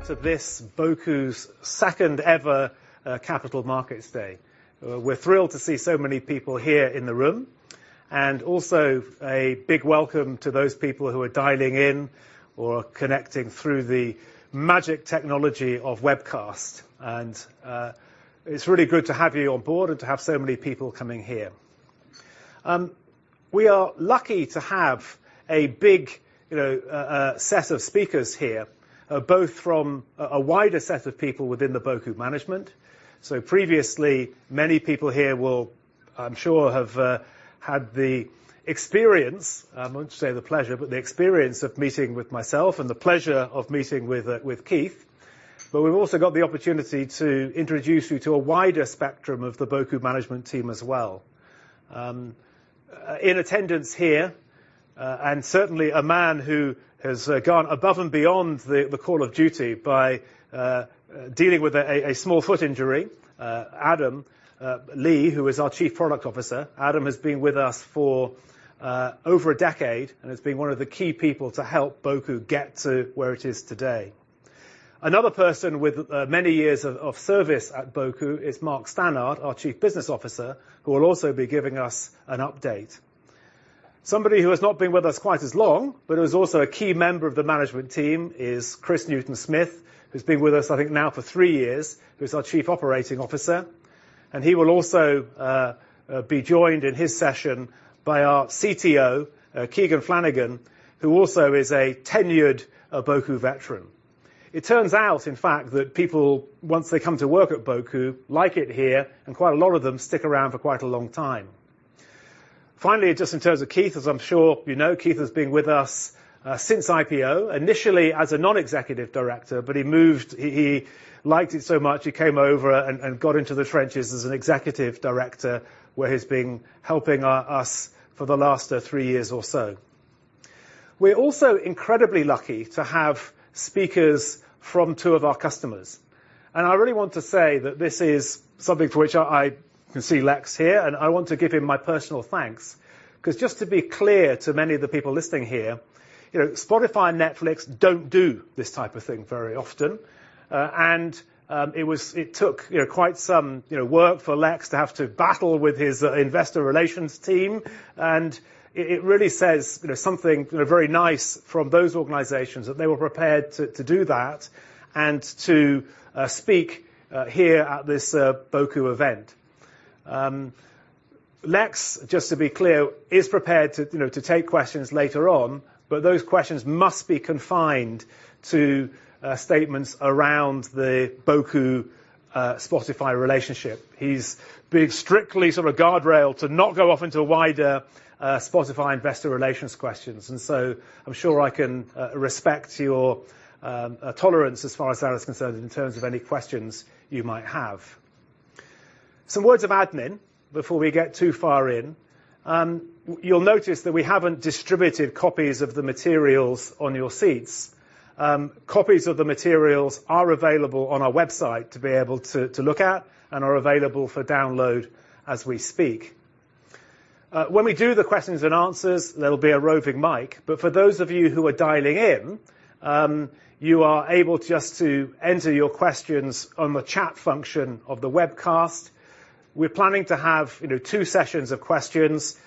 Welcome to this Boku's second-ever Capital Markets Day. We're thrilled to see so many people here in the room, also a big welcome to those people who are dialing in or connecting through the magic technology of webcast. It's really good to have you on board and to have so many people coming here. We are lucky to have a big, you know, set of speakers here, both from a wider set of people within the Boku management. Previously, many people here will, I'm sure, have had the experience, I wouldn't say the pleasure, but the experience of meeting with myself and the pleasure of meeting with Keith. We've also got the opportunity to introduce you to a wider spectrum of the Boku management team as well. In attendance here, certainly a man who has gone above and beyond the call of duty by dealing with a small foot injury, Adam Lee, who is our Chief Product Officer. Adam has been with us for over a decade and has been one of the key people to help Boku get to where it is today. Another person with many years of service at Boku is Mark Stannard, our Chief Business Officer, who will also be giving us an update. Somebody who has not been with us quite as long, but who is also a key member of the management team, is Chris Newton-Smith, who's been with us, I think now for three years, who's our Chief Operating Officer, and he will also be joined in his session by our CTO, Keegan Flanigan, who also is a tenured Boku veteran. It turns out, in fact, that people, once they come to work at Boku, like it here, and quite a lot of them stick around for quite a long time. Just in terms of Keith, as I'm sure you know, Keith has been with us since IPO. Initially as a non-executive director, but he moved... He liked it so much, he came over and got into the trenches as an executive director, where he's been helping us for the last three years or so. We're also incredibly lucky to have speakers from two of our customers, and I really want to say that this is something for which I can see Lex here, and I want to give him my personal thanks 'cause just to be clear to many of the people listening here, you know, Spotify and Netflix don't do this type of thing very often. It was... It took, you know, quite some, you know, work for Lex to have to battle with his investor relations team, and it really says, you know, something, you know, very nice from those organizations that they were prepared to do that and to speak here at this Boku event. Lex, just to be clear, is prepared to, you know, to take questions later on, but those questions must be confined to statements around the Boku-Spotify relationship. He's being strictly sort of a guardrail to not go off into wider Spotify investor relations questions. I'm sure I can respect your tolerance as far as that is concerned in terms of any questions you might have. Some words of admin before we get too far in. You'll notice that we haven't distributed copies of the materials on your seats. Copies of the materials are available on our website to be able to look at and are available for download as we speak. When we do the questions and answers, there'll be a roving mic, but for those of you who are dialing in, you are able just to enter your questions on the chat function of the webcast. We're planning to have, you know, two sessions of questions,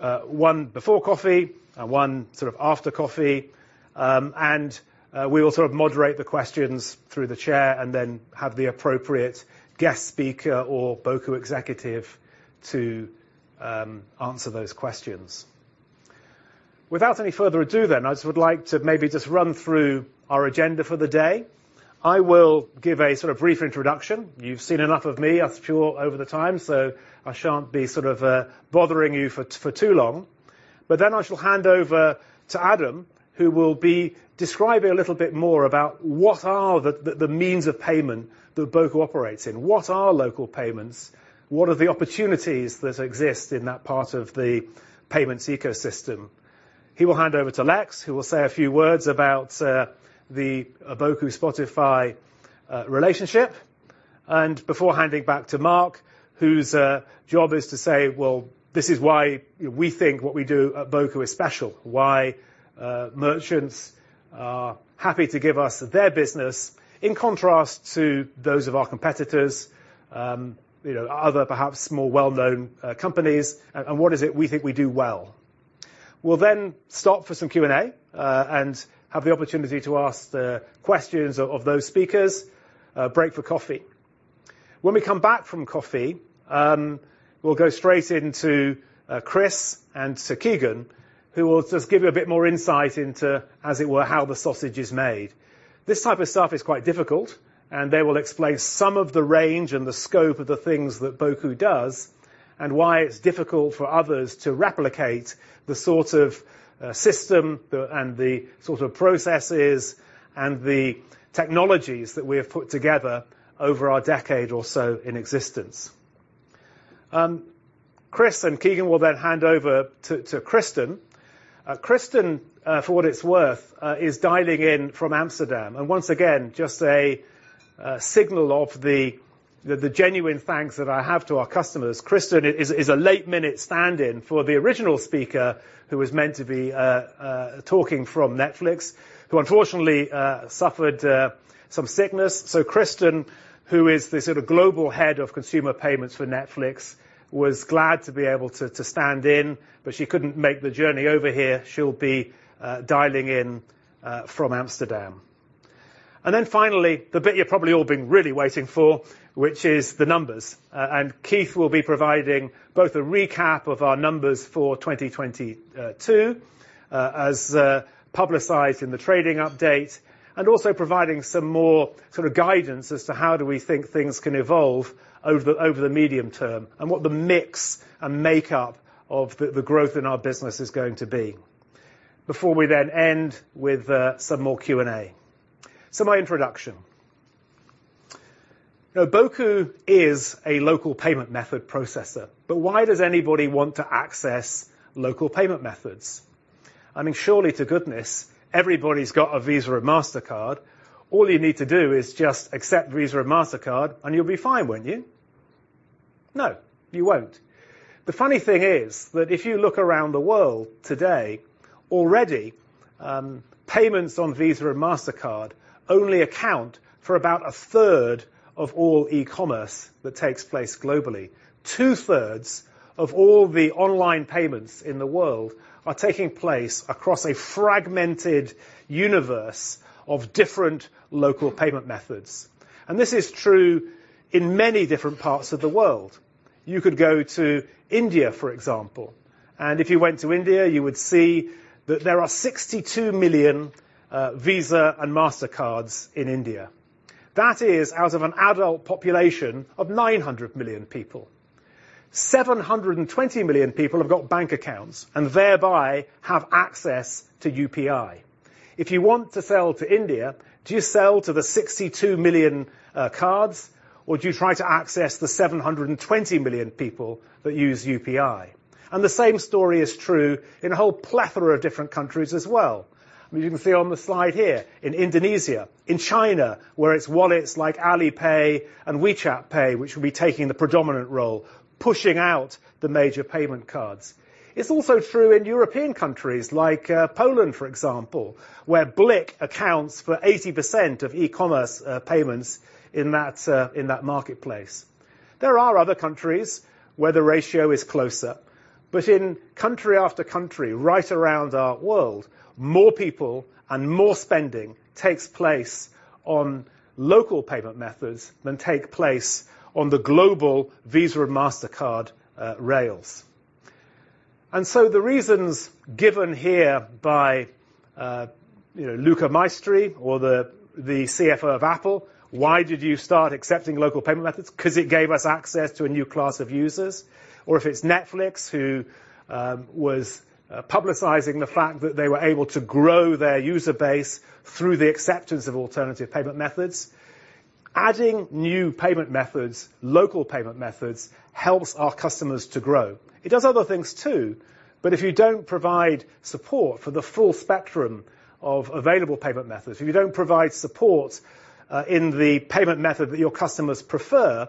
one before coffee and one sort of after coffee. We will sort of moderate the questions through the chair and then have the appropriate guest speaker or Boku executive to answer those questions. Without any further ado, then, I just would like to maybe just run through our agenda for the day. I will give a sort of brief introduction. You've seen enough of me, I'm sure, over the time, so I shan't be sort of bothering you for too long. I shall hand over to Adam, who will be describing a little bit more about what are the means of payment that Boku operates in? What are local payments? What are the opportunities that exist in that part of the payments ecosystem? He will hand over to Lex, who will say a few words about the Boku-Spotify relationship, and before handing back to Mark, whose job is to say, "Well, this is why we think what we do at Boku is special, why merchants are happy to give us their business, in contrast to those of our competitors, you know, other perhaps more well-known companies, and what is it we think we do well." We'll then stop for some Q&A and have the opportunity to ask the questions of those speakers. Break for coffee. When we come back from coffee, we'll go straight into Chris and Sir Keegan, who will just give you a bit more insight into, as it were, how the sausage is made. This type of stuff is quite difficult. They will explain some of the range and the scope of the things that Boku does and why it's difficult for others to replicate the sort of system and the sort of processes and the technologies that we have put together over our decade or so in existence. Chris and Keegan will hand over to Kristen. Kristen, for what it's worth, is dialing in from Amsterdam. Once again, just a signal of the genuine thanks that I have to our customers. Kristen is a late-minute stand-in for the original speaker who was meant to be talking from Netflix, who unfortunately suffered some sickness. Kristen, who is the Global Head of Consumer Payments for Netflix, was glad to be able to stand in, but she couldn't make the journey over here. She'll be dialing in from Amsterdam. Finally, the bit you've probably all been really waiting for, which is the numbers. Keith will be providing both a recap of our numbers for 2022 as publicized in the trading update, and also providing some more sort of guidance as to how do we think things can evolve over the medium term and what the mix and makeup of the growth in our business is going to be. Before we then end with some more Q&A. My introduction. Now, Boku is a Local Payment Method processor, but why does anybody want to access Local Payment Methods? I mean, surely to goodness, everybody's got a Visa or Mastercard. All you need to do is just accept Visa or Mastercard, and you'll be fine, won't you? No, you won't. The funny thing is that if you look around the world today, already, payments on Visa and Mastercard only account for about a third of all e-commerce that takes place globally. 2/3 of all the online payments in the world are taking place across a fragmented universe of different local payment methods. This is true in many different parts of the world. You could go to India, for example, and if you went to India, you would see that there are 62 million Visa and Mastercards in India. That is out of an adult population of 900 million people. 720 million people have got bank accounts and thereby have access to UPI. If you want to sell to India, do you sell to the 62 million cards, or do you try to access the 720 million people that use UPI? The same story is true in a whole plethora of different countries as well. You can see on the slide here in Indonesia, in China, where it's wallets like Alipay and WeChat Pay, which will be taking the predominant role, pushing out the major payment cards. It's also true in European countries like Poland, for example, where BLIK accounts for 80% of e-commerce payments in that marketplace. There are other countries where the ratio is closer, but in country after country right around our world, more people and more spending takes place on local payment methods than take place on the global Visa and Mastercard rails. The reasons given here by, you know, Luca Maestri or the CFO of Apple, why did you start accepting local payment methods? Because it gave us access to a new class of users. If it's Netflix who was publicizing the fact that they were able to grow their user base through the acceptance of alternative payment methods. Adding new payment methods, local payment methods, helps our customers to grow. It does other things too, but if you don't provide support for the full spectrum of available payment methods, if you don't provide support in the payment method that your customers prefer,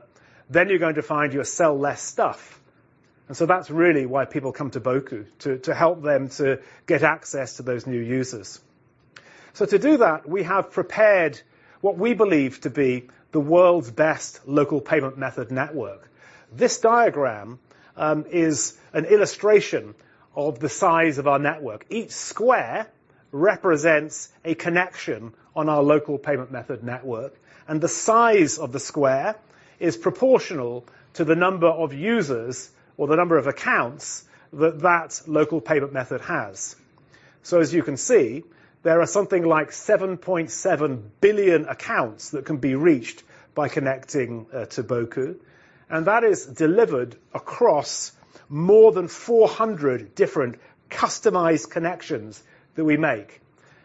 then you're going to find you sell less stuff. That's really why people come to Boku to help them to get access to those new users. To do that, we have prepared what we believe to be the world's best local payment method network. This diagram is an illustration of the size of our network. Each square represents a connection on our local payment method network, and the size of the square is proportional to the number of users or the number of accounts that that local payment method has. As you can see, there are something like 7.7 billion accounts that can be reached by connecting to Boku. That is delivered across more than 400 different customized connections that we make.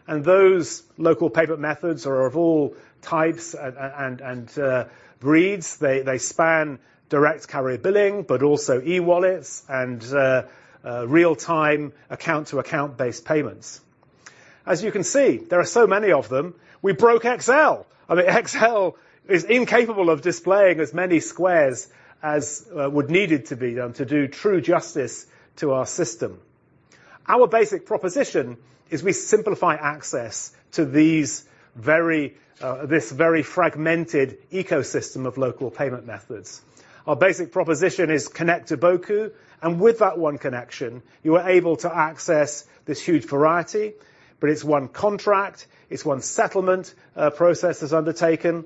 Those local payment methods are of all types and breeds. They span Direct Carrier Billing, but also e-wallets and real-time Account-to-Account-based payments. As you can see, there are so many of them, we broke Excel. I mean, Excel is incapable of displaying as many squares as would needed to be done to do true justice to our system. Our basic proposition is we simplify access to these very fragmented ecosystem of local payment methods. Our basic proposition is connect to Boku, with that one connection, you are able to access this huge variety. It's one contract, it's one settlement, process is undertaken.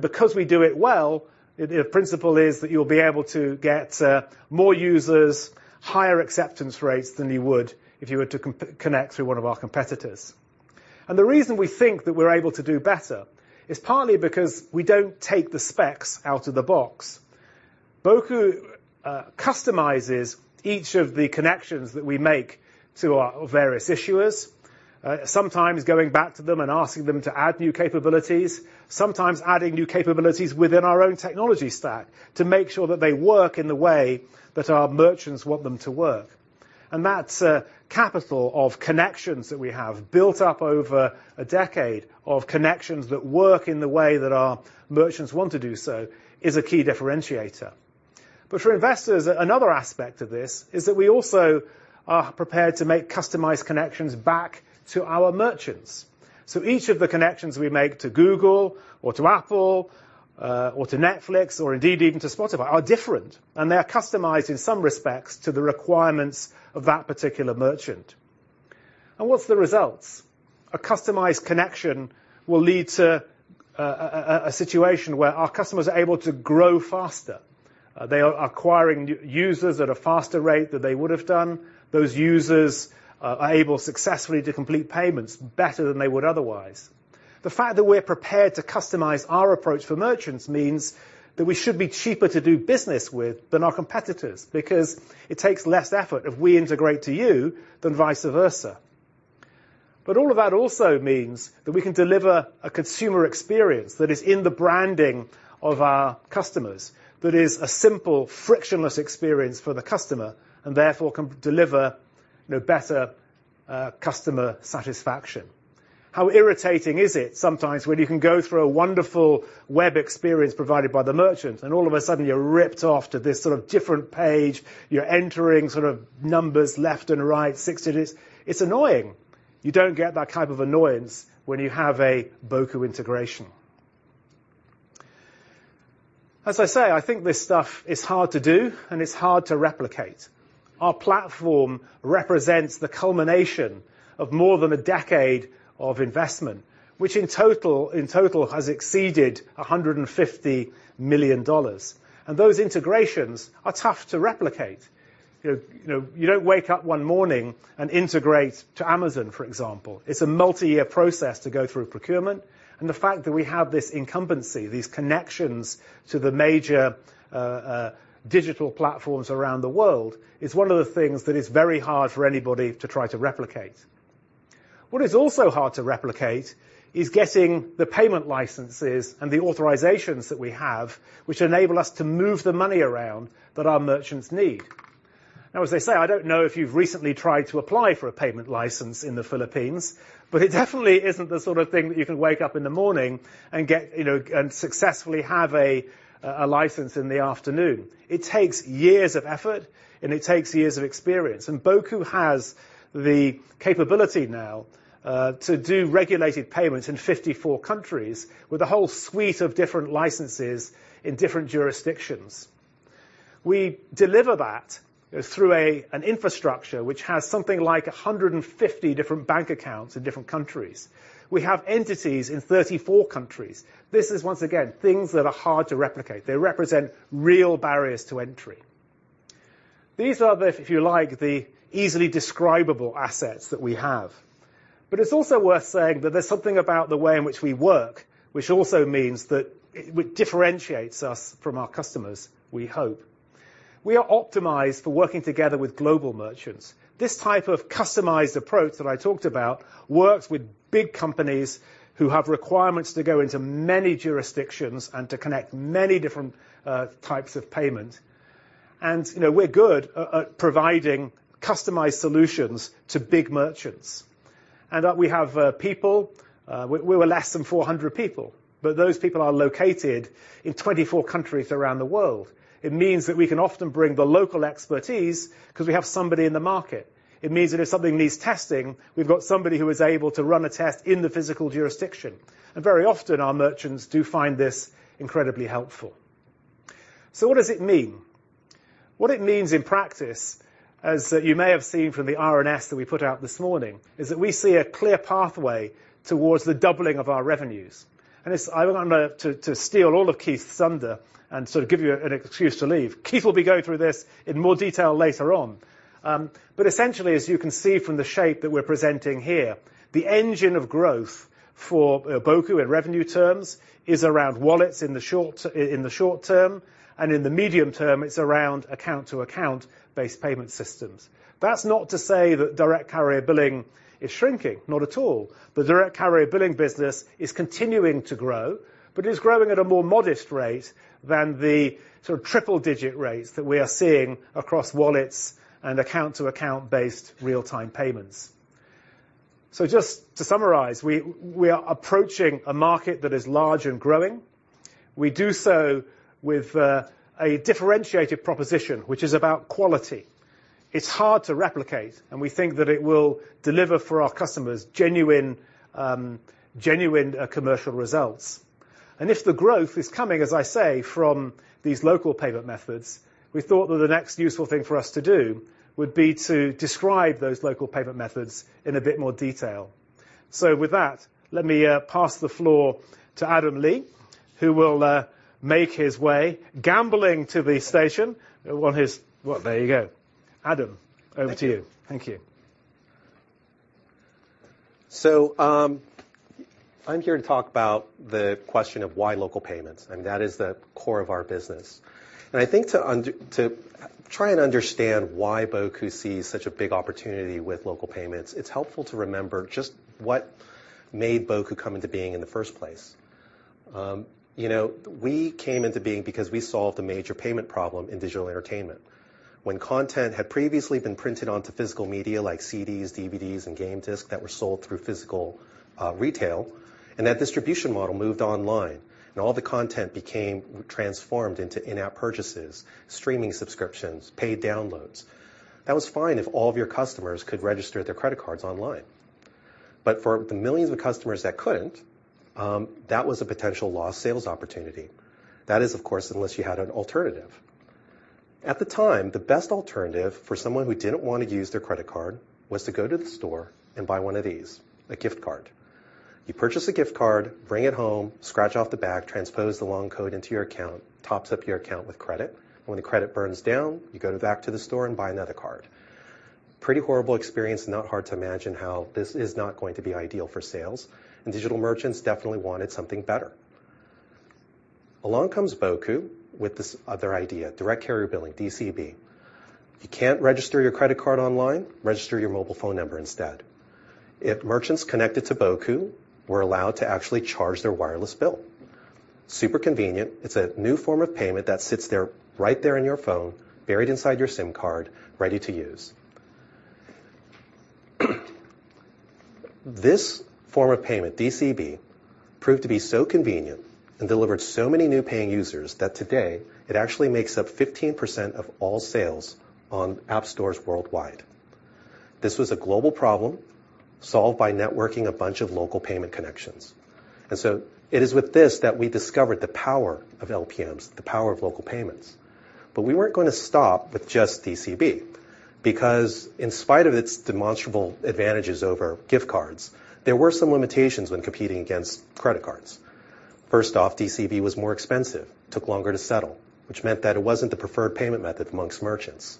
Because we do it well, the principle is that you'll be able to get more users, higher acceptance rates than you would if you were to connect through one of our competitors. The reason we think that we're able to do better is partly because we don't take the specs out of the box. Boku customizes each of the connections that we make to our various issuers, sometimes going back to them and asking them to add new capabilities, sometimes adding new capabilities within our own technology stack to make sure that they work in the way that our merchants want them to work. That's a capital of connections that we have built up over a decade of connections that work in the way that our merchants want to do so is a key differentiator. For investors, another aspect of this is that we also are prepared to make customized connections back to our merchants. Each of the connections we make to Google or to Apple or to Netflix or indeed even to Spotify are different, and they're customized in some respects to the requirements of that particular merchant. What's the results? A customized connection will lead to a situation where our customers are able to grow faster. They are acquiring users at a faster rate than they would have done. Those users are able successfully to complete payments better than they would otherwise. The fact that we're prepared to customize our approach for merchants means that we should be cheaper to do business with than our competitors because it takes less effort if we integrate to you than vice versa. All of that also means that we can deliver a consumer experience that is in the branding of our customers, that is a simple frictionless experience for the customer and therefore can deliver, you know, better customer satisfaction. How irritating is it sometimes when you can go through a wonderful web experience provided by the merchant, and all of a sudden you're ripped off to this sort of different page, you're entering sort of numbers left and right, six digits. It's annoying. You don't get that type of annoyance when you have a Boku integration. As I say, I think this stuff is hard to do and it's hard to replicate. Our platform represents the culmination of more than a decade of investment, which in total, in total has exceeded $150 million. And those integrations are tough to replicate. You know, you don't wake up one morning and integrate to Amazon, for example. It's a multi-year process to go through procurement. The fact that we have this incumbency, these connections to the major digital platforms around the world, is one of the things that is very hard for anybody to try to replicate. What is also hard to replicate is getting the payment licenses and the authorizations that we have, which enable us to move the money around that our merchants need. As I say, I don't know if you've recently tried to apply for a payment license in the Philippines. It definitely isn't the sort of thing that you can wake up in the morning and get... you know, successfully have a license in the afternoon. It takes years of effort. It takes years of experience. Boku has the capability now to do regulated payments in 54 countries with a whole suite of different licenses in different jurisdictions. We deliver that through an infrastructure which has something like 150 different bank accounts in different countries. We have entities in 34 countries. This is once again, things that are hard to replicate. They represent real barriers to entry. These are the, if you like, the easily describable assets that we have. It's also worth saying that there's something about the way in which we work, which also means that it differentiates us from our customers, we hope. We are optimized for working together with global merchants. This type of customized approach that I talked about works with big companies who have requirements to go into many jurisdictions and to connect many different types of payment. You know, we're good at providing customized solutions to big merchants. That we have people, we're less than 400 people, but those people are located in 24 countries around the world. It means that we can often bring the local expertise because we have somebody in the market. It means that if something needs testing, we've got somebody who is able to run a test in the physical jurisdiction. Very often, our merchants do find this incredibly helpful. What does it mean? What it means in practice, as you may have seen from the RNS that we put out this morning, is that we see a clear pathway towards the doubling of our revenues. It's... I don't want to steal all of Keith's thunder and sort of give you an excuse to leave. Keith will be going through this in more detail later on. Essentially, as you can see from the shape that we're presenting here, the engine of growth for Boku in revenue terms is around wallets in the short term, and in the medium term, it's around account-to-account based payment systems. That's not to say that Direct Carrier Billing is shrinking. Not at all. The Direct Carrier Billing business is continuing to grow, but it is growing at a more modest rate than the sort of triple-digit rates that we are seeing across wallets and account-to-account based real-time payments. Just to summarize, we are approaching a market that is large and growing. We do so with a differentiated proposition, which is about quality. It's hard to replicate, and we think that it will deliver for our customers genuine commercial results. If the growth is coming, as I say, from these local payment methods, we thought that the next useful thing for us to do would be to describe those local payment methods in a bit more detail. With that, let me pass the floor to Adam Lee, who will make his way gambling to the station. Well, there you go. Adam, over to you. Thank you. Thank you. I'm here to talk about the question of why local payments, and that is the core of our business. I think to try and understand why Boku sees such a big opportunity with local payments, it's helpful to remember just what made Boku come into being in the first place. You know, we came into being because we solved a major payment problem in digital entertainment. When content had previously been printed onto physical media like CDs, DVDs, and game discs that were sold through physical retail, and that distribution model moved online, and all the content became transformed into in-app purchases, streaming subscriptions, paid downloads. That was fine if all of your customers could register their credit cards online. For the millions of customers that couldn't, that was a potential lost sales opportunity. That is, of course, unless you had an alternative. At the time, the best alternative for someone who didn't want to use their credit card was to go to the store and buy one of these, a gift card. You purchase a gift card, bring it home, scratch off the back, transpose the long code into your account, tops up your account with credit. When the credit burns down, you go back to the store and buy another card. Pretty horrible experience, not hard to imagine how this is not going to be ideal for sales. Digital merchants definitely wanted something better. Along comes Boku with this other idea, Direct Carrier Billing, DCB. You can't register your credit card online, register your mobile phone number instead. If merchants connected to Boku were allowed to actually charge their wireless bill. Super convenient. It's a new form of payment that sits there, right there in your phone, buried inside your SIM card, ready to use. This form of payment, DCB, proved to be so convenient and delivered so many new paying users that today it actually makes up 15% of all sales on app stores worldwide. This was a global problem solved by networking a bunch of local payment connections. So it is with this that we discovered the power of LPMs, the power of local payments. We weren't gonna stop with just DCB because in spite of its demonstrable advantages over gift cards, there were some limitations when competing against credit cards. First off, DCB was more expensive, took longer to settle, which meant that it wasn't the preferred payment method amongst merchants.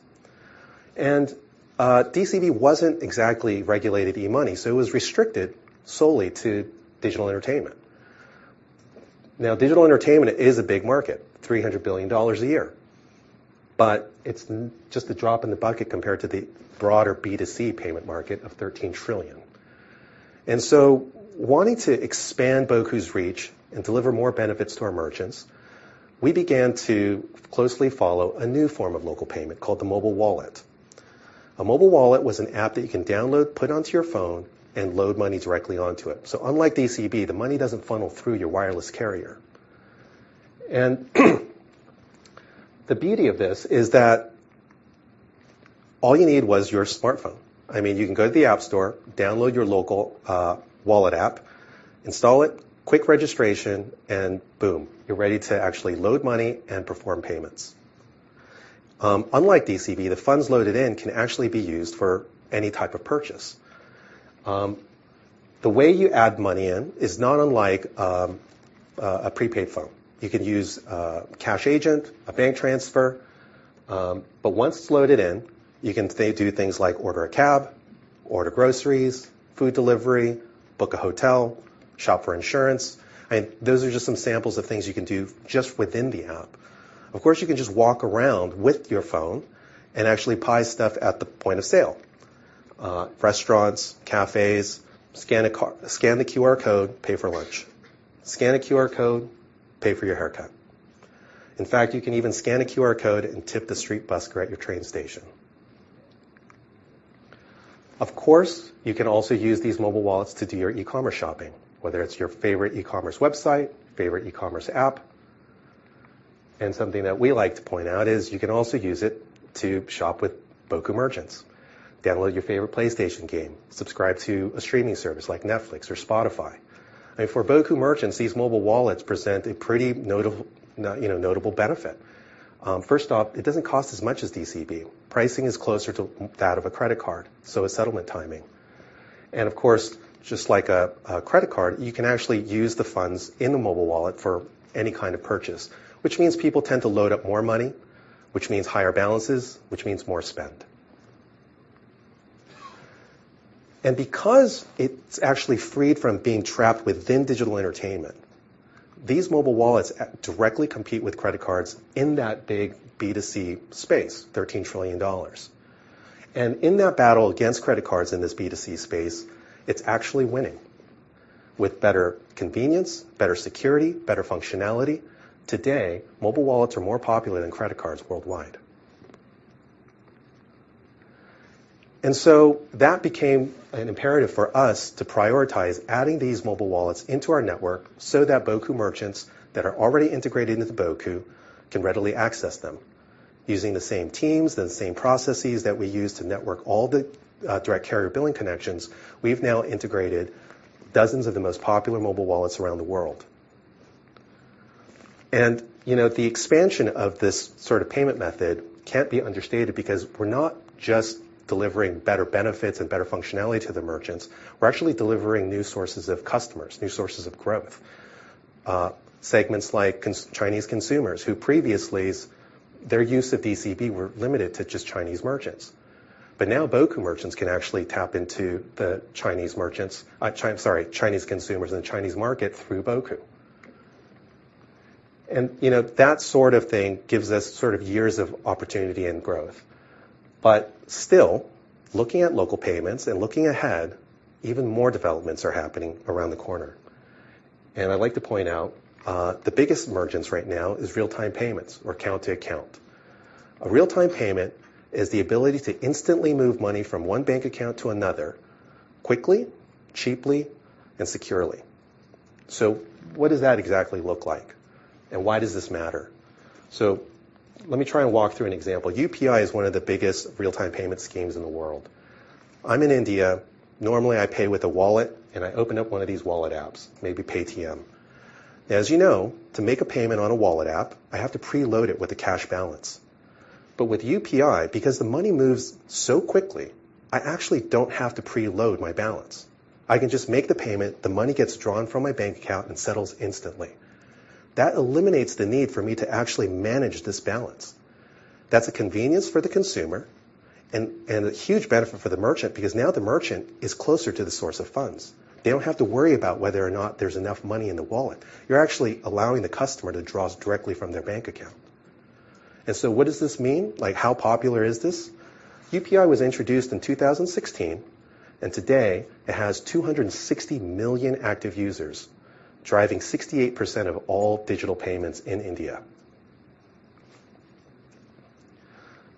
DCB wasn't exactly regulated e-money, so it was restricted solely to digital entertainment. Digital entertainment is a big market, $300 billion a year. It's just a drop in the bucket compared to the broader B2C payment market of 13 trillion. Wanting to expand Boku's reach and deliver more benefits to our merchants, we began to closely follow a new form of local payment called the mobile wallet. A mobile wallet was an app that you can download, put onto your phone, and load money directly onto it. Unlike DCB, the money doesn't funnel through your wireless carrier. The beauty of this is that all you need was your smartphone. I mean, you can go to the app store, download your local wallet app, install it, quick registration, and boom, you're ready to actually load money and perform payments. Unlike DCB, the funds loaded in can actually be used for any type of purchase. The way you add money in is not unlike a prepaid phone. You can use a cash agent, a bank transfer, but once loaded in, you can then do things like order a cab, order groceries, food delivery, book a hotel, shop for insurance. Those are just some samples of things you can do just within the app. Of course, you can just walk around with your phone and actually buy stuff at the point of sale. Restaurants, cafes, scan the QR code, pay for lunch. Scan a QR code, pay for your haircut. In fact, you can even scan a QR code and tip the street busker at your train station. Of course, you can also use these mobile wallets to do your e-commerce shopping, whether it's your favorite e-commerce website, favorite e-commerce app. Something that we like to point out is you can also use it to shop with Boku merchants. Download your favorite PlayStation game, subscribe to a streaming service like Netflix or Spotify. I mean, for Boku merchants, these mobile wallets present a pretty notable benefit. First off, it doesn't cost as much as DCB. Pricing is closer to that of a credit card, so is settlement timing. Of course, just like a credit card, you can actually use the funds in the mobile wallet for any kind of purchase, which means people tend to load up more money, which means higher balances, which means more spend. Because it's actually freed from being trapped within digital entertainment, these mobile wallets directly compete with credit cards in that big B2C space, $13 trillion. In that battle against credit cards in this B2C space, it's actually winning. With better convenience, better security, better functionality, today, mobile wallets are more popular than credit cards worldwide. That became an imperative for us to prioritize adding these mobile wallets into our network so that Boku merchants that are already integrated into Boku can readily access them. Using the same teams and the same processes that we use to network all the Direct Carrier Billing connections, we've now integrated dozens of the most popular mobile wallets around the world. You know, the expansion of this sort of payment method can't be understated because we're not just delivering better benefits and better functionality to the merchants. We're actually delivering new sources of customers, new sources of growth. segments like Chinese consumers who previously their use of DCB were limited to just Chinese merchants. Now Boku merchants can actually tap into the Chinese merchants. I'm sorry, Chinese consumers in the Chinese market through Boku. You know, that sort of thing gives us sort of years of opportunity and growth. Still, looking at local payments and looking ahead, even more developments are happening around the corner. I'd like to point out, the biggest emergence right now is real-time payments or Account-to-Account. A real-time payment is the ability to instantly move money from one bank account to another quickly, cheaply, and securely. What does that exactly look like? Why does this matter? Let me try and walk through an example. UPI is one of the biggest real-time payment schemes in the world. I'm in India, normally I pay with a wallet. I open up one of these wallet apps, maybe Paytm. As you know, to make a payment on a wallet app, I have to preload it with a cash balance. With UPI, because the money moves so quickly, I actually don't have to preload my balance. I can just make the payment, the money gets drawn from my bank account, and settles instantly. That eliminates the need for me to actually manage this balance. That's a convenience for the consumer and a huge benefit for the merchant because now the merchant is closer to the source of funds. They don't have to worry about whether or not there's enough money in the wallet. You're actually allowing the customer to draw directly from their bank account. What does this mean? Like, how popular is this? UPI was introduced in 2016. Today it has 260 million active users, driving 68% of all digital payments in India.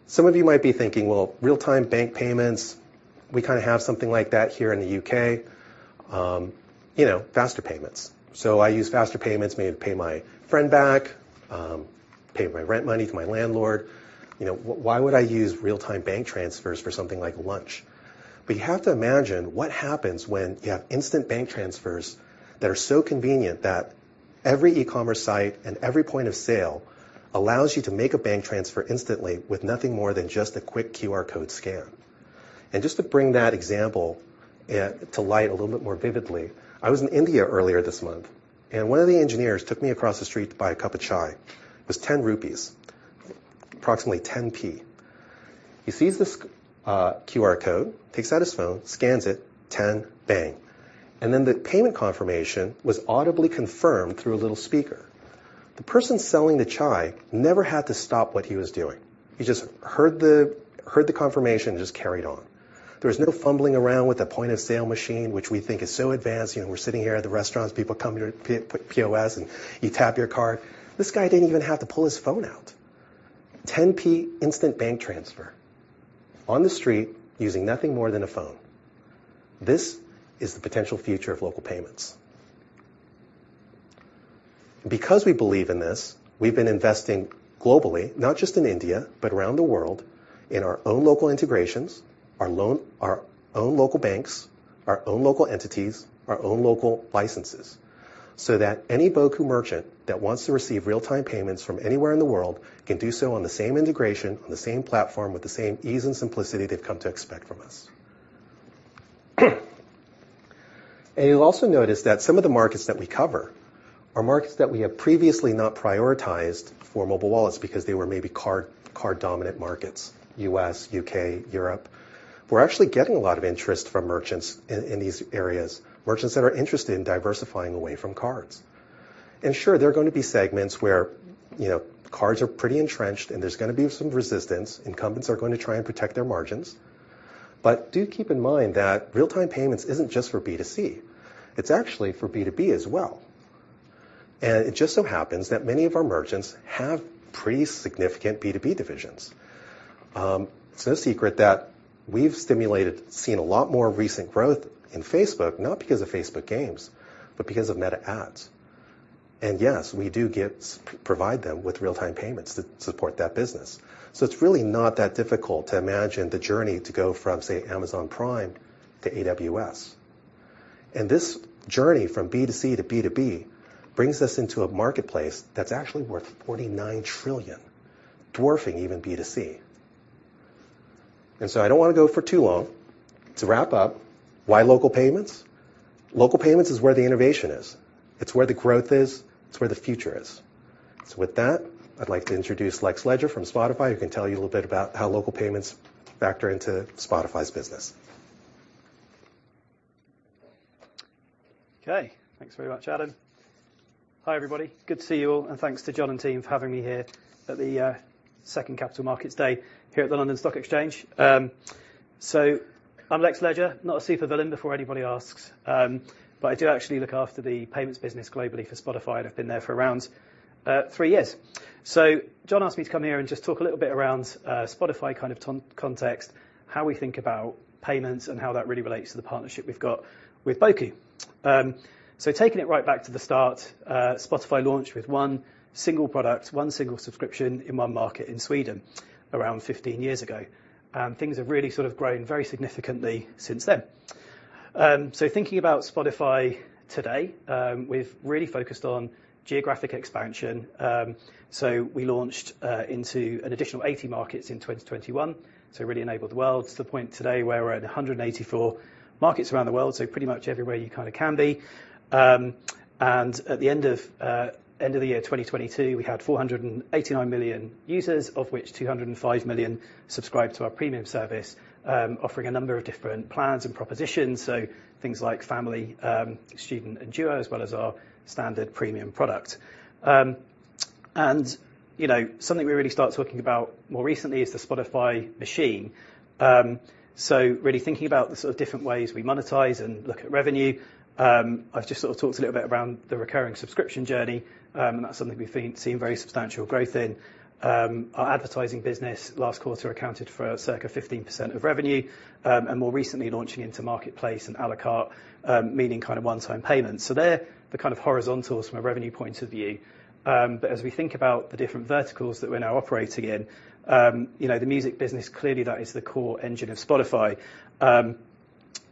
Some of you might be thinking, well, real-time bank payments, we kinda have something like that here in the U.K., you know, Faster Payments. I use Faster Payments maybe to pay my friend back, pay my rent money to my landlord. You know, why would I use real-time bank transfers for something like lunch? You have to imagine what happens when you have instant bank transfers that are so convenient that every e-commerce site and every point of sale allows you to make a bank transfer instantly with nothing more than just a quick QR code scan. Just to bring that example to light a little bit more vividly, I was in India earlier this month, and one of the engineers took me across the street to buy a cup of chai. It was 10 rupees, approximately 10 P. He sees this QR code, takes out his phone, scans it, 10, bang. The payment confirmation was audibly confirmed through a little speaker. The person selling the chai never had to stop what he was doing. He just heard the confirmation and just carried on. There was no fumbling around with a point-of-sale machine, which we think is so advanced. You know, we're sitting here at the restaurants, people come here, POS, and you tap your card. This guy didn't even have to pull his phone out. 10 P instant bank transfer on the street using nothing more than a phone. This is the potential future of local payments. Because we believe in this, we've been investing globally, not just in India, but around the world in our own local integrations, our own local banks, our own local entities, our own local licenses, so that any Boku merchant that wants to receive real-time payments from anywhere in the world can do so on the same integration, on the same platform, with the same ease and simplicity they've come to expect from us. You'll also notice that some of the markets that we cover are markets that we have previously not prioritized for mobile wallets because they were maybe card-dominant markets, U.S., U.K., Europe. We're actually getting a lot of interest from merchants in these areas, merchants that are interested in diversifying away from cards. Sure, there are going to be segments where, you know, cards are pretty entrenched, and there's going to be some resistance. Incumbents are going to try and protect their margins. Do keep in mind that real-time payments isn't just for B2C. It's actually for B2B as well. It just so happens that many of our merchants have pretty significant B2B divisions. It's no secret that we've seen a lot more recent growth in Facebook, not because of Facebook Gaming, but because of Meta Ads. Yes, we do provide them with real-time payments to support that business. It's really not that difficult to imagine the journey to go from, say, Amazon Prime to AWS. This journey from B2C to B2B brings us into a marketplace that's actually worth $49 trillion, dwarfing even B2C. I don't want to go for too long. To wrap up, why local payments? Local payments is where the innovation is. It's where the growth is. It's where the future is. With that, I'd like to introduce Lex Ledger from Spotify, who can tell you a little bit about how local payments factor into Spotify's business. Okay. Thanks very much, Adam. Hi, everybody. Good to see you all, and thanks to Jon and team for having me here at the second Capital Markets Day here at the London Stock Exchange. I'm Lex Ledger, not a supervillain, before anybody asks. I do actually look after the payments business globally for Spotify, and I've been there for around three years. Jon asked me to come here and just talk a little bit around Spotify kind of context, how we think about payments, and how that really relates to the partnership we've got with Boku. Taking it right back to the start, Spotify launched with one single product, one single subscription in one market in Sweden around 15 years ago. Things have really sort of grown very significantly since then. Thinking about Spotify today, we've really focused on geographic expansion. We launched into an additional 80 markets in 2021, so really enabled the world to the point today where we're at 184 markets around the world, so pretty much everywhere you kinda can be. At the end of the year 2022, we had 489 million users, of which 205 million subscribed to our premium service, offering a number of different plans and propositions, so things like Family, Student, and Duo, as well as our standard premium product. You know, something we really started talking about more recently is the Spotify machine. Really thinking about the sort of different ways we monetize and look at revenue. I've just sort of talked a little bit around the recurring subscription journey. That's something we've seen very substantial growth in. Our advertising business last quarter accounted for circa 15% of revenue. More recently launching into Marketplace and à la carte, meaning kind of one-time payments. They're the kind of horizontals from a revenue point of view. As we think about the different verticals that we're now operating in, you know, the music business, clearly that is the core engine of Spotify,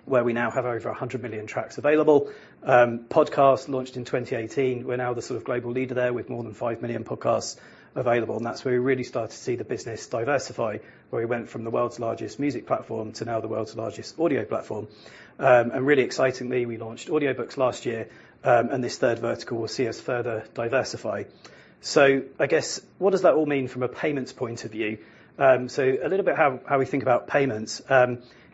where we now have over 100 million tracks available. Podcasts launched in 2018. We're now the sort of global leader there with more than five million podcasts available. That's where we really started to see the business diversify, where we went from the world's largest music platform to now the world's largest audio platform. Really excitingly, we launched audiobooks last year, and this third vertical will see us further diversify. I guess what does that all mean from a payments point of view? A little bit how we think about payments.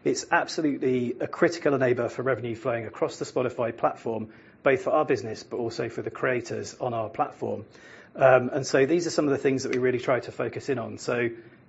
It's absolutely a critical enabler for revenue flowing across the Spotify platform, both for our business but also for the creators on our platform. These are some of the things that we really try to focus in on.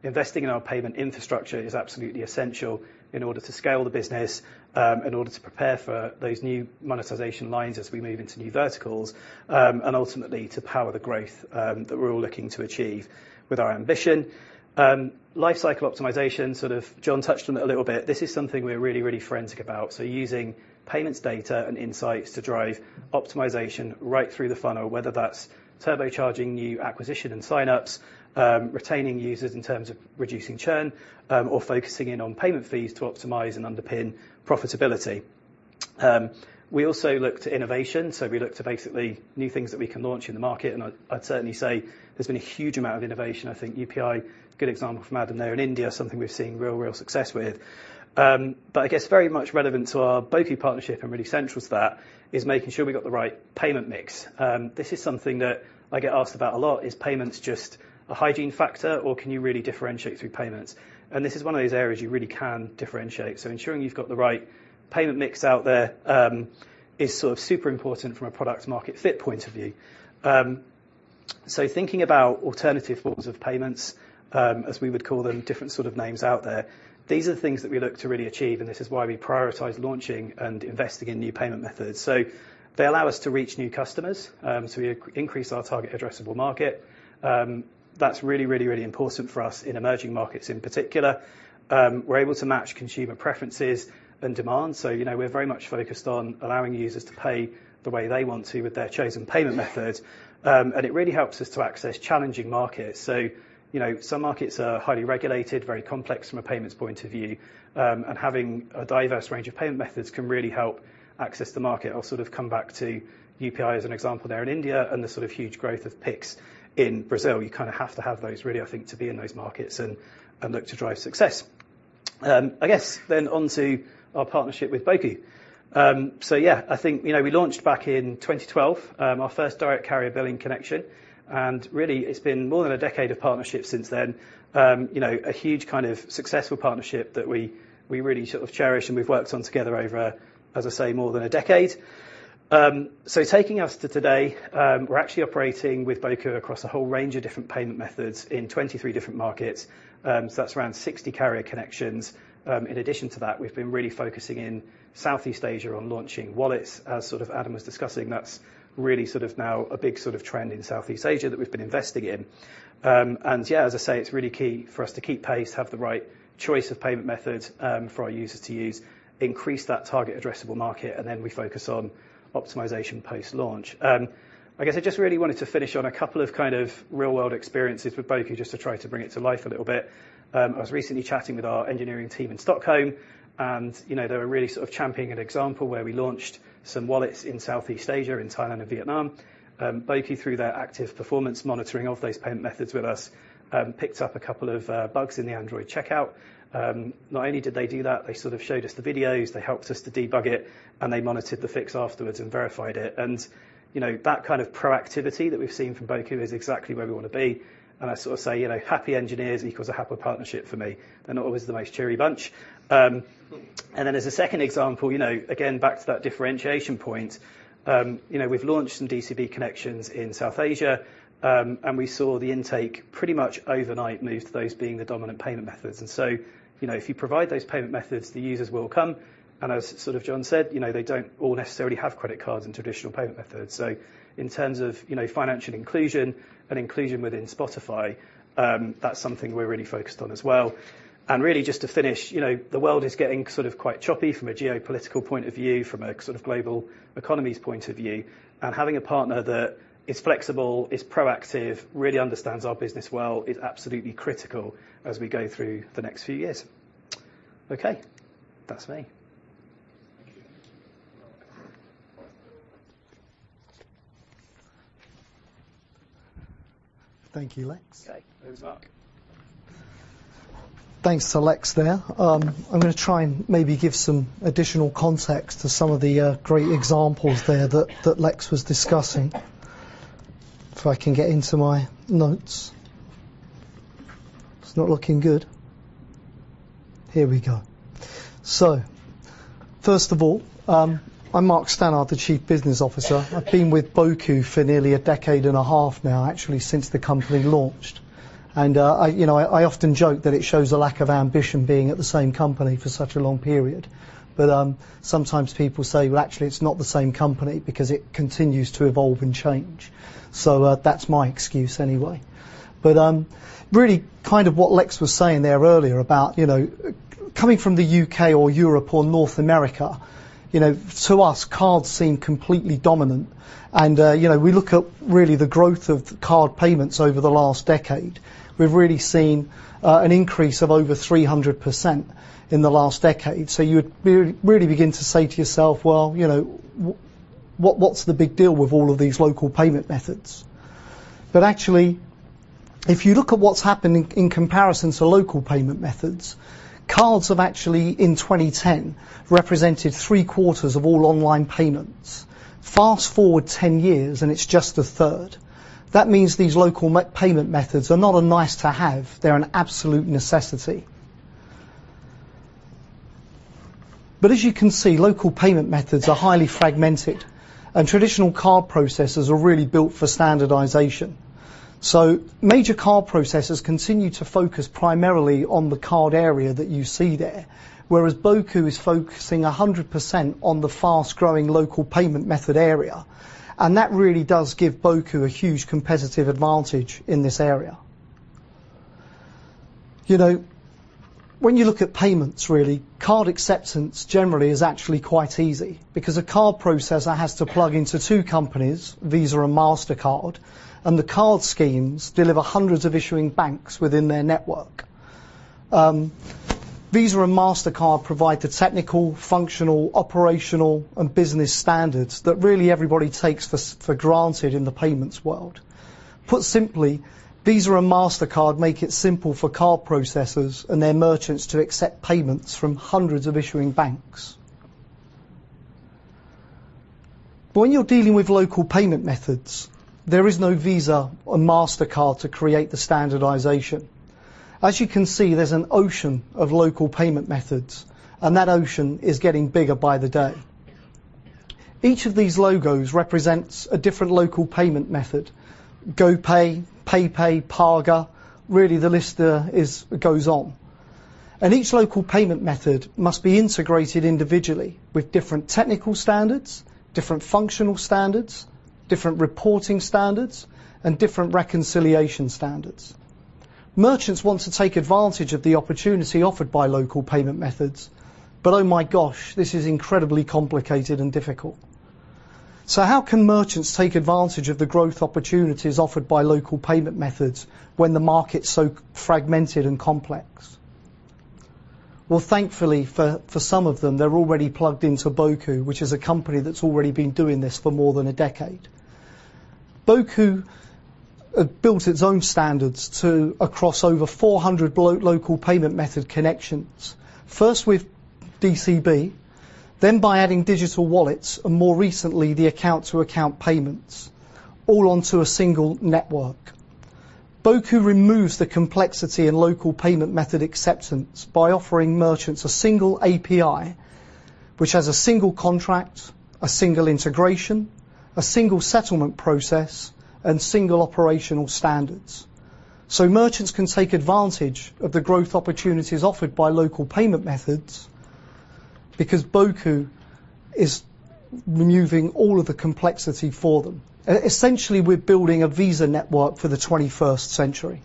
Investing in our payment infrastructure is absolutely essential in order to scale the business, in order to prepare for those new monetization lines as we move into new verticals, and ultimately to power the growth that we're all looking to achieve with our ambition. Lifecycle optimization, sort of Jon touched on it a little bit. This is something we're really forensic about, so using payments data and insights to drive optimization right through the funnel, whether that's turbocharging new acquisition and sign-ups, retaining users in terms of reducing churn, or focusing in on payment fees to optimize and underpin profitability. We also look to innovation, so we look to basically new things that we can launch in the market, and I'd certainly say there's been a huge amount of innovation. I think UPI, good example from Adam there in India, something we're seeing real success with. I guess very much relevant to our Boku partnership and really central to that is making sure we got the right payment mix. This is something that I get asked about a lot. Is payments just a hygiene factor, or can you really differentiate through payments? This is one of those areas you really can differentiate. Ensuring you've got the right payment mix out there, is sort of super important from a product market fit point of view. Thinking about alternative forms of payments, as we would call them, different sort of names out there, these are things that we look to really achieve, and this is why we prioritize launching and investing in new payment methods. They allow us to reach new customers, so we increase our target addressable market. That's really, really, really important for us in emerging markets in particular. We're able to match consumer preferences and demand, so, you know, we're very much focused on allowing users to pay the way they want to with their chosen payment method. It really helps us to access challenging markets. You know, some markets are highly regulated, very complex from a payments point of view, and having a diverse range of payment methods can really help access the market. I'll sort of come back to UPI as an example there in India and the sort of huge growth of Pix in Brazil. You kind of have to have those really, I think, to be in those markets and look to drive success. I guess then on to our partnership with Boku. Yeah, I think, you know, we launched back in 2012, our first Direct Carrier Billing connection, and really it's been more than a decade of partnership since then. You know, a huge kind of successful partnership that we really sort of cherish and we've worked on together over, as I say, more than a decade. Taking us to today, we're actually operating with Boku across a whole range of different payment methods in 23 different markets. That's around 60 carrier connections. In addition to that, we've been really focusing in Southeast Asia on launching wallets. As sort of Adam was discussing, that's really sort of now a big sort of trend in Southeast Asia that we've been investing in. Yeah, as I say, it's really key for us to keep pace, have the right choice of payment methods, for our users to use, increase that target addressable market, and then we focus on optimization post-launch. I guess I just really wanted to finish on a couple of kind of real-world experiences with Boku just to try to bring it to life a little bit. I was recently chatting with our engineering team in Stockholm, and, you know, they were really sort of championing an example where we launched some wallets in Southeast Asia, in Thailand and Vietnam. Boku, through their active performance monitoring of those payment methods with us, picked up a couple of bugs in the Android checkout. Not only did they do that, they sort of showed us the videos, they helped us to debug it, and they monitored the fix afterwards and verified it. You know, that kind of proactivity that we've seen from Boku is exactly where we want to be. I sort of say, you know, happy engineers equals a happy partnership for me. They're not always the most cheery bunch. As a second example, you know, again, back to that differentiation point, you know, we've launched some DCB connections in South Asia, we saw the intake pretty much overnight move to those being the dominant payment methods. You know, if you provide those payment methods, the users will come. As sort of Jon said, you know, they don't all necessarily have credit cards and traditional payment methods. In terms of, you know, financial inclusion and inclusion within Spotify, that's something we're really focused on as well. Really just to finish, you know, the world is getting sort of quite choppy from a geopolitical point of view, from a sort of global economies point of view, and having a partner that is flexible, is proactive, really understands our business well, is absolutely critical as we go through the next few years. Okay, that's me. Thank you, Lex. Okay. Over to Mark. Thanks to Lex there. I'm gonna try and maybe give some additional context to some of the great examples there that Lex was discussing. If I can get into my notes. It's not looking good. Here we go. First of all, I'm Mark Stannard, the Chief Business Officer. I've been with Boku for nearly a decade and a half now, actually, since the company launched, and I, you know, I often joke that it shows a lack of ambition being at the same company for such a long period. Sometimes people say, "Well, actually it's not the same company because it continues to evolve and change." That's my excuse anyway. Really kind of what Lex was saying there earlier about, you know, coming from the U.K. or Europe or North America, you know, to us, cards seem completely dominant and, you know, we look at really the growth of card payments over the last decade. We've really seen an increase of over 300% in the last decade. You would really begin to say to yourself, "Well, you know, what's the big deal with all of these local payment methods?" Actually, if you look at what's happened in comparison to local payment methods, cards have actually in 2010 represented 3/4 of all online payments. Fast-forward 10 years, and it's just 1/3. That means these local payment methods are not a nice-to-have, they're an absolute necessity. As you can see, local payment methods are highly fragmented, and traditional card processors are really built for standardization. Major card processors continue to focus primarily on the card area that you see there, whereas Boku is focusing 100% on the fast-growing local payment method area, and that really does give Boku a huge competitive advantage in this area. You know, when you look at payments, really, card acceptance generally is actually quite easy because a card processor has to plug into two companies, Visa and Mastercard, and the card schemes deliver hundreds of issuing banks within their network. Visa and Mastercard provide the technical, functional, operational, and business standards that really everybody takes for granted in the payments world. Put simply, Visa and Mastercard make it simple for card processors and their merchants to accept payments from hundreds of issuing banks. When you're dealing with local payment methods, there is no Visa or Mastercard to create the standardization. As you can see, there's an ocean of local payment methods, and that ocean is getting bigger by the day. Each of these logos represents a different local payment method. GoPay, PayPay, Paga, really the list goes on. Each local payment method must be integrated individually with different technical standards, different functional standards, different reporting standards, and different reconciliation standards. Merchants want to take advantage of the opportunity offered by local payment methods, but oh my gosh, this is incredibly complicated and difficult. How can merchants take advantage of the growth opportunities offered by local payment methods when the market's so fragmented and complex? Thankfully for some of them, they're already plugged into Boku, which is a company that's already been doing this for more than a decade. Boku built its own standards across over 400 Local Payment Method connections, first with DCB, then by adding digital wallets, and more recently, the Account-to-Account payments, all onto a single network. Boku removes the complexity in Local Payment Method acceptance by offering merchants a single API, which has a single contract, a single integration, a single settlement process, and single operational standards. Merchants can take advantage of the growth opportunities offered by Local Payment Methods because Boku is removing all of the complexity for them. Essentially, we're building a Visa network for the 21st century.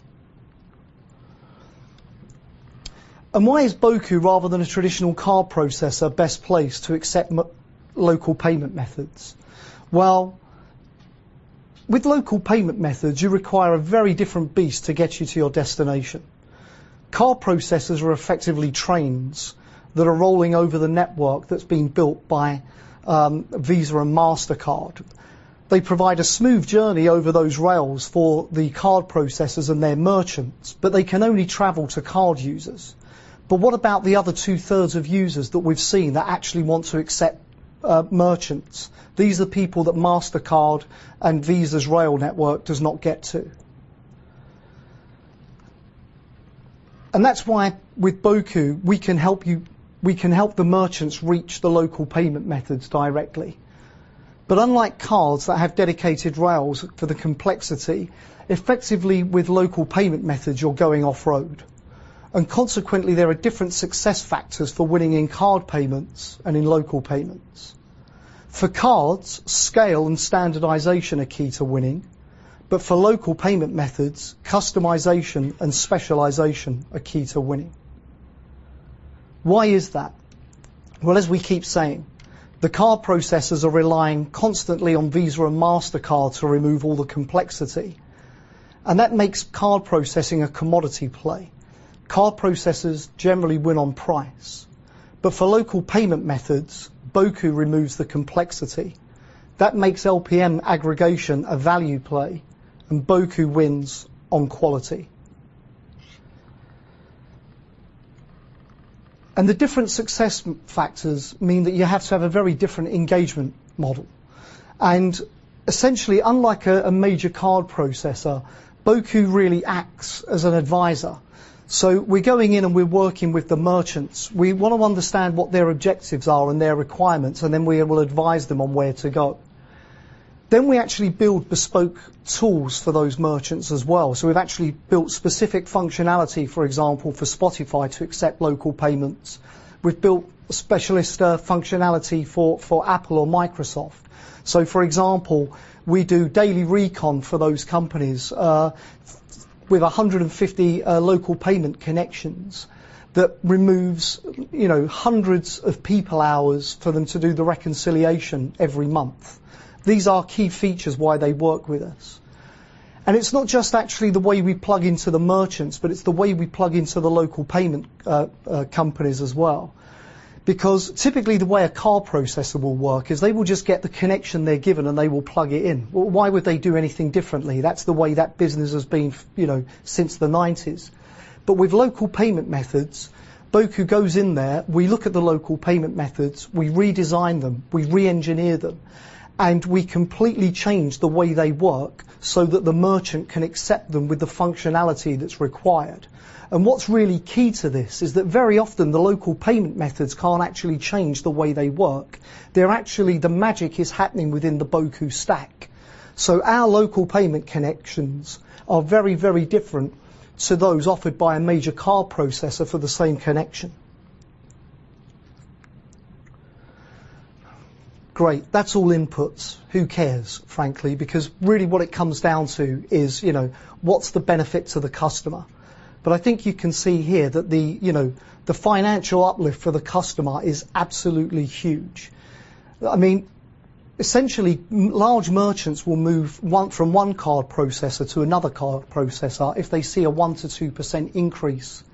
Why is Boku, rather than a traditional card processor, best placed to accept Local Payment Methods? Well, with Local Payment Methods, you require a very different beast to get you to your destination. Card processors are effectively trains that are rolling over the network that's been built by Visa and Mastercard. They provide a smooth journey over those rails for the card processors and their merchants, but they can only travel to card users. What about the other 2/3 of users that we've seen that actually want to accept merchants? These are people that Mastercard and Visa's rail network does not get to. That's why with Boku we can help the merchants reach the Local Payment Methods directly. Unlike cards that have dedicated rails for the complexity, effectively, with Local Payment Methods, you're going off-road. Consequently, there are different success factors for winning in card payments and in Local Payments. For cards, scale and standardization are key to winning. For local payment methods, customization and specialization are key to winning. Why is that? Well, as we keep saying, the card processors are relying constantly on Visa and Mastercard to remove all the complexity, and that makes card processing a commodity play. Card processors generally win on price. For local payment methods, Boku removes the complexity. That makes LPM aggregation a value play, and Boku wins on quality. The different success factors mean that you have to have a very different engagement model. Essentially, unlike a major card processor, Boku really acts as an advisor. We're going in, and we're working with the merchants. We wanna understand what their objectives are and their requirements, and then we will advise them on where to go. We actually build bespoke tools for those merchants as well. We've actually built specific functionality, for example, for Spotify to accept local payments. We've built specialist functionality for Apple or Microsoft. For example, we do daily recon for those companies with 150 local payment connections that removes, you know, hundreds of people hours for them to do the reconciliation every month. These are key features why they work with us. It's not just actually the way we plug into the merchants, but it's the way we plug into the local payment companies as well. Typically, the way a card processor will work is they will just get the connection they're given, and they will plug it in. Well, why would they do anything differently? That's the way that business has been, you know, since the nineties. With local payment methods, Boku goes in there, we look at the local payment methods, we redesign them, we re-engineer them, and we completely change the way they work so that the merchant can accept them with the functionality that's required. What's really key to this is that very often the local payment methods can't actually change the way they work. They're actually, the magic is happening within the Boku stack. Our local payment connections are very, very different to those offered by a major card processor for the same connection. Great. That's all inputs. Who cares, frankly? Really what it comes down to is, you know, what's the benefit to the customer? I think you can see here that the, you know, the financial uplift for the customer is absolutely huge. I mean, essentially, large merchants will move from one card processor to another card processor if they see a 1%-2% increase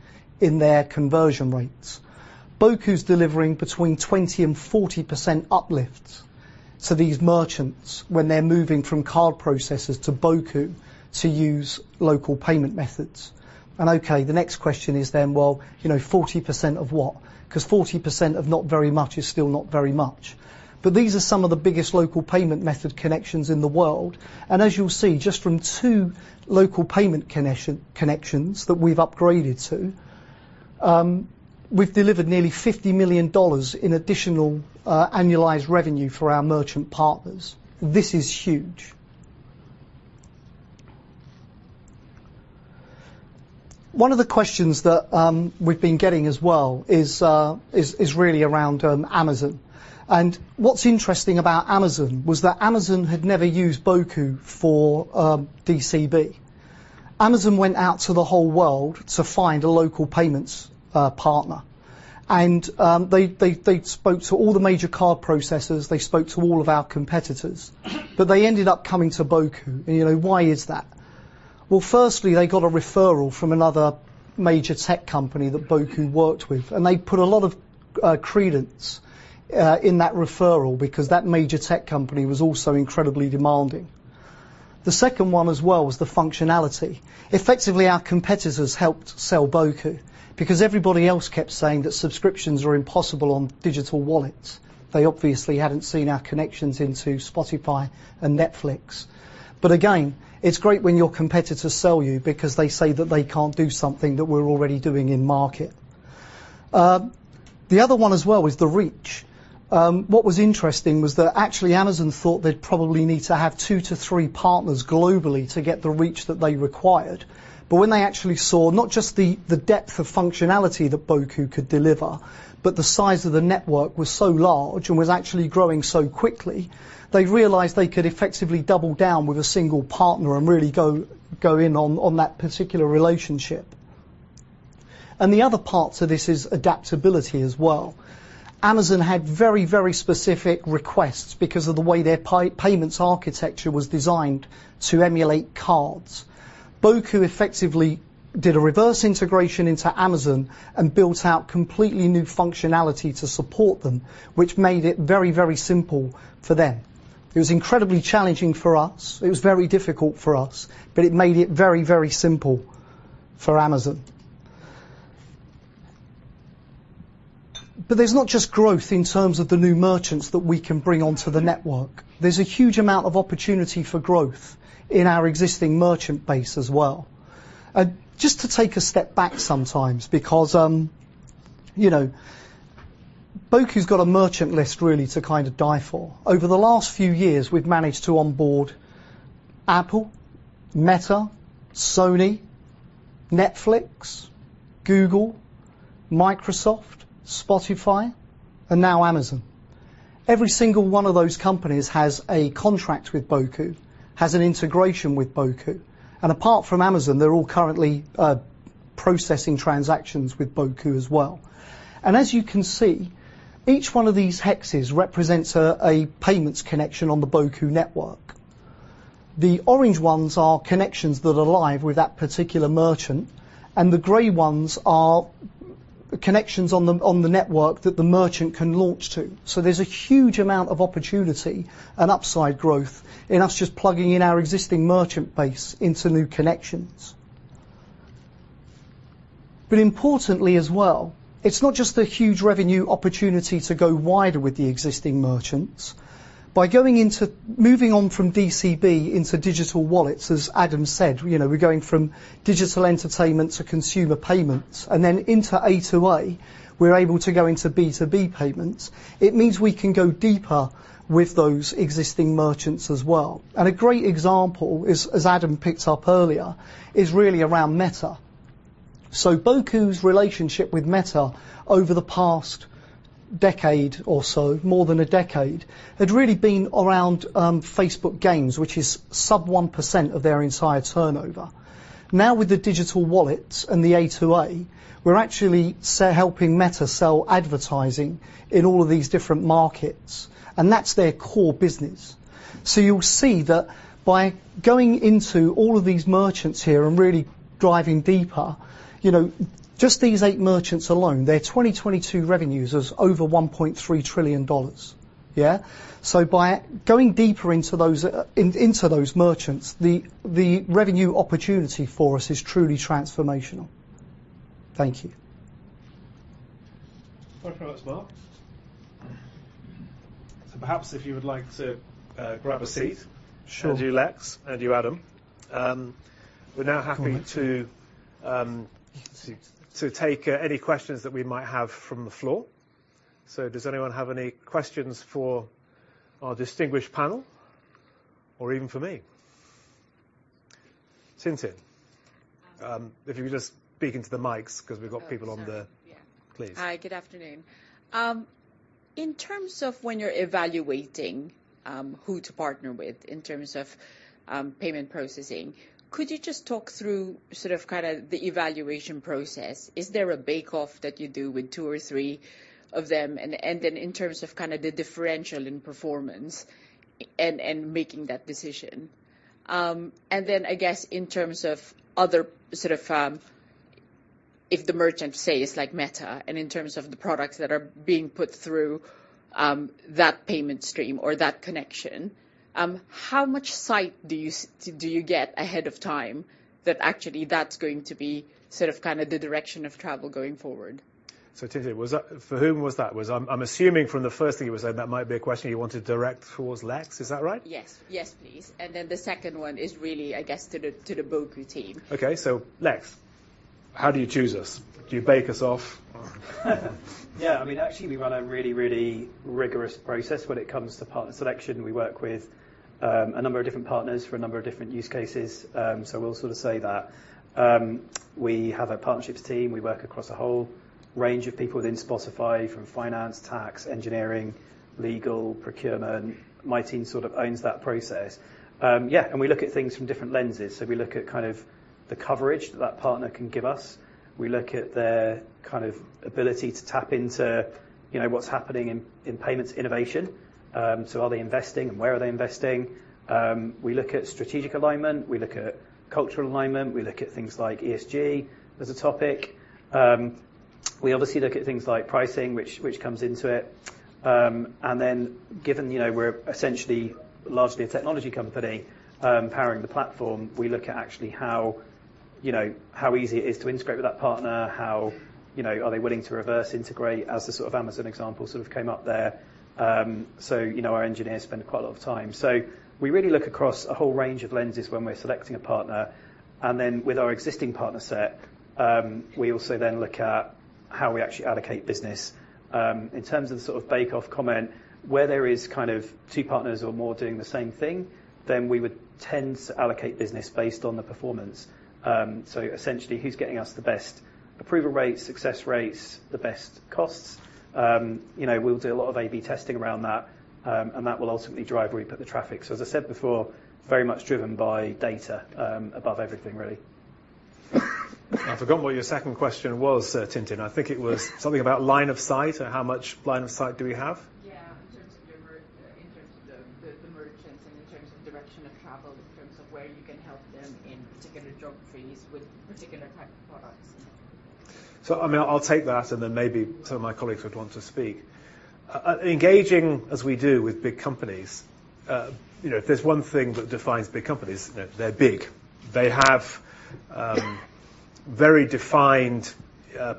in their conversion rates. Boku's delivering between 20%-40% uplifts to these merchants when they're moving from card processors to Boku to use local payment methods. Okay, the next question is then, well, you know, 40% of what? 'Cause 40% of not very much is still not very much. These are some of the biggest local payment method connections in the world, and as you'll see, just from two local payment connections that we've upgraded to, we've delivered nearly $50 million in additional annualized revenue for our merchant partners. This is huge. One of the questions that we've been getting as well is really around Amazon. What's interesting about Amazon was that Amazon had never used Boku for DCB. Amazon went out to the whole world to find a local payments partner. They'd spoke to all the major card processors, they spoke to all of our competitors, but they ended up coming to Boku. You know, why is that? Well, firstly, they got a referral from another major tech company that Boku worked with, and they put a lot of credence in that referral because that major tech company was also incredibly demanding. The second one as well was the functionality. Effectively, our competitors helped sell Boku because everybody else kept saying that subscriptions are impossible on digital wallets. They obviously hadn't seen our connections into Spotify and Netflix. Again, it's great when your competitors sell you because they say that they can't do something that we're already doing in market. The other one as well was the reach. What was interesting was that actually, Amazon thought they'd probably need to have two to three partners globally to get the reach that they required. When they actually saw not just the depth of functionality that Boku could deliver, but the size of the network was so large and was actually growing so quickly, they realized they could effectively double down with a single partner and really go in on that particular relationship. The other part to this is adaptability as well. Amazon had very, very specific requests because of the way their payments architecture was designed to emulate cards. Boku effectively did a reverse integration into Amazon and built out completely new functionality to support them, which made it very, very simple for them. It was incredibly challenging for us. It was very difficult for us. It made it very, very simple for Amazon. There's not just growth in terms of the new merchants that we can bring onto the network. There's a huge amount of opportunity for growth in our existing merchant base as well. Just to take a step back sometimes because, you know, Boku's got a merchant list really to kind of die for. Over the last few years, we've managed to onboard Apple, Meta, Sony, Netflix, Google, Microsoft, Spotify, and now Amazon. Every single one of those companies has a contract with Boku, has an integration with Boku, apart from Amazon, they're all currently processing transactions with Boku as well. As you can see, each one of these hexes represents a payments connection on the Boku network. The orange ones are connections that are live with that particular merchant, and the gray ones are connections on the network that the merchant can launch to. There's a huge amount of opportunity and upside growth in us just plugging in our existing merchant base into new connections. Importantly as well, it's not just the huge revenue opportunity to go wider with the existing merchants. By moving on from DCB into digital wallets, as Adam said, you know, we're going from digital entertainment to consumer payments and then into A2A, we're able to go into B2B payments. It means we can go deeper with those existing merchants as well. A great example is, as Adam picked up earlier, is really around Meta. Boku's relationship with Meta over the past decade or so, more than a decade, had really been around Facebook Games, which is sub 1% of their entire turnover. Now, with the digital wallets and the A2A, we're actually helping Meta sell advertising in all of these different markets, and that's their core business. You'll see that by going into all of these merchants here and really driving deeper, you know, just these eight merchants alone, their 2022 revenues is over $1.3 trillion. Yeah. By going deeper into those into those merchants, the revenue opportunity for us is truly transformational. Thank you. Thank you for that, Mark. Perhaps if you would like to, grab a seat. Sure. and you, Lex, and you, Adam. We're now happy to take any questions that we might have from the floor. Does anyone have any questions for our distinguished panel or even for me? Tim Metcalfe. If you could just speak into the mics 'cause we've got people on the. Oh, sorry. Please. Hi, good afternoon. In terms of when you're evaluating, who to partner with in terms of payment processing, could you just talk through sort of, kind of the evaluation process? Is there a bake-off that you do with two or three of them, and then in terms of kind of the differential in performance and making that decision? And then I guess in terms of other sort of, if the merchant say it's like Meta and in terms of the products that are being put through, that payment stream or that connection, how much sight do you do you get ahead of time that actually that's going to be sort of, kind of the direction of travel going forward? Tim Metcalfe, for whom was that? I'm assuming from the first thing you said, that might be a question you want to direct towards Lex. Is that right? Yes. Yes, please. The second one is really, I guess, to the Boku team. Okay. Lex, how do you choose us? Do you bake us off? Yeah. I mean, actually, we run a really, really rigorous process when it comes to partner selection. We work with a number of different partners for a number of different use cases. We'll sort of say that we have a partnerships team. We work across a whole range of people within Spotify from finance, tax, engineering, legal, procurement. My team sort of owns that process. Yeah, we look at things from different lenses. We look at kind of the coverage that that partner can give us. We look at their kind of ability to tap into, you know, what's happening in payments innovation. Are they investing, and where are they investing? We look at strategic alignment. We look at cultural alignment. We look at things like ESG as a topic. We obviously look at things like pricing, which comes into it. Given, you know, we're essentially largely a technology company, powering the platform, we look at actually how, you know, how easy it is to integrate with that partner. How, you know, are they willing to reverse integrate as the sort of Amazon example sort of came up there. You know, our engineers spend quite a lot of time. We really look across a whole range of lenses when we're selecting a partner. With our existing partner set, we also then look at how we actually allocate business. In terms of the sort of bake-off comment, where there is kind of two partners or more doing the same thing, then we would tend to allocate business based on the performance. Essentially who's getting us the best approval rates, success rates, the best costs. You know, we'll do a lot of A/B testing around that. That will ultimately drive where we put the traffic. As I said before, very much driven by data, above everything really. I forgot what your second question was, Tim Metcalfe. I think it was something about line of sight or how much line of sight do we have. Yeah. In terms of the merchants and in terms of direction of travel, in terms of where you can help them in particular geographies with particular type of products. I mean, I'll take that, and then maybe some of my colleagues would want to speak. Engaging as we do with big companies, you know, if there's one thing that defines big companies, they're big. They have very defined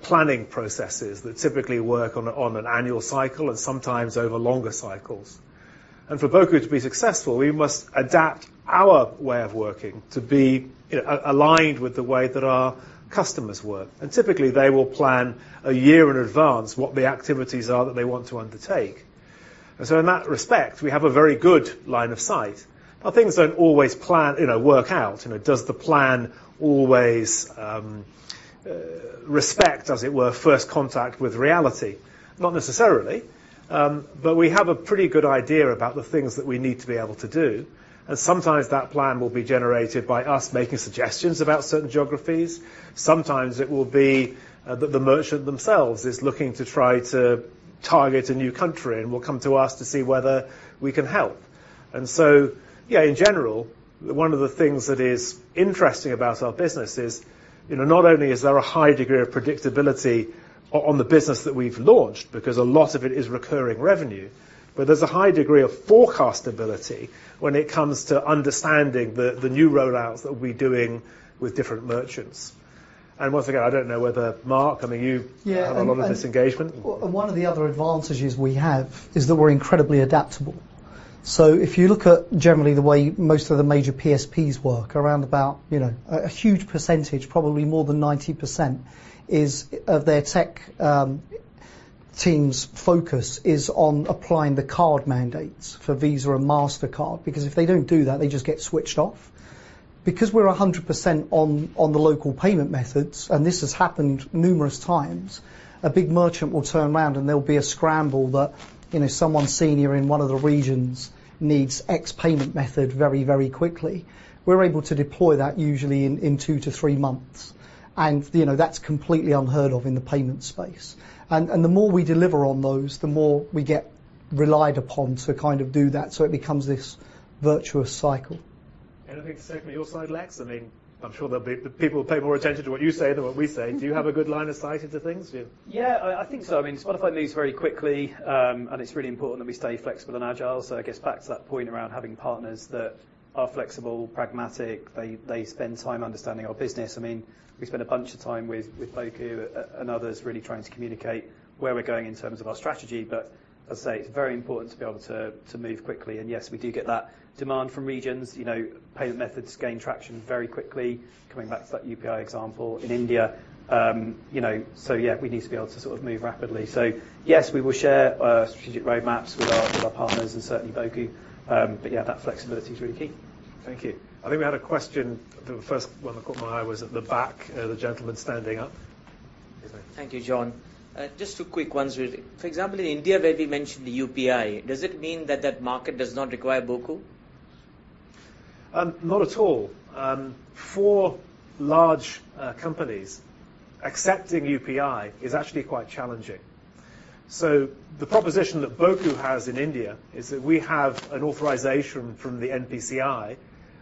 planning processes that typically work on an annual cycle and sometimes over longer cycles. For Boku to be successful, we must adapt our way of working to be aligned with the way that our customers work. Typically, they will plan a year in advance what the activities are that they want to undertake. In that respect, we have a very good line of sight. Now, things don't always plan, you know, work out. You know, does the plan always respect, as it were, first contact with reality? Not necessarily. We have a pretty good idea about the things that we need to be able to do, and sometimes that plan will be generated by us making suggestions about certain geographies. Sometimes it will be that the merchant themselves is looking to try to target a new country and will come to us to see whether we can help. Yeah, in general, one of the things that is interesting about our business is, you know, not only is there a high degree of predictability on the business that we've launched because a lot of it is recurring revenue, but there's a high degree of forecast ability when it comes to understanding the new rollouts that we're doing with different merchants. Once again, I don't know whether, Mark, I mean. Yeah. have a lot of this engagement. One of the other advantages we have is that we're incredibly adaptable. If you look at generally the way most of the major PSPs work, around about, you know, a huge percentage, probably more than 90% is of their tech team's focus is on applying the card mandates for Visa and Mastercard because if they don't do that, they just get switched off. We're 100% on the local payment methods, and this has happened numerous times, a big merchant will turn around, and there'll be a scramble that, you know, someone senior in one of the regions needs X payment method very, very quickly. We're able to deploy that usually in two-three months. You know, that's completely unheard of in the payment space. The more we deliver on those, the more we get relied upon to kind of do that, so it becomes this virtuous cycle. Anything to say from your side, Lex? I mean, the people pay more attention to what you say than what we say. Do you have a good line of sight into things? Do you? Yeah. I think so. I mean, Spotify moves very quickly, and it's really important that we stay flexible and agile. It gets back to that point around having partners that are flexible, pragmatic. They spend time understanding our business. I mean, we spend a bunch of time with Boku and others really trying to communicate where we're going in terms of our strategy. I'd say it's very important to be able to move quickly. Yes, we do get that demand from regions. You know, payment methods gain traction very quickly, coming back to that UPI example in India. You know, yeah, we need to be able to sort of move rapidly. Yes, we will share strategic roadmaps with our partners and certainly Boku. Yeah, that flexibility is really key. Thank you. I think we had a question. The first one that caught my eye was at the back, the gentleman standing up. Thank you, Jon. Just two quick ones really. For example, in India, where we mentioned the UPI, does it mean that market does not require Boku? Not at all. For large companies, accepting UPI is actually quite challenging. The proposition that Boku has in India is that we have an authorization from the NPCI,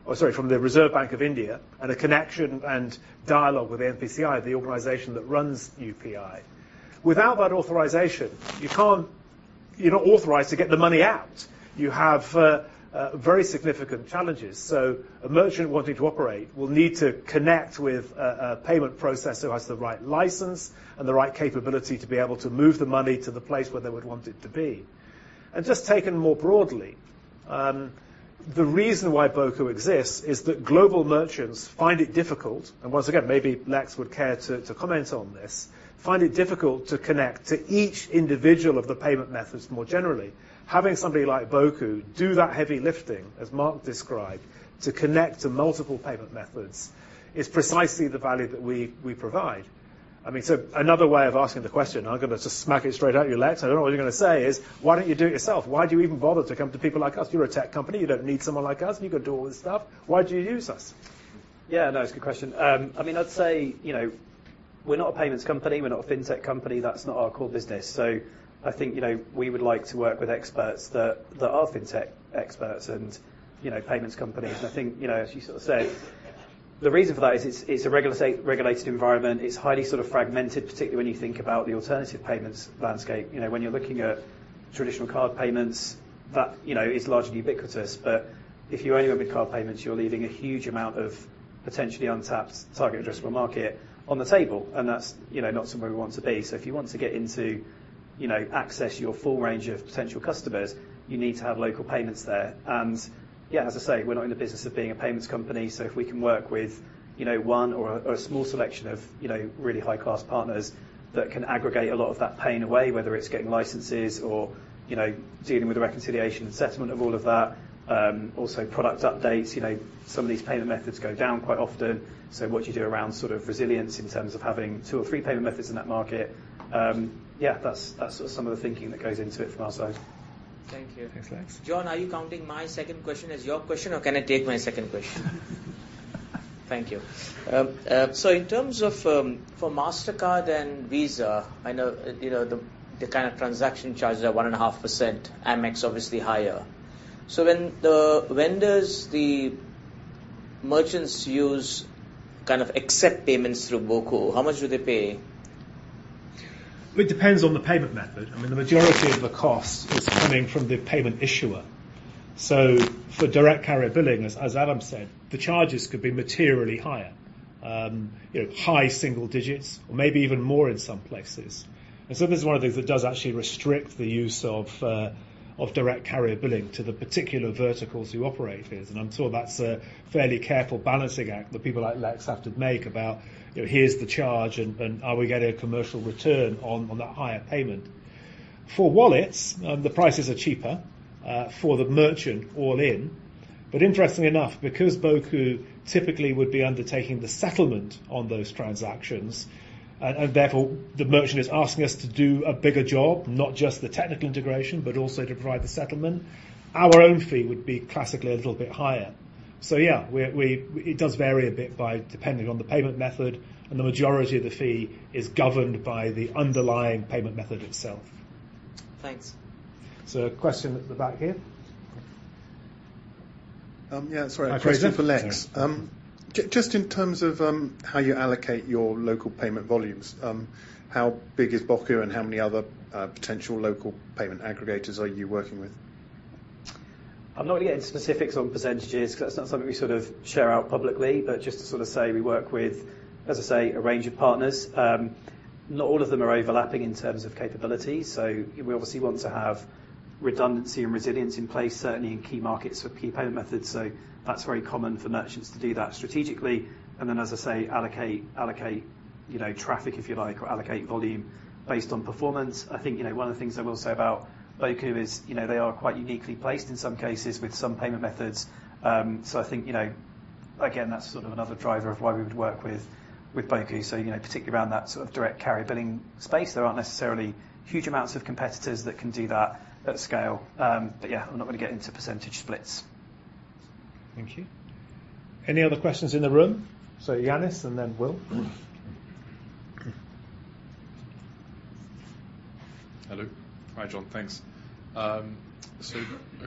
or sorry, from the Reserve Bank of India, and a connection and dialogue with the NPCI, the organization that runs UPI. Without that authorization, you can't. You're not authorized to get the money out. You have a very significant challenges. A merchant wanting to operate will need to connect with a payment processor who has the right license and the right capability to be able to move the money to the place where they would want it to be. Just taken more broadly, the reason why Boku exists is that global merchants find it difficult, and once again, maybe Lex would care to comment on this, find it difficult to connect to each individual of the payment methods more generally. Having somebody like Boku do that heavy lifting, as Mark described, to connect to multiple payment methods, is precisely the value that we provide. I mean, another way of asking the question, and I'm gonna just smack it straight at you, Lex. I don't know what you're gonna say, is why don't you do it yourself? Why do you even bother to come to people like us? You're a tech company. You don't need someone like us. You could do all this stuff. Why do you use us? Yeah. No, it's a good question. I mean, I'd say, you know, we're not a payments company. We're not a fintech company. That's not our core business. I think, you know, we would like to work with experts that are fintech experts and, you know, payments companies. I think, you know, as you sort of say, the reason for that is it's a regulated environment. It's highly sort of fragmented, particularly when you think about the alternative payments landscape. You know, when you're looking at traditional card payments, that, you know, is largely ubiquitous. If you're only working with card payments, you're leaving a huge amount of potentially untapped target addressable market on the table, and that's, you know, not somewhere we want to be. If you want to get into, you know, access your full range of potential customers, you need to have local payments there. Yeah, as I say, we're not in the business of being a payments company. If we can work with, you know, one or a small selection of, you know, really high-class partners that can aggregate a lot of that pain away, whether it's getting licenses or, you know, dealing with the reconciliation and settlement of all of that. Also product updates. You know, some of these payment methods go down quite often. What do you do around sort of resilience in terms of having two or three payment methods in that market? Yeah, that's sort of some of the thinking that goes into it from our side. Thank you. Thanks, Lex. Jon, are you counting my second question as your question, or can I take my second question? Thank you. In terms of, for Mastercard and Visa, I know, you know, the kind of transaction charges are 1.5%. Amex obviously higher. When does the merchants kind of accept payments through Boku, how much do they pay? It depends on the payment method. I mean, the majority of the cost is coming from the payment issuer. For Direct Carrier Billing, as Adam said, the charges could be materially higher. You know, high single digits or maybe even more in some places. This is one of the things that does actually restrict the use of Direct Carrier Billing to the particular verticals you operate with. I'm sure that's a fairly careful balancing act that people like Lex have to make about, you know, here's the charge, and are we getting a commercial return on that higher payment. For wallets, the prices are cheaper for the merchant all in. Interestingly enough, because Boku typically would be undertaking the settlement on those transactions, and therefore the merchant is asking us to do a bigger job, not just the technical integration, but also to provide the settlement, our own fee would be classically a little bit higher. Yeah, we it does vary a bit by depending on the payment method, and the majority of the fee is governed by the underlying payment method itself. Thanks. Question at the back here. Yeah, sorry. Hi, Christian. A question for Lex. Just in terms of how you allocate your local payment volumes, how big is Boku and how many other potential local payment aggregators are you working with? I'm not gonna get into specifics on percentages 'cause that's not something we sort of share out publicly. Just to sort of say we work with, as I say, a range of partners. Not all of them are overlapping in terms of capability, so we obviously want to have redundancy and resilience in place, certainly in key markets for key payment methods. That's very common for merchants to do that strategically, and then, as I say, allocate, you know, traffic if you like or allocate volume based on performance. I think, you know, one of the things I will say about Boku is, you know, they are quite uniquely placed in some cases with some payment methods. I think, you know, again, that's sort of another driver of why we would work with Boku. You know, particularly around that sort of Direct Carrier Billing space, there aren't necessarily huge amounts of competitors that can do that at scale. Yeah, I'm not gonna get into percentage splits. Thank you. Any other questions in the room? Yanis, and then Will. Hello. Hi, Jon. Thanks. A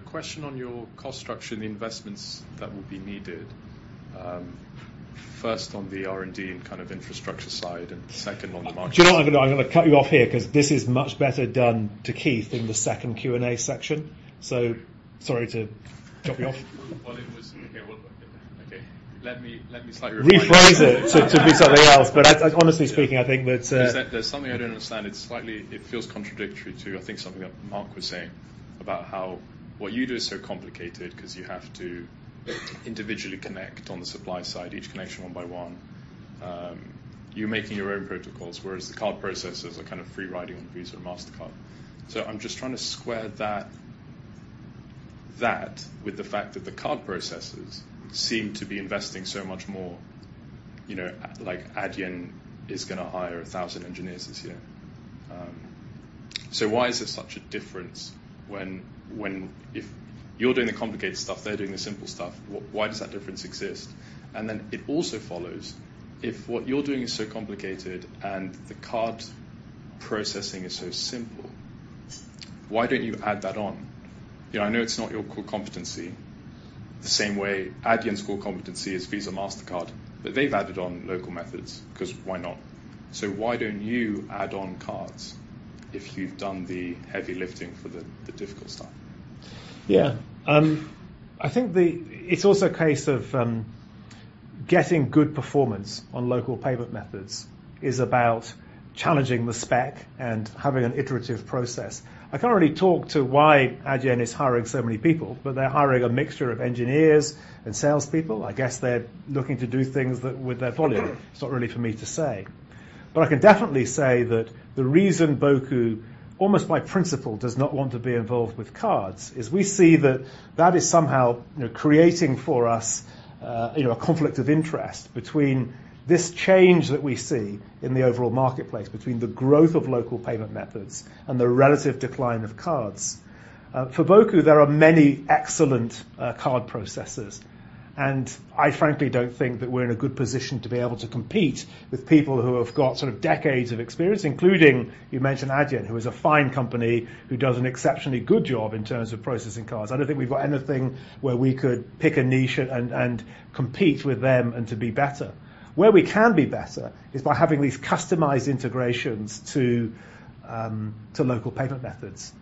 question on your cost structure and the investments that will be needed. First on the R&D and kind of infrastructure side, and second on the market-. Do you know what? I'm gonna cut you off here 'cause this is much better done to Keith in the second Q&A section. Sorry to chop you off. Okay, well, okay. Let me slightly rephrase it. Rephrase it to be something else. Honestly speaking, I think that. There's something I don't understand. It's slightly. It feels contradictory to, I think, something that Mark was saying about how what you do is so complicated 'cause you have to individually connect on the supply side, each connection one by one. You making your own protocols, whereas the card processors are kind of free riding on Visa or Mastercard. I'm just trying to square that with the fact that the card processors seem to be investing so much more, you know, like Adyen is gonna hire 1,000 engineers this year. Why is there such a difference when if you're doing the complicated stuff, they're doing the simple stuff, why does that difference exist? It also follows if what you're doing is so complicated and the card processing is so simple, why don't you add that on? You know, I know it's not your core competency the same way Adyen's core competency is Visa, Mastercard, but they've added on local methods 'cause why not? Why don't you add on cards if you've done the heavy lifting for the difficult stuff? Yeah. I think It's also a case of getting good performance on local payment methods is about challenging the spec and having an iterative process. I can't really talk to why Adyen is hiring so many people, but they're hiring a mixture of engineers and salespeople. I guess they're looking to do things with their volume. It's not really for me to say. I can definitely say that the reason Boku, almost by principle does not want to be involved with cards is we see that that is somehow, you know, creating for us, you know, a conflict of interest between this change that we see in the overall marketplace, between the growth of local payment methods and the relative decline of cards. For Boku, there are many excellent card processors, and I frankly don't think that we're in a good position to be able to compete with people who have got sort of decades of experience, including you mentioned Adyen, who is a fine company, who does an exceptionally good job in terms of processing cards. I don't think we've got anything where we could pick a niche and compete with them and to be better. Where we can be better is by having these customized integrations to Local Payment Methods.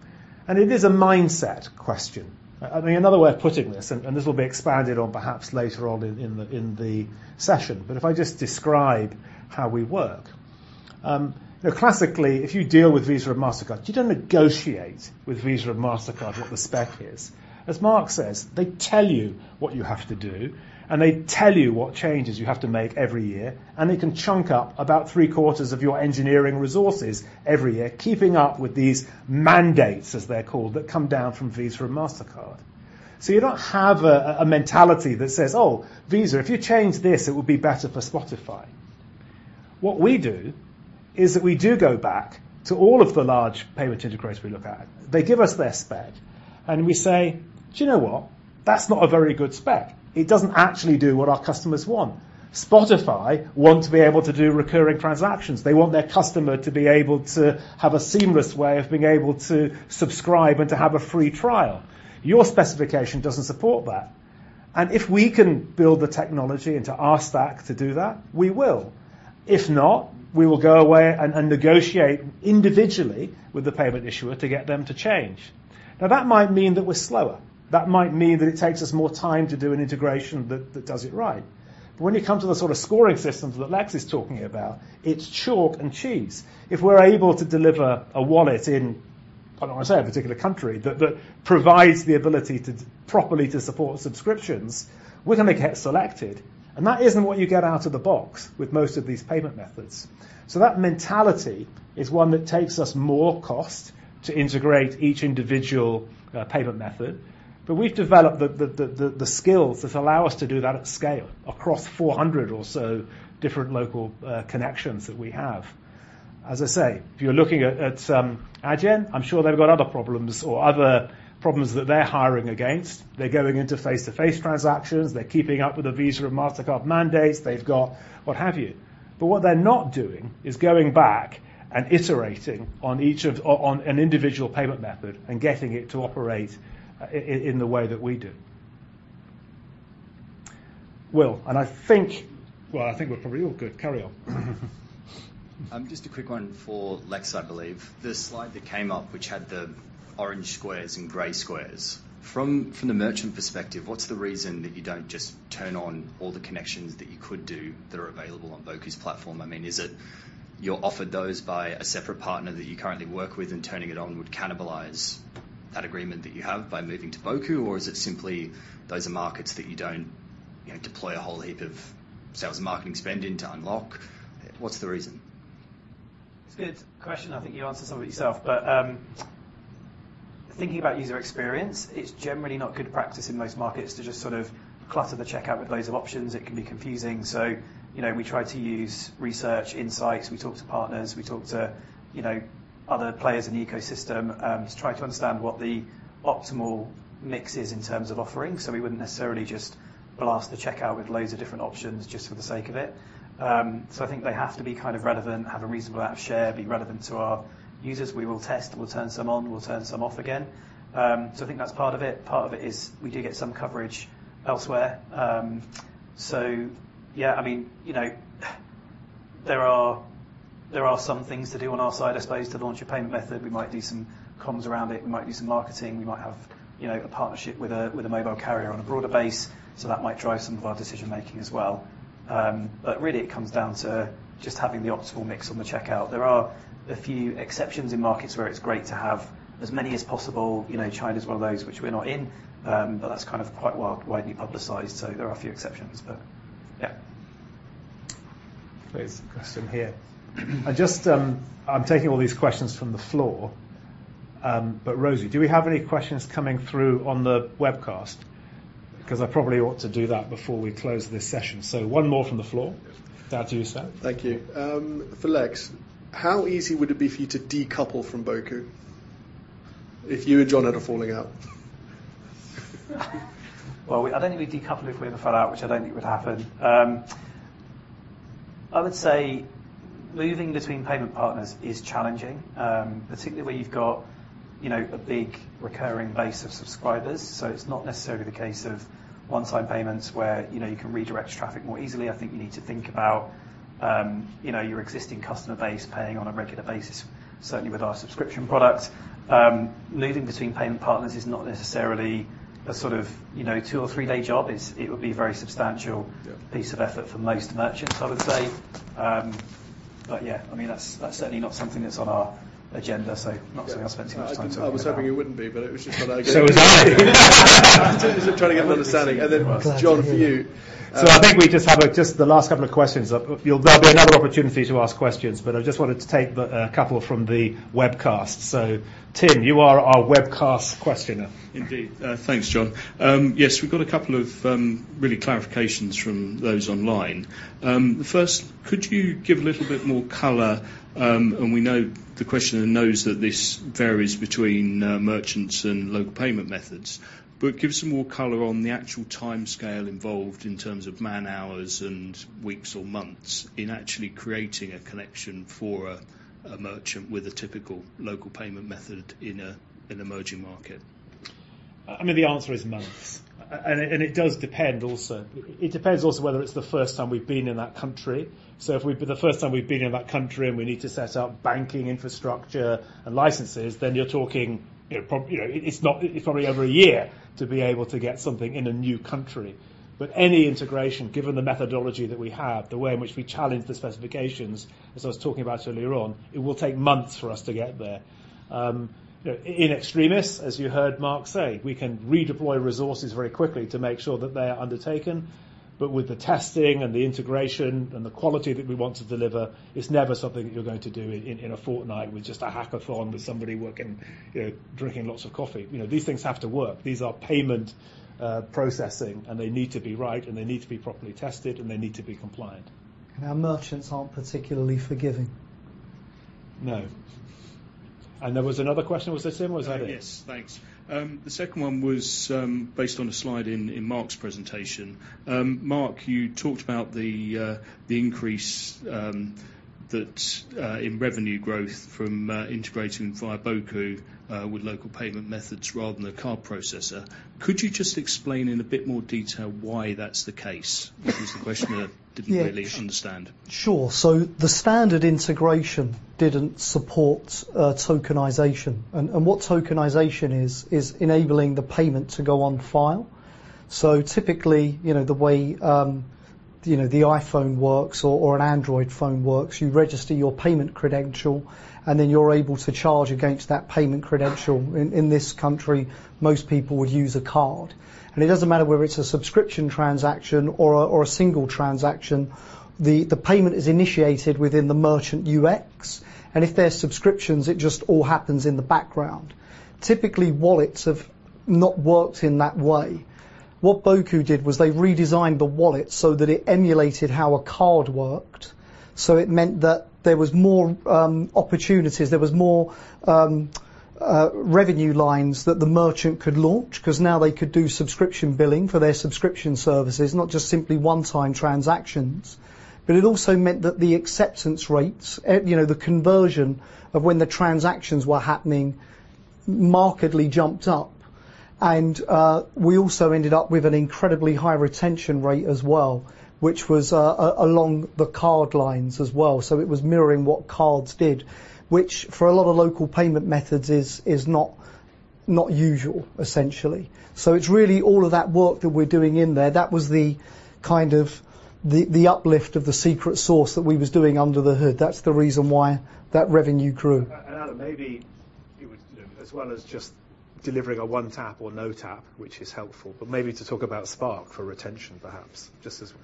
It is a mindset question. I think another way of putting this, and this will be expanded on perhaps later on in the session, but if I just describe how we work. You know, classically, if you deal with Visa or Mastercard, you don't negotiate with Visa or Mastercard what the spec is. As Mark says, they tell you what you have to do, and they tell you what changes you have to make every year, and they can chunk up about three-quarters of your engineering resources every year, keeping up with these mandates, as they're called, that come down from Visa or Mastercard. You don't have a mentality that says, "Oh, Visa, if you change this, it would be better for Spotify." What we do is that we do go back to all of the large payment integrators we look at. They give us their spec, and we say, "Do you know what? That's not a very good spec. It doesn't actually do what our customers want. Spotify want to be able to do recurring transactions. They want their customer to be able to have a seamless way of being able to subscribe and to have a free trial. "Your specification doesn't support that." If we can build the technology into our stack to do that, we will. If not, we will go away and negotiate individually with the payment issuer to get them to change. That might mean that we're slower. That might mean that it takes us more time to do an integration that does it right. When you come to the sort of scoring systems that Lex is talking about, it's chalk and cheese. If we're able to deliver a wallet in, I don't want to say a particular country, but that provides the ability to properly to support subscriptions, we're gonna get selected. That isn't what you get out of the box with most of these payment methods. That mentality is one that takes us more cost to integrate each individual payment method. We've developed the skills that allow us to do that at scale across 400 or so different local connections that we have. As I say, if you're looking at Adyen, I'm sure they've got other problems or other problems that they're hiring against. They're going into face-to-face transactions. They're keeping up with the Visa or Mastercard mandates. They've got what have you. What they're not doing is going back and iterating on each of an individual payment method and getting it to operate in the way that we do. Will, I think we're probably all good. Carry on. Just a quick one for Lex, I believe. The slide that came up, which had the orange squares and gray squares. From the merchant perspective, what's the reason that you don't just turn on all the connections that you could do that are available on Boku's platform? I mean, is it you're offered those by a separate partner that you currently work with, and turning it on would cannibalize that agreement that you have by moving to Boku? Or is it simply those are markets that you don't, you know, deploy a whole heap of sales and marketing spending to unlock? What's the reason? It's a good question. I think you answered some of it yourself. Thinking about user experience, it's generally not good practice in most markets to just sort of clutter the checkout with loads of options. It can be confusing. You know, we try to use research insights. We talk to partners. We talk to, you know, other players in the ecosystem to try to understand what the optimal mix is in terms of offerings. We wouldn't necessarily just blast the checkout with loads of different options just for the sake of it. I think they have to be kind of relevant, have a reasonable amount of share, be relevant to our users. We will test, we'll turn some on, we'll turn some off again. I think that's part of it. Part of it is we do get some coverage elsewhere. Yeah, I mean, you know, there are some things to do on our side, I suppose, to launch a payment method. We might do some comms around it. We might do some marketing. We might have, you know, a partnership with a mobile carrier on a broader base. That might drive some of our decision-making as well. Really it comes down to just having the optimal mix on the checkout. There are a few exceptions in markets where it's great to have as many as possible. You know, China's one of those which we're not in. That's kind of quite well widely publicized. There are a few exceptions, but yeah. There's a question here. I'm taking all these questions from the floor. Rosie, do we have any questions coming through on the webcast? 'Cause I probably ought to do that before we close this session. One more from the floor. Down to you, sir. Thank you. For Lex. How easy would it be for you to decouple from Boku if you and Jon had a falling out? I don't think we'd decouple if we ever fell out, which I don't think would happen. I would say moving between payment partners is challenging. Particularly where you've got, you know, a big recurring base of subscribers. It's not necessarily the case of one-time payments where, you know, you can redirect traffic more easily. I think you need to think about, you know, your existing customer base paying on a regular basis, certainly with our subscription product. Moving between payment partners is not necessarily a sort of, you know, two or three-day job. It would be a very substantial- Yeah. piece of effort for most merchants, I would say. Yeah, I mean, that's certainly not something that's on our agenda, so not something I'll spend too much time thinking about. I was hoping it wouldn't be, but it was just what I'd go. So was I. Just trying to get an understanding. Jon, for you. I think we just have just the last couple of questions. There'll be another opportunity to ask questions, but I just wanted to take the couple from the webcast. Tim, you are our webcast questioner. Indeed. Thanks, Jon. Yes, we've got a couple of really clarifications from those online. First, could you give a little bit more color, and the questioner knows that this varies between merchants and local payment methods. Give some more color on the actual timescale involved in terms of man-hours and weeks or months in actually creating a connection for a merchant with a typical local payment method in an emerging market. I mean, the answer is months. It does depend also. It depends also whether it's the first time we've been in that country. The first time we've been in that country, and we need to set up banking infrastructure and licenses, then you're talking, you know, it's probably over a year to be able to get something in a new country. Any integration, given the methodology that we have, the way in which we challenge the specifications, as I was talking about earlier on, it will take months for us to get there. You know, in extremis, as you heard Mark say, we can redeploy resources very quickly to make sure that they are undertaken. With the testing and the integration and the quality that we want to deliver, it's never something that you're going to do in a fortnight with just a hackathon, with somebody working, you know, drinking lots of coffee. You know, these things have to work. These are payment processing, and they need to be right, and they need to be properly tested, and they need to be compliant. Our merchants aren't particularly forgiving. No. There was another question. Was this Tim or was that it? Yes. Thanks. The second one was based on a slide in Mark's presentation. Mark, you talked about the increase that in revenue growth from integrating via Boku with Local Payment Methods rather than a card processor. Could you just explain in a bit more detail why that's the case? Which is the question that I didn't really understand. Yeah. Sure. The standard integration didn't support tokenization. What tokenization is enabling the payment to go on file. Typically, you know, the way, you know, the iPhone works or an Android phone works, you register your payment credential, and then you're able to charge against that payment credential. In this country, most people would use a card. It doesn't matter whether it's a subscription transaction or a single transaction. The payment is initiated within the merchant UX, and if they're subscriptions, it just all happens in the background. Typically, wallets have not worked in that way. What Boku did was they redesigned the wallet so that it emulated how a card worked. It meant that there was more opportunities, there was more revenue lines that the merchant could launch because now they could do subscription billing for their subscription services, not just simply one-time transactions. It also meant that the acceptance rates, you know, the conversion of when the transactions were happening markedly jumped up. We also ended up with an incredibly high retention rate as well, which was along the card lines as well. It was mirroring what cards did, which for a lot of Local Payment Methods is not usual, essentially. It's really all of that work that we're doing in there. That was the kind of the uplift of the secret sauce that we was doing under the hood. That's the reason why that revenue grew. Adam, maybe you would, as well as just delivering a one tap or no tap, which is helpful, but maybe to talk about Spark for retention perhaps just as.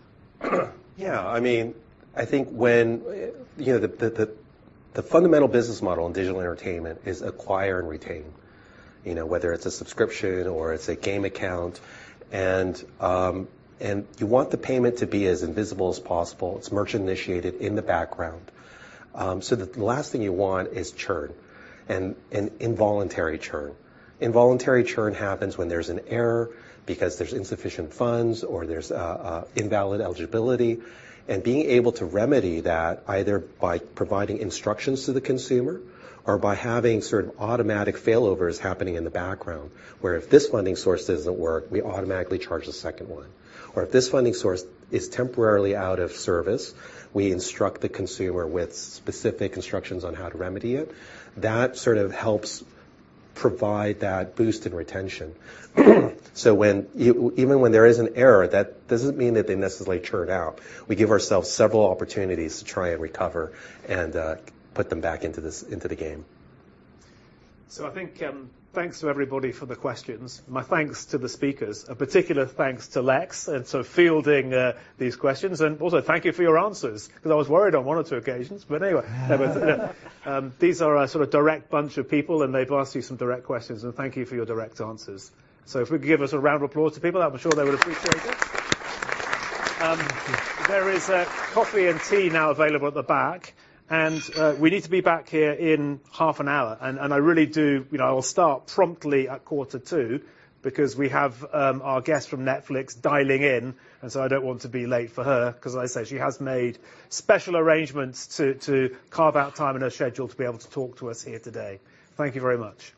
I mean, I think when, you know, the fundamental business model in digital entertainment is acquire and retain, you know, whether it's a subscription or it's a game account. You want the payment to be as invisible as possible. It's merchant-initiated in the background. The last thing you want is churn and involuntary churn. Involuntary churn happens when there's an error because there's insufficient funds or there's invalid eligibility. Being able to remedy that either by providing instructions to the consumer or by having sort of automatic failovers happening in the background, where if this funding source doesn't work, we automatically charge the second one. Or if this funding source is temporarily out of service, we instruct the consumer with specific instructions on how to remedy it. That sort of helps provide that boost in retention. Even when there is an error, that doesn't mean that they necessarily churn out. We give ourselves several opportunities to try and recover and put them back into the game. I think, thanks to everybody for the questions. My thanks to the speakers. A particular thanks to Lex and to fielding these questions. Also thank you for your answers, because I was worried on one or two occasions. Anyway, these are a sort of direct bunch of people, and they've asked you some direct questions, and thank you for your direct answers. If we could give us a round of applause to people, I'm sure they would appreciate it. There is coffee and tea now available at the back, and we need to be back here in half an hour. I really do, you know, I will start promptly at quarter to, because we have our guest from Netflix dialing in, I don't want to be late for her, 'cause as I say, she has made special arrangements to carve out time in her schedule to be able to talk to us here today. Thank you very much.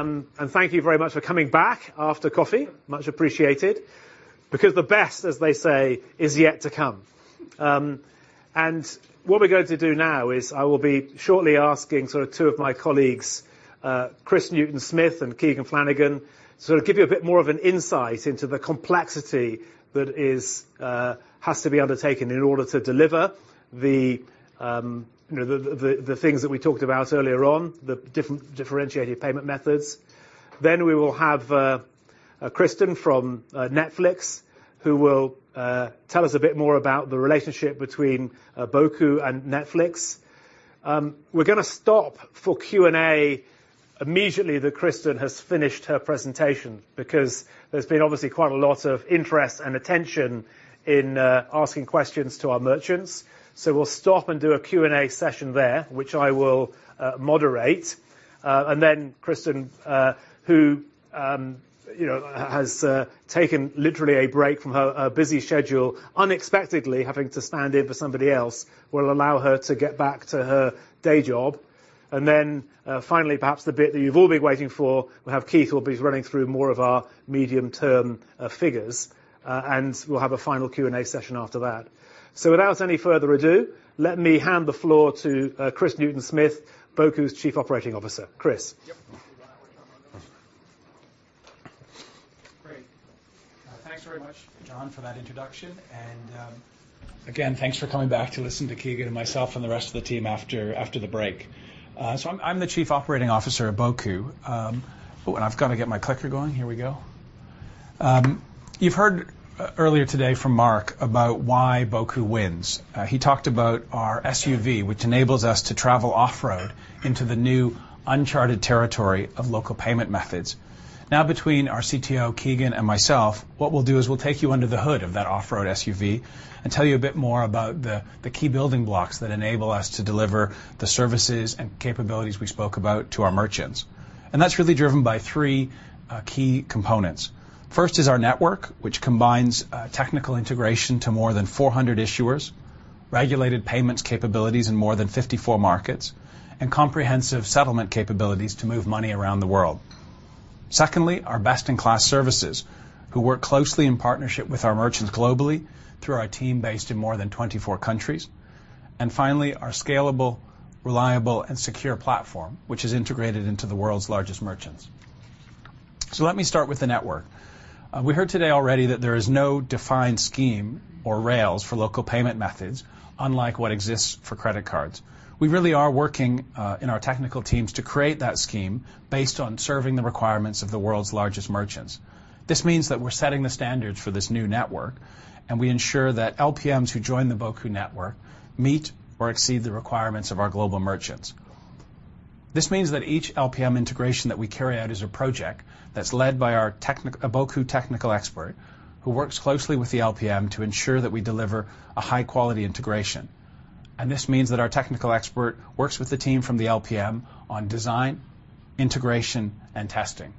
Everybody, thank you very much for coming back after coffee. Much appreciated. The best, as they say, is yet to come. What we're going to do now is I will be shortly asking sort of two of my colleagues, Chris Newton-Smith and Keegan Flanigan, sort of give you a bit more of an insight into the complexity that is has to be undertaken in order to deliver the, you know, the, the things that we talked about earlier on, the differentiated payment methods. We will have Kristen from Netflix, who will tell us a bit more about the relationship between Boku and Netflix. We're gonna stop for Q&A immediately that Kristen has finished her presentation because there's been obviously quite a lot of interest and attention in asking questions to our merchants. We'll stop and do a Q&A session there, which I will moderate. Kristen, who, you know, has taken literally a break from her busy schedule, unexpectedly having to stand in for somebody else, we'll allow her to get back to her day job. Finally, perhaps the bit that you've all been waiting for, we'll have Keith who'll be running through more of our medium-term figures. We'll have a final Q&A session after that. Without any further ado, let me hand the floor to Chris Newton-Smith, Boku's Chief Operating Officer. Chris. Yep. Great. Thanks very much, Jon, for that introduction. Again, thanks for coming back to listen to Keegan and myself and the rest of the team after the break. I'm the Chief Operating Officer at Boku. I've got to get my clicker going. Here we go. You've heard earlier today from Mark about why Boku wins. He talked about our SUV, which enables us to travel off-road into the new uncharted territory of local payment methods. Between our CTO, Keegan, and myself, what we'll do is we'll take you under the hood of that off-road SUV and tell you a bit more about the key building blocks that enable us to deliver the services and capabilities we spoke about to our merchants. That's really driven by three key components. First is our network, which combines technical integration to more than 400 issuers, regulated payments capabilities in more than 54 markets, and comprehensive settlement capabilities to move money around the world. Secondly, our best-in-class services, who work closely in partnership with our merchants globally through our team based in more than 24 countries. Finally, our scalable, reliable, and secure platform, which is integrated into the world's largest merchants. Let me start with the network. We heard today already that there is no defined scheme or rails for local payment methods, unlike what exists for credit cards. We really are working in our technical teams to create that scheme based on serving the requirements of the world's largest merchants. This means that we're setting the standards for this new network, and we ensure that LPMs who join the Boku network meet or exceed the requirements of our global merchants. This means that each LPM integration that we carry out is a project that's led by a Boku technical expert, who works closely with the LPM to ensure that we deliver a high-quality integration. This means that our technical expert works with the team from the LPM on design, integration, and testing.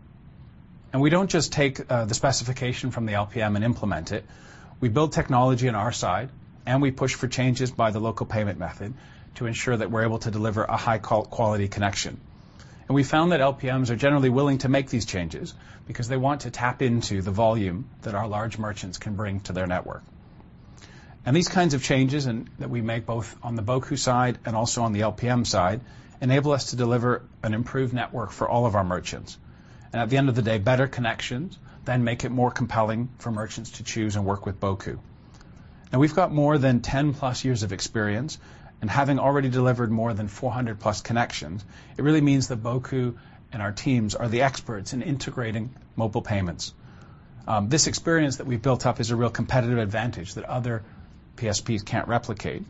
We don't just take the specification from the LPM and implement it. We build technology on our side, and we push for changes by the local payment method to ensure that we're able to deliver a high-quality connection. We found that LPMs are generally willing to make these changes because they want to tap into the volume that our large merchants can bring to their network. These kinds of changes that we make both on the Boku side and also on the LPM side, enable us to deliver an improved network for all of our merchants. At the end of the day, better connections then make it more compelling for merchants to choose and work with Boku. Now, we've got more than 10+ years of experience, and having already delivered more than 400+ connections, it really means that Boku and our teams are the experts in integrating mobile payments. This experience that we've built up is a real competitive advantage that other PSPs can't replicate.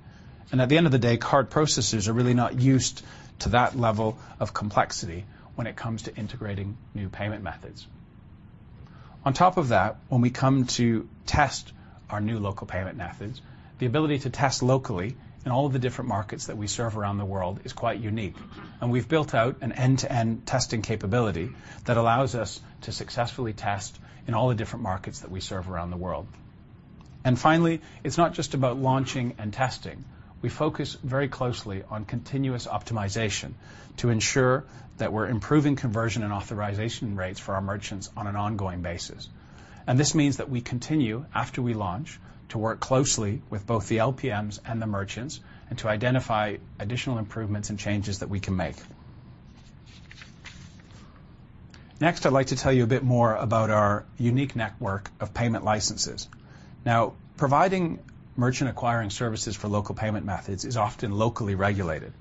At the end of the day, card processors are really not used to that level of complexity when it comes to integrating new payment methods. On top of that, when we come to test our new local payment methods, the ability to test locally in all of the different markets that we serve around the world is quite unique. We've built out an end-to-end testing capability that allows us to successfully test in all the different markets that we serve around the world. Finally, it's not just about launching and testing. We focus very closely on continuous optimization to ensure that we're improving conversion and authorization rates for our merchants on an ongoing basis. This means that we continue, after we launch, to work closely with both the LPMs and the merchants, and to identify additional improvements and changes that we can make. Next, I'd like to tell you a bit more about our unique network of payment licenses. Now, providing merchant acquiring services for Local Payment Methods is often locally regulated,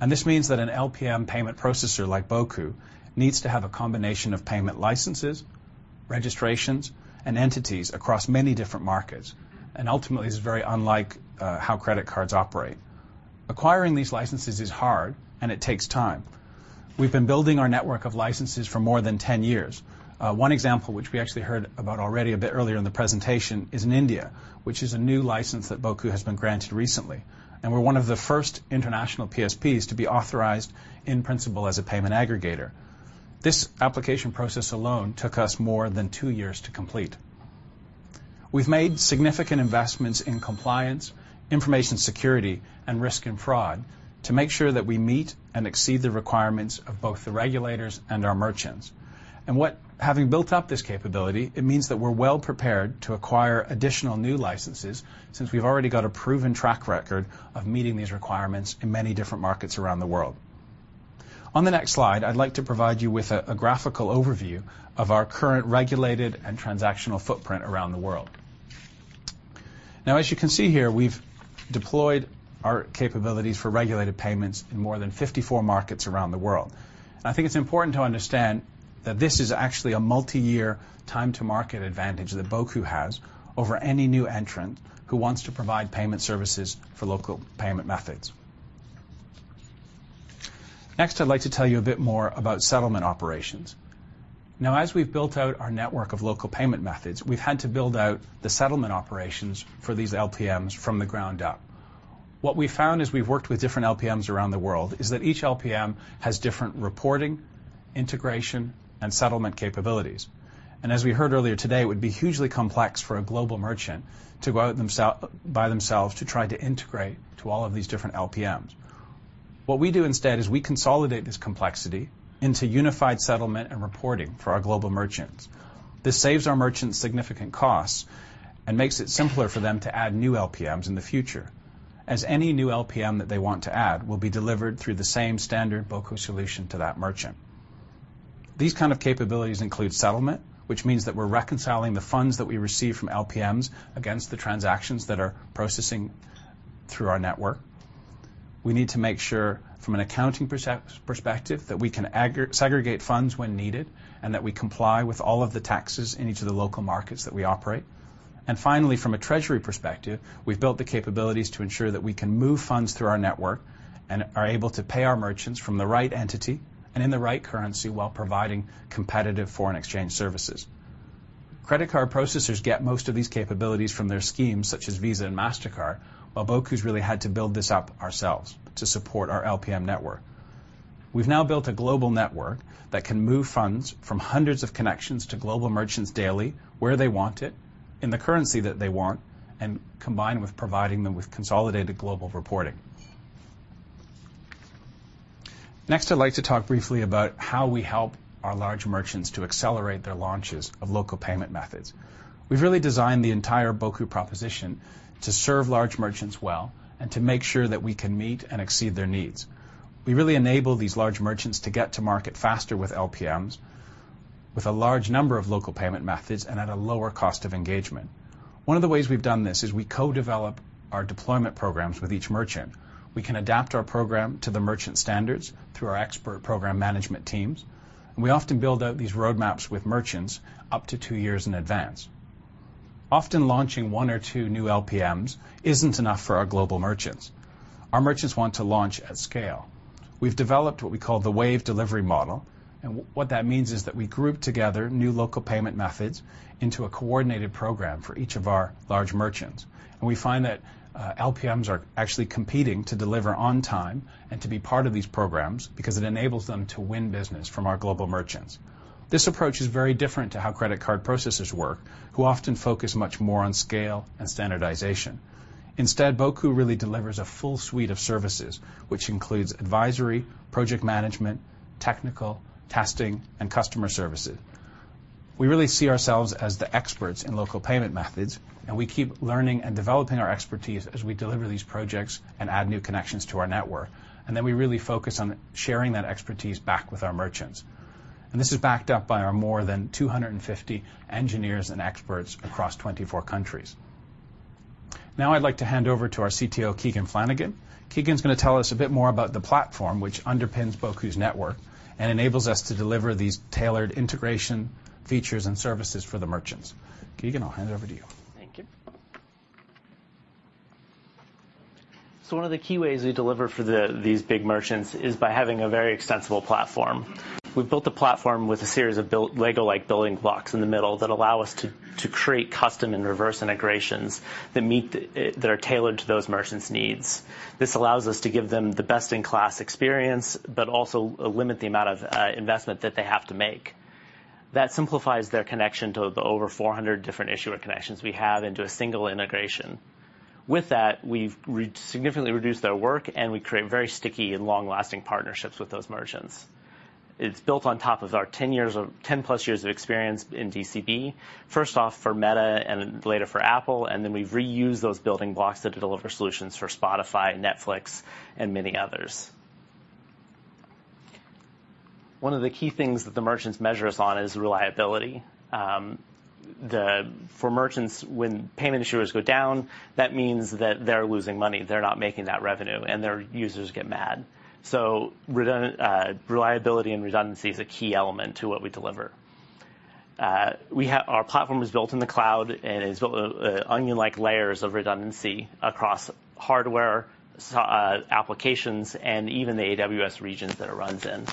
and this means that an LPM payment processor like Boku needs to have a combination of payment licenses, registrations, and entities across many different markets, and ultimately, is very unlike how credit cards operate. Acquiring these licenses is hard, and it takes time. We've been building our network of licenses for more than 10 years. One example which we actually heard about already a bit earlier in the presentation is in India, which is a new license that Boku has been granted recently, and we're one of the first international PSPs to be authorized in principle as a payment aggregator. This application process alone took us more than two years to complete. We've made significant investments in compliance, information security, and risk and fraud to make sure that we meet and exceed the requirements of both the regulators and our merchants. Having built up this capability, it means that we're well prepared to acquire additional new licenses since we've already got a proven track record of meeting these requirements in many different markets around the world. On the next slide, I'd like to provide you with a graphical overview of our current regulated and transactional footprint around the world. As you can see here, we've deployed our capabilities for regulated payments in more than 54 markets around the world. I think it's important to understand that this is actually a multi-year time to market advantage that Boku has over any new entrant who wants to provide payment services for local payment methods. I'd like to tell you a bit more about settlement operations. As we've built out our network of local payment methods, we've had to build out the settlement operations for these LPMs from the ground up. What we found as we've worked with different LPMs around the world is that each LPM has different reporting, integration, and settlement capabilities. As we heard earlier today, it would be hugely complex for a global merchant to go out by themselves to try to integrate to all of these different LPMs. What we do instead is we consolidate this complexity into unified settlement and reporting for our global merchants. This saves our merchants significant costs and makes it simpler for them to add new LPMs in the future, as any new LPM that they want to add will be delivered through the same standard Boku solution to that merchant. These kind of capabilities include settlement, which means that we're reconciling the funds that we receive from LPMs against the transactions that are processing through our network. We need to make sure from an accounting perspective that we can segregate funds when needed, and that we comply with all of the taxes in each of the local markets that we operate. Finally, from a treasury perspective, we've built the capabilities to ensure that we can move funds through our network and are able to pay our merchants from the right entity and in the right currency while providing competitive foreign exchange services. Credit card processors get most of these capabilities from their schemes such as Visa and Mastercard, while Boku's really had to build this up ourselves to support our LPM network. We've now built a global network that can move funds from hundreds of connections to global merchants daily where they want it, in the currency that they want, and combined with providing them with consolidated global reporting. Next, I'd like to talk briefly about how we help our large merchants to accelerate their launches of local payment methods. We've really designed the entire Boku proposition to serve large merchants well and to make sure that we can meet and exceed their needs. We really enable these large merchants to get to market faster with LPMs, with a large number of local payment methods, and at a lower cost of engagement. One of the ways we've done this is we co-develop our deployment programs with each merchant. We can adapt our program to the merchant standards through our expert program management teams. We often build out these roadmaps with merchants up to two years in advance. Often launching one or two new LPMs isn't enough for our global merchants. Our merchants want to launch at scale. We've developed what we call the wave delivery model. What that means is that we group together new local payment methods into a coordinated program for each of our large merchants. We find that LPMs are actually competing to deliver on time and to be part of these programs because it enables them to win business from our global merchants. This approach is very different to how credit card processors work, who often focus much more on scale and standardization. Instead, Boku really delivers a full suite of services, which includes advisory, project management, technical, testing, and customer services. We really see ourselves as the experts in local payment methods, and we keep learning and developing our expertise as we deliver these projects and add new connections to our network. We really focus on sharing that expertise back with our merchants. This is backed up by our more than 250 engineers and experts across 24 countries. Now I'd like to hand over to our CTO, Keegan Flanigan. Keegan's gonna tell us a bit more about the platform which underpins Boku's network and enables us to deliver these tailored integration features and services for the merchants. Keegan, I'll hand it over to you. Thank you. One of the key ways we deliver for these big merchants is by having a very extensible platform. We've built a platform with a series of built LEGO-like building blocks in the middle that allow us to create custom and reverse integrations that are tailored to those merchants' needs. This allows us to give them the best-in-class experience but also limit the amount of investment that they have to make. That simplifies their connection to the over 400 different issuer connections we have into a single integration. With that, we've significantly reduced their work, and we create very sticky and long-lasting partnerships with those merchants. It's built on top of our 10+ years of experience in DCB, first off for Meta and then later for Apple, and then we've reused those building blocks to deliver solutions for Spotify, Netflix, and many others. One of the key things that the merchants measure us on is reliability. For merchants, when payment issuers go down, that means that they're losing money. They're not making that revenue, and their users get mad. Reliability and redundancy is a key element to what we deliver. Our platform is built in the cloud and is built with, onion-like layers of redundancy across hardware, so, applications, and even the AWS regions that it runs in.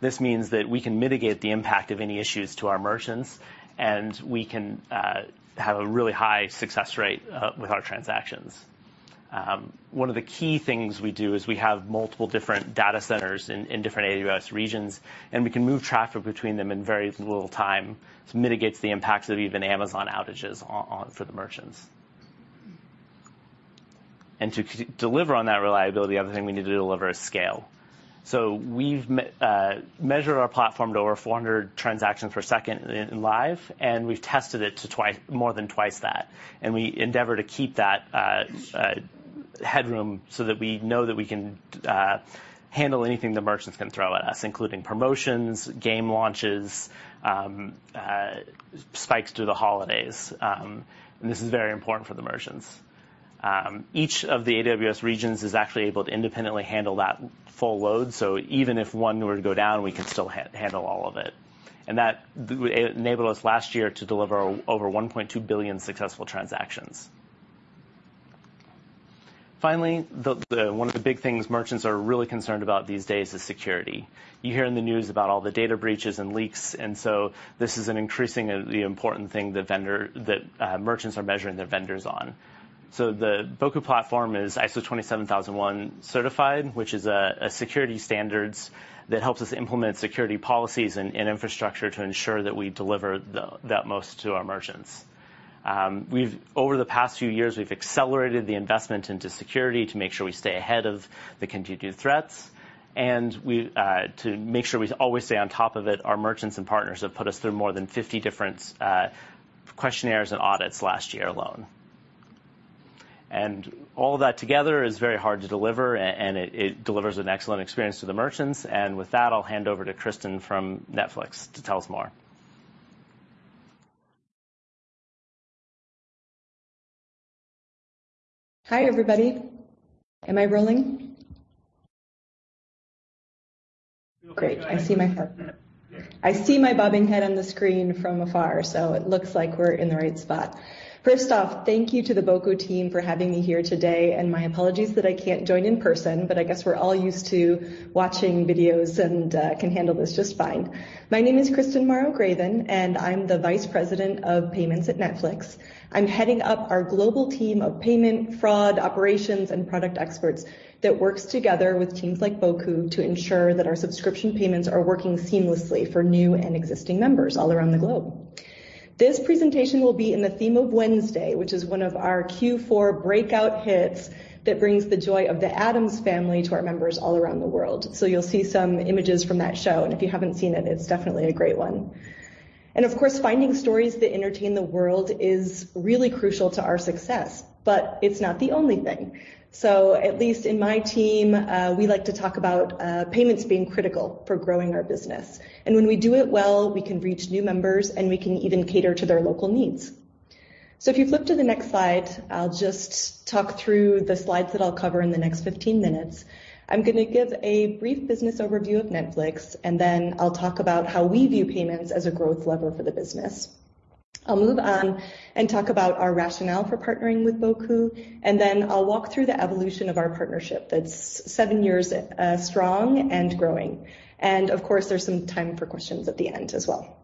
This means that we can mitigate the impact of any issues to our merchants, we can have a really high success rate with our transactions. One of the key things we do is we have multiple different data centers in different AWS regions, and we can move traffic between them in very little time, which mitigates the impacts of even Amazon outages for the merchants. To deliver on that reliability, the other thing we need to deliver is scale. We've measured our platform to over 400 transactions per second in live, and we've tested it to more than twice that, and we endeavor to keep that Headroom so that we know that we can handle anything the merchants can throw at us, including promotions, game launches, spikes through the holidays. This is very important for the merchants. Each of the AWS regions is actually able to independently handle that full load, so even if one were to go down, we can still handle all of it. That enabled us last year to deliver over 1.2 billion successful transactions. Finally, the one of the big things merchants are really concerned about these days is security. You hear in the news about all the data breaches and leaks, this is an increasingly important thing that merchants are measuring their vendors on. The Boku platform is ISO 27001 certified, which is a security standards that helps us implement security policies and infrastructure to ensure that we deliver that most to our merchants. Over the past few years, we've accelerated the investment into security to make sure we stay ahead of the continued threats, and we, to make sure we always stay on top of it, our merchants and partners have put us through more than 50 different questionnaires and audits last year alone. All that together is very hard to deliver and it delivers an excellent experience to the merchants. With that, I'll hand over to Kristen from Netflix to tell us more. Hi, everybody. Am I rolling? Great. I see my head. I see my bobbing head on the screen from afar, so it looks like we're in the right spot. First off, thank you to the Boku team for having me here today, and my apologies that I can't join in person, but I guess we're all used to watching videos and can handle this just fine. My name is Kristen Morrow-Greven, and I'm the Vice President of Payments at Netflix. I'm heading up our global team of payment, fraud, operations, and product experts that works together with teams like Boku to ensure that our subscription payments are working seamlessly for new and existing members all around the globe. This presentation will be in the theme of Wednesday, which is one of our Q4 breakout hits that brings the joy of The Addams Family to our members all around the world. You'll see some images from that show, and if you haven't seen it's definitely a great one. Of course, finding stories that entertain the world is really crucial to our success, but it's not the only thing. At least in my team, we like to talk about payments being critical for growing our business. When we do it well, we can reach new members, and we can even cater to their local needs. If you flip to the next slide, I'll just talk through the slides that I'll cover in the next 15 minutes. I'm gonna give a brief business overview of Netflix, then I'll talk about how we view payments as a growth lever for the business. I'll move on and talk about our rationale for partnering with Boku, then I'll walk through the evolution of our partnership that's seven years strong and growing. Of course, there's some time for questions at the end as well.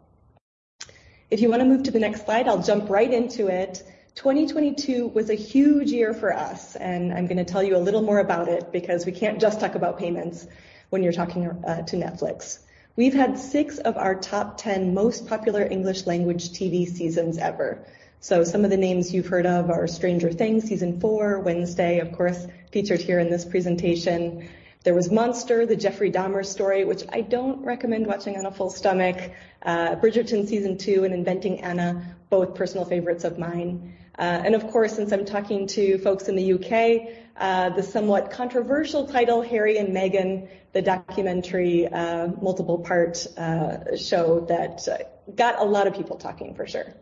If you want to move to the next slide, I'll jump right into it. 2022 was a huge year for us, and I'm gonna tell you a little more about it because we can't just talk about payments when you're talking to Netflix. We've had six of our top 10 most popular English language TV seasons ever. Some of the names you've heard of are Stranger Things Season 4, Wednesday, of course, featured here in this presentation. There was Monster: The Jeffrey Dahmer Story, which I don't recommend watching on a full stomach. Bridgerton Season 2, and Inventing Anna, both personal favorites of mine. Of course, since I'm talking to folks in the U.K., the somewhat controversial title, Harry and Meghan, the documentary, multiple part, show that got a lot of people talking for sure.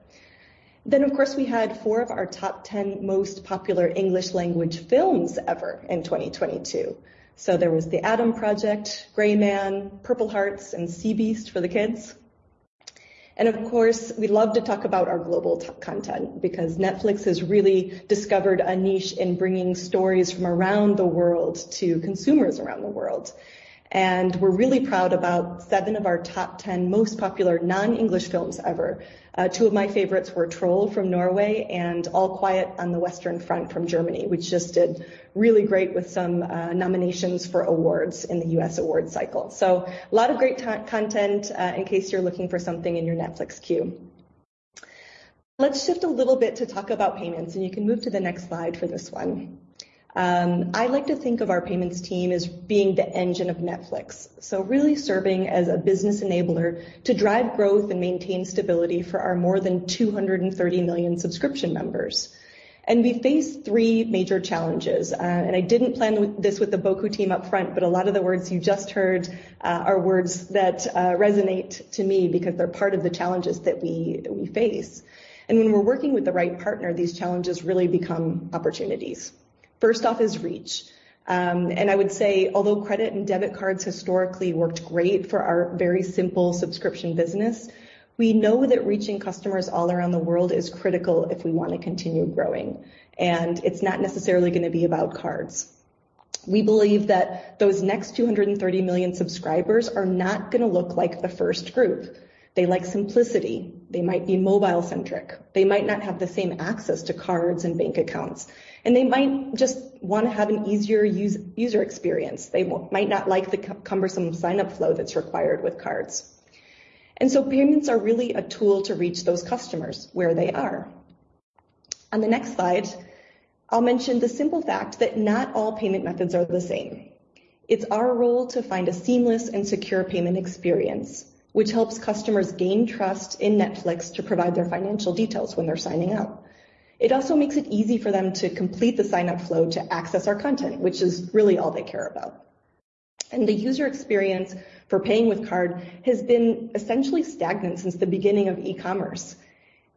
Of course, we had four of our top 10 most popular English language films ever in 2022. There was The Adam Project, Gray Man, Purple Hearts, and Sea Beast for the kids. Of course, we love to talk about our global content because Netflix has really discovered a niche in bringing stories from around the world to consumers around the world. We're really proud about seven of our top 10 most popular non-English films ever. Two of my favorites were Troll from Norway and All Quiet on the Western Front from Germany, which just did really great with some nominations for awards in the U.S. awards cycle. A lot of great content in case you're looking for something in your Netflix queue. Let's shift a little bit to talk about payments, and you can move to the next slide for this one. I like to think of our payments team as being the engine of Netflix. Really serving as a business enabler to drive growth and maintain stability for our more than 230 million subscription members. We face three major challenges. I didn't plan this with the Boku team up front, but a lot of the words you just heard are words that resonate to me because they're part of the challenges that we face. When we're working with the right partner, these challenges really become opportunities. First off is reach. I would say, although credit and debit cards historically worked great for our very simple subscription business, we know that reaching customers all around the world is critical if we want to continue growing. It's not necessarily gonna be about cards. We believe that those next 230 million subscribers are not gonna look like the first group. They like simplicity. They might be mobile-centric. They might not have the same access to cards and bank accounts. They might just wanna have an easier user experience. They might not like the cumbersome sign-up flow that's required with cards. Payments are really a tool to reach those customers where they are. On the next slide, I'll mention the simple fact that not all payment methods are the same. It's our role to find a seamless and secure payment experience, which helps customers gain trust in Netflix to provide their financial details when they're signing up. It also makes it easy for them to complete the sign-up flow to access our content, which is really all they care about. The user experience for paying with card has been essentially stagnant since the beginning of e-commerce.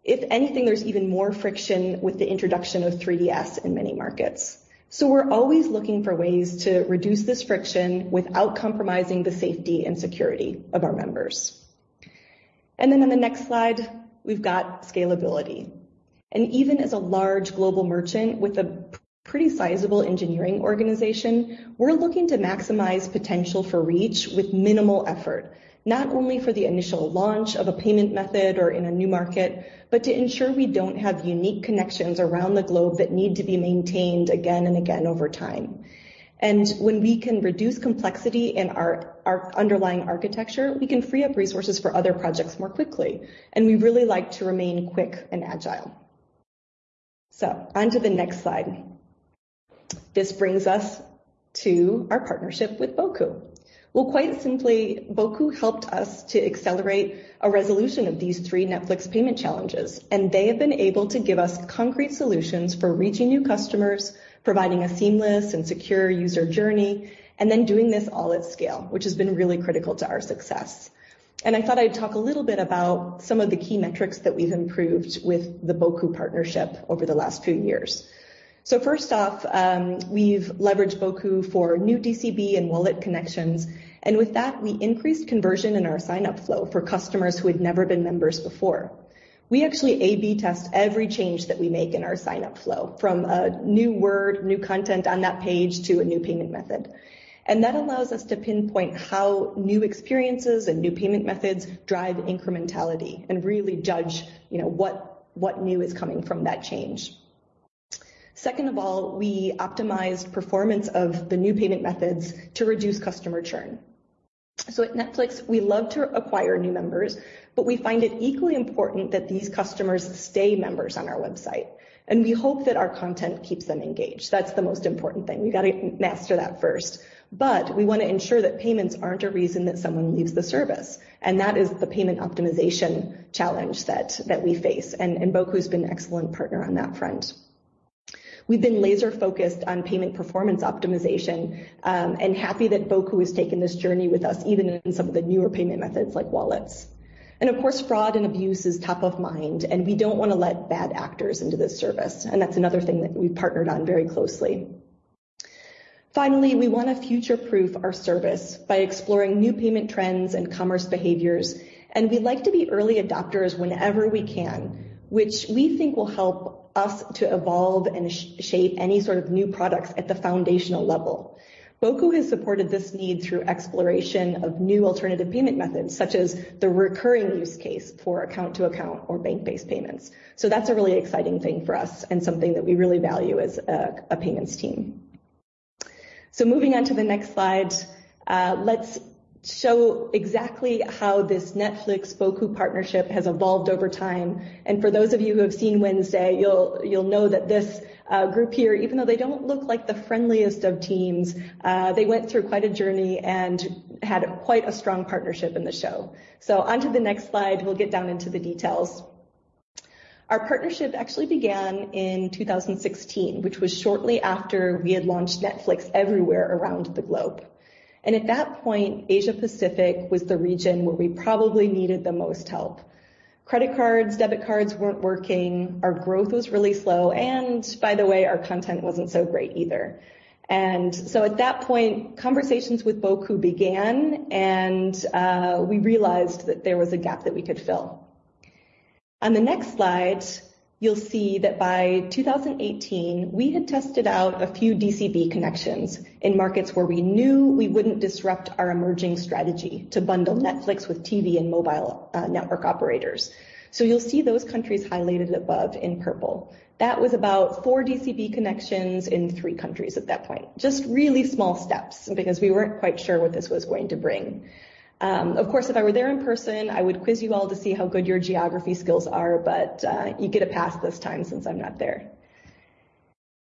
If anything, there's even more friction with the introduction of 3D Secure in many markets. We're always looking for ways to reduce this friction without compromising the safety and security of our members. On the next slide, we've got scalability. Even as a large global merchant with a pretty sizable engineering organization, we're looking to maximize potential for reach with minimal effort, not only for the initial launch of a payment method or in a new market, but to ensure we don't have unique connections around the globe that need to be maintained again and again over time. When we can reduce complexity in our underlying architecture, we can free up resources for other projects more quickly, and we really like to remain quick and agile. Onto the next slide. This brings us to our partnership with Boku. Quite simply, Boku helped us to accelerate a resolution of these three Netflix payment challenges. They have been able to give us concrete solutions for reaching new customers, providing a seamless and secure user journey, doing this all at scale, which has been really critical to our success. I thought I'd talk a little bit about some of the key metrics that we've improved with the Boku partnership over the last few years. First off, we've leveraged Boku for new DCB and wallet connections. With that, we increased conversion in our sign-up flow for customers who had never been members before. We actually AB test every change that we make in our sign-up flow from a new word, new content on that page to a new payment method. That allows us to pinpoint how new experiences and new payment methods drive incrementality and really judge, you know, what new is coming from that change. Second of all, we optimized performance of the new payment methods to reduce customer churn. At Netflix, we love to acquire new members, but we find it equally important that these customers stay members on our website, and we hope that our content keeps them engaged. That's the most important thing. We gotta master that first. We wanna ensure that payments aren't a reason that someone leaves the service, and that is the payment optimization challenge that we face, and Boku's been an excellent partner on that front. We've been laser-focused on payment performance optimization, and happy that Boku has taken this journey with us, even in some of the newer payment methods like wallets. Of course, fraud and abuse is top of mind, and we don't wanna let bad actors into this service, and that's another thing that we've partnered on very closely. Finally, we wanna future-proof our service by exploring new payment trends and commerce behaviors, and we like to be early adopters whenever we can, which we think will help us to evolve and shape any sort of new products at the foundational level. Boku has supported this need through exploration of new alternative payment methods, such as the recurring use case for Account-to-Account or bank-based payments. That's a really exciting thing for us and something that we really value as a payments team. Moving on to the next slide. Let's show exactly how this Netflix-Boku partnership has evolved over time. For those of you who have seen Wednesday, you'll know that this group here, even though they don't look like the friendliest of teams, they went through quite a journey and had quite a strong partnership in the show. Onto the next slide, we'll get down into the details. Our partnership actually began in 2016, which was shortly after we had launched Netflix everywhere around the globe. At that point, Asia-Pacific was the region where we probably needed the most help. Credit cards, debit cards weren't working, our growth was really slow, and by the way, our content wasn't so great either. At that point, conversations with Boku began, and we realized that there was a gap that we could fill. On the next slide, you'll see that by 2018, we had tested out a few DCB connections in markets where we knew we wouldn't disrupt our emerging strategy to bundle Netflix with TV and mobile network operators. You'll see those countries highlighted above in purple. That was about four DCB connections in three countries at that point. Just really small steps because we weren't quite sure what this was going to bring. Of course, if I were there in person, I would quiz you all to see how good your geography skills are, you get a pass this time since I'm not there.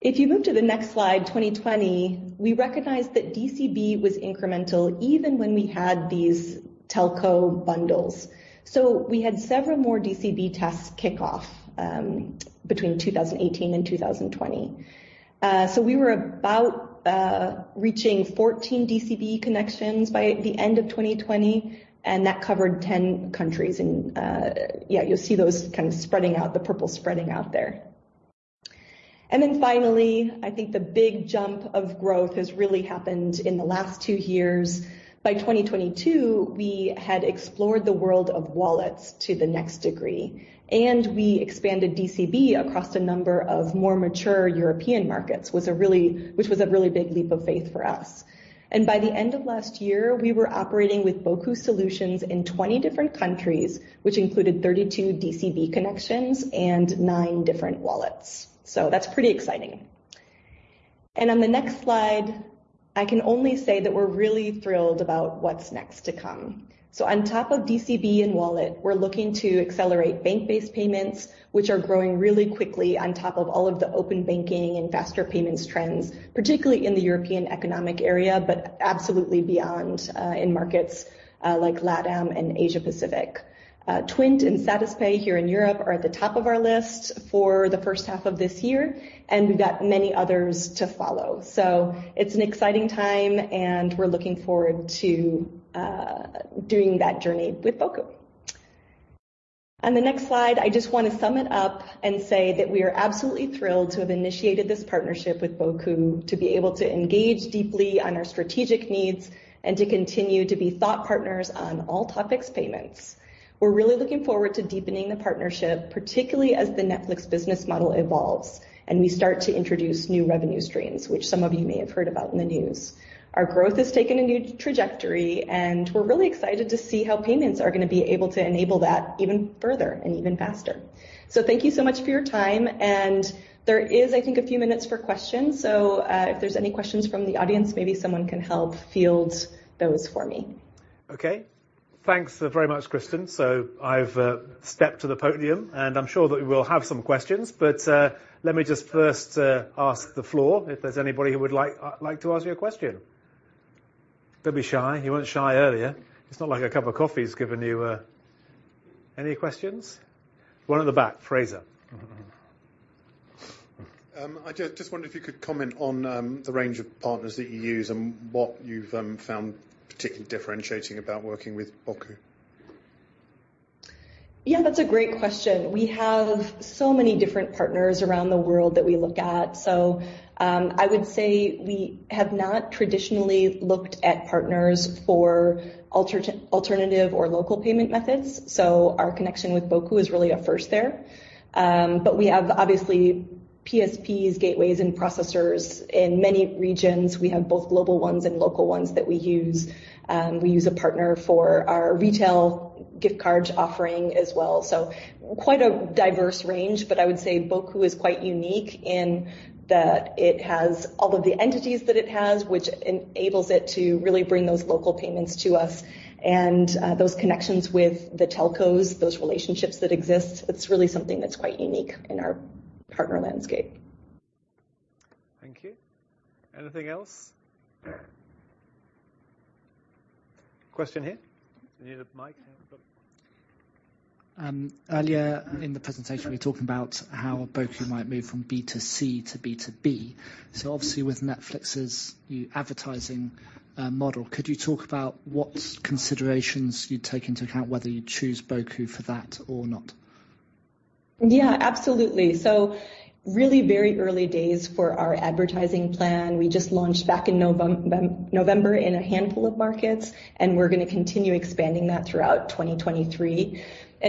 If you move to the next slide, 2020, we recognized that DCB was incremental even when we had these telco bundles. We had several more DCB tests kick off between 2018 and 2020. We were about reaching 14 DCB connections by the end of 2020, and that covered 10 countries and, yeah, you'll see those kind of spreading out, the purple spreading out there. Finally, I think the big jump of growth has really happened in the last two years. By 2022, we had explored the world of wallets to the next degree, and we expanded DCB across a number of more mature European markets, which was a really big leap of faith for us. By the end of last year, we were operating with Boku solutions in 20 different countries, which included 32 DCB connections and nine different wallets. That's pretty exciting. On the next slide, I can only say that we're really thrilled about what's next to come. On top of DCB and Wallet, we're looking to accelerate bank-based payments, which are growing really quickly on top of all of the Open Banking and Faster Payments trends, particularly in the European Economic Area, but absolutely beyond in markets like LATAM and Asia Pacific. TWINT and Satispay here in Europe are at the top of our list for the first half of this year, and we've got many others to follow. It's an exciting time, and we're looking forward to doing that journey with Boku. On the next slide, I just wanna sum it up and say that we are absolutely thrilled to have initiated this partnership with Boku, to be able to engage deeply on our strategic needs and to continue to be thought partners on all topics payments. We're really looking forward to deepening the partnership, particularly as the Netflix business model evolves and we start to introduce new revenue streams, which some of you may have heard about in the news. Our growth has taken a new trajectory, and we're really excited to see how payments are gonna be able to enable that even further and even faster. Thank you so much for your time. There is, I think, a few minutes for questions, so if there's any questions from the audience, maybe someone can help field those for me. Okay. Thanks very much, Kristen. I've stepped to the podium, and I'm sure that we will have some questions, let me just first ask the floor if there's anybody who would like to ask you a question. Don't be shy. You weren't shy earlier. It's not like a cup of coffee has given you. Any questions? One at the back. Frazer. I just wonder if you could comment on the range of partners that you use and what you've found particularly differentiating about working with Boku. Yeah, that's a great question. We have so many different partners around the world that we look at. I would say we have not traditionally looked at partners for alternative or local payment methods, so our connection with Boku is really a first there. We have obviously PSPs, gateways, and processors in many regions. We have both global ones and local ones that we use. We use a partner for our retail gift cards offering as well. Quite a diverse range. I would say Boku is quite unique in that it has all of the entities that it has, which enables it to really bring those local payments to us, and those connections with the telcos, those relationships that exist, it's really something that's quite unique in our partner landscape. Thank you. Anything else? Question here. You need a mic? Got it. Earlier in the presentation, you were talking about how Boku might move from B2C to B2B. Obviously with Netflix's new advertising, model, could you talk about what considerations you take into account whether you choose Boku for that or not? Absolutely. Really very early days for our advertising plan. We just launched back in November in a handful of markets, and we're gonna continue expanding that throughout 2023.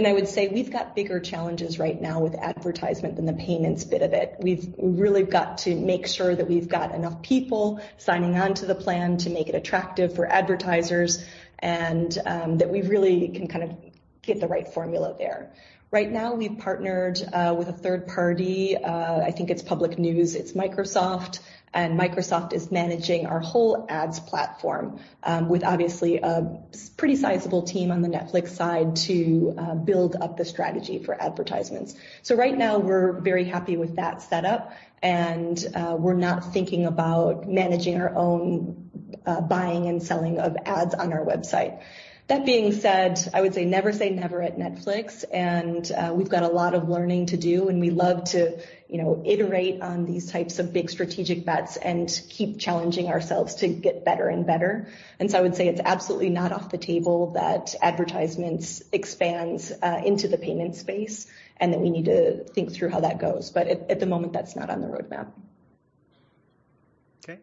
I would say we've got bigger challenges right now with advertisement than the payments bit of it. We've really got to make sure that we've got enough people signing on to the plan to make it attractive for advertisers and that we really can kind of get the right formula there. Right now, we've partnered with a third party. I think it's public news, it's Microsoft, and Microsoft is managing our whole ads platform with obviously a pretty sizable team on the Netflix side to build up the strategy for advertisements. Right now, we're very happy with that setup, and we're not thinking about managing our own buying and selling of ads on our website. That being said, I would say never say never at Netflix, and we've got a lot of learning to do, and we love to, you know, iterate on these types of big strategic bets and keep challenging ourselves to get better and better. I would say it's absolutely not off the table that advertisements expands into the payment space, and that we need to think through how that goes. At the moment, that's not on the roadmap. Okay.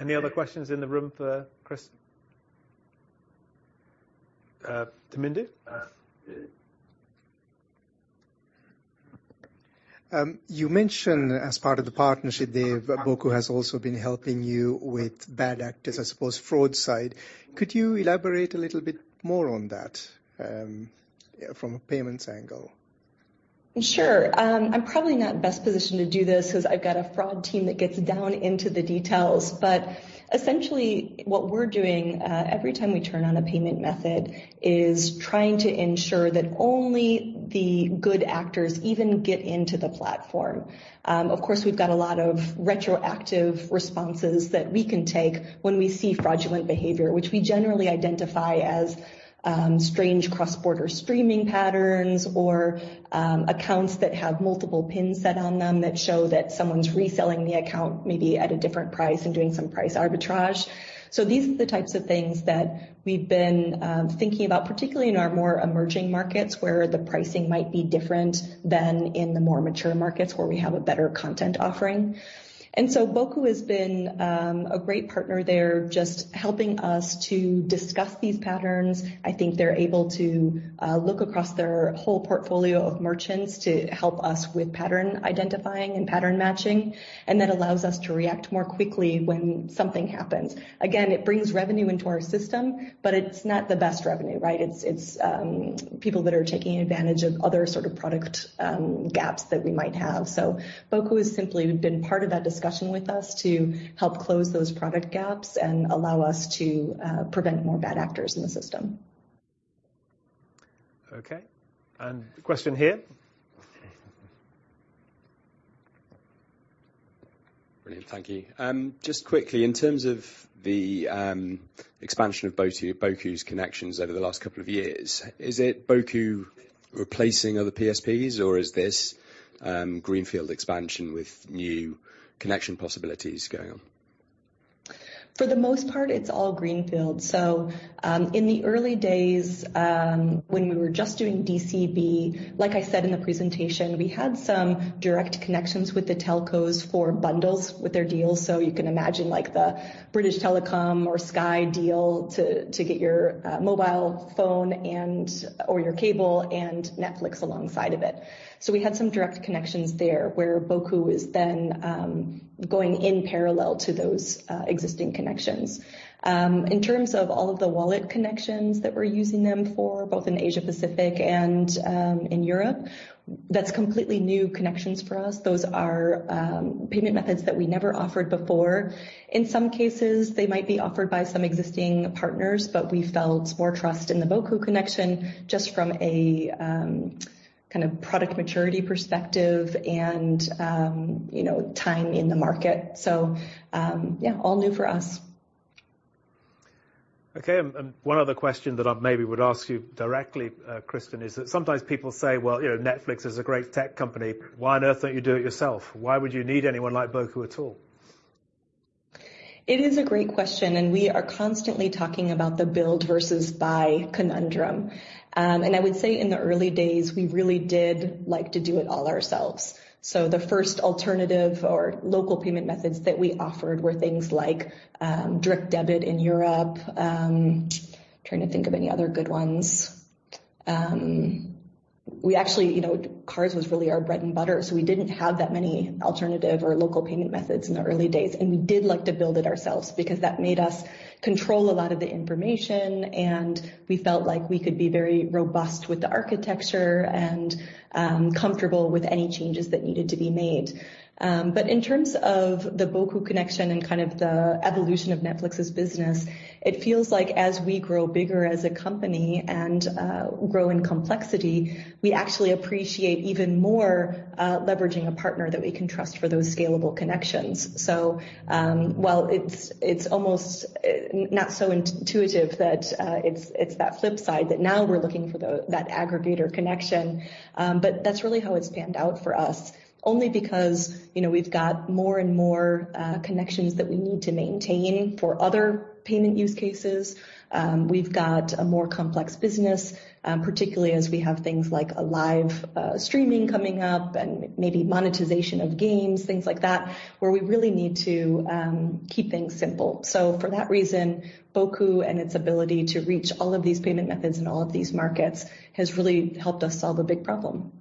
Any other questions in the room for Kris? Damindu? You mentioned as part of the partnership there that Boku has also been helping you with bad actors, I suppose, fraud side. Could you elaborate a little bit more on that from a payments angle? Sure. I'm probably not in best position to do this 'cause I've got a fraud team that gets down into the details. Essentially, what we're doing, every time we turn on a payment method is trying to ensure that only the good actors even get into the platform. Of course, we've got a lot of retroactive responses that we can take when we see fraudulent behavior, which we generally identify as strange cross-border streaming patterns or accounts that have multiple PINs set on them that show that someone's reselling the account maybe at a different price and doing some price arbitrage. These are the types of things that we've been thinking about, particularly in our more emerging markets, where the pricing might be different than in the more mature markets where we have a better content offering. Boku has been a great partner there, just helping us to discuss these patterns. I think they're able to look across their whole portfolio of merchants to help us with pattern identifying and pattern matching, and that allows us to react more quickly when something happens. Again, it brings revenue into our system, but it's not the best revenue, right? It's people that are taking advantage of other sort of product gaps that we might have. Boku has simply been part of that discussion with us to help close those product gaps and allow us to prevent more bad actors in the system. Okay. Question here. Thank you. Just quickly, in terms of the expansion of Boku's connections over the last couple of years, is it Boku replacing other PSPs, or is this greenfield expansion with new connection possibilities going on? For the most part, it's all greenfield. In the early days, when we were just doing DCB, like I said in the presentation, we had some direct connections with the telcos for bundles with their deals. You can imagine like the British Telecom or Sky deal to get your mobile phone and/or your cable and Netflix alongside of it. We had some direct connections there where Boku is then going in parallel to those existing connections. In terms of all of the wallet connections that we're using them for, both in Asia-Pacific and in Europe, that's completely new connections for us. Those are payment methods that we never offered before. In some cases, they might be offered by some existing partners, but we felt more trust in the Boku connection just from a, kind of product maturity perspective and, you know, time in the market. Yeah, all new for us. Okay. One other question that I maybe would ask you directly, Kristen, is that sometimes people say, "Well, you know, Netflix is a great tech company. Why on earth don't you do it yourself? Why would you need anyone like Boku at all? It is a great question, and we are constantly talking about the build versus buy conundrum. I would say in the early days, we really did like to do it all ourselves. The first alternative or local payment methods that we offered were things like, direct debit in Europe. Trying to think of any other good ones. We actually, you know, cards was really our bread and butter, so we didn't have that many alternative or local payment methods in the early days, and we did like to build it ourselves because that made us control a lot of the information, and we felt like we could be very robust with the architecture and comfortable with any changes that needed to be made. In terms of the Boku connection and kind of the evolution of Netflix's business, it feels like as we grow bigger as a company and grow in complexity, we actually appreciate even more, leveraging a partner that we can trust for those scalable connections. While it's almost not so intuitive that it's that flip side, that now we're looking for that aggregator connection. That's really how it's panned out for us. Only because, you know, we've got more and more connections that we need to maintain for other payment use cases. We've got a more complex business, particularly as we have things like a live streaming coming up and maybe monetization of games, things like that, where we really need to keep things simple. For that reason, Boku and its ability to reach all of these payment methods in all of these markets has really helped us solve a big problem.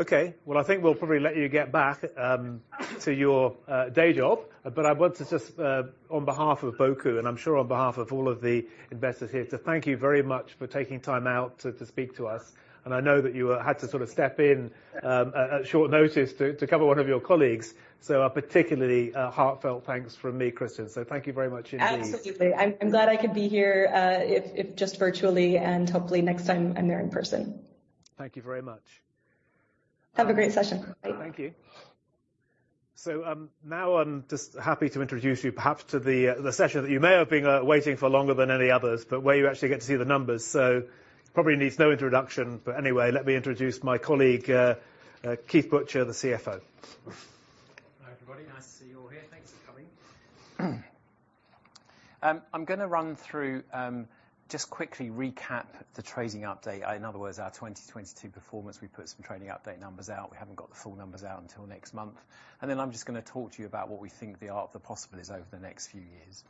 Okay. Well, I think we'll probably let you get back to your day job. I want to just on behalf of Boku, and I'm sure on behalf of all of the investors here, to thank you very much for taking time out to speak to us. I know that you had to sort of step in at short notice to cover one of your colleagues. A particularly heartfelt thanks from me, Kristen. Thank you very much indeed. Absolutely. I'm glad I could be here, if just virtually, hopefully next time I'm there in person. Thank you very much. Have a great session. Bye. Thank you. Now I'm just happy to introduce you perhaps to the session that you may have been, waiting for longer than any others, but where you actually get to see the numbers. Probably needs no introduction, but anyway, let me introduce my colleague, Keith Butcher, the CFO. Hi, everybody. Nice to see you all here. Thanks for coming. I'm gonna run through, just quickly recap the trading update. In other words, our 2022 performance. We put some trading update numbers out. We haven't got the full numbers out until next month. Then I'm just gonna talk to you about what we think the art of the possible is over the next few years.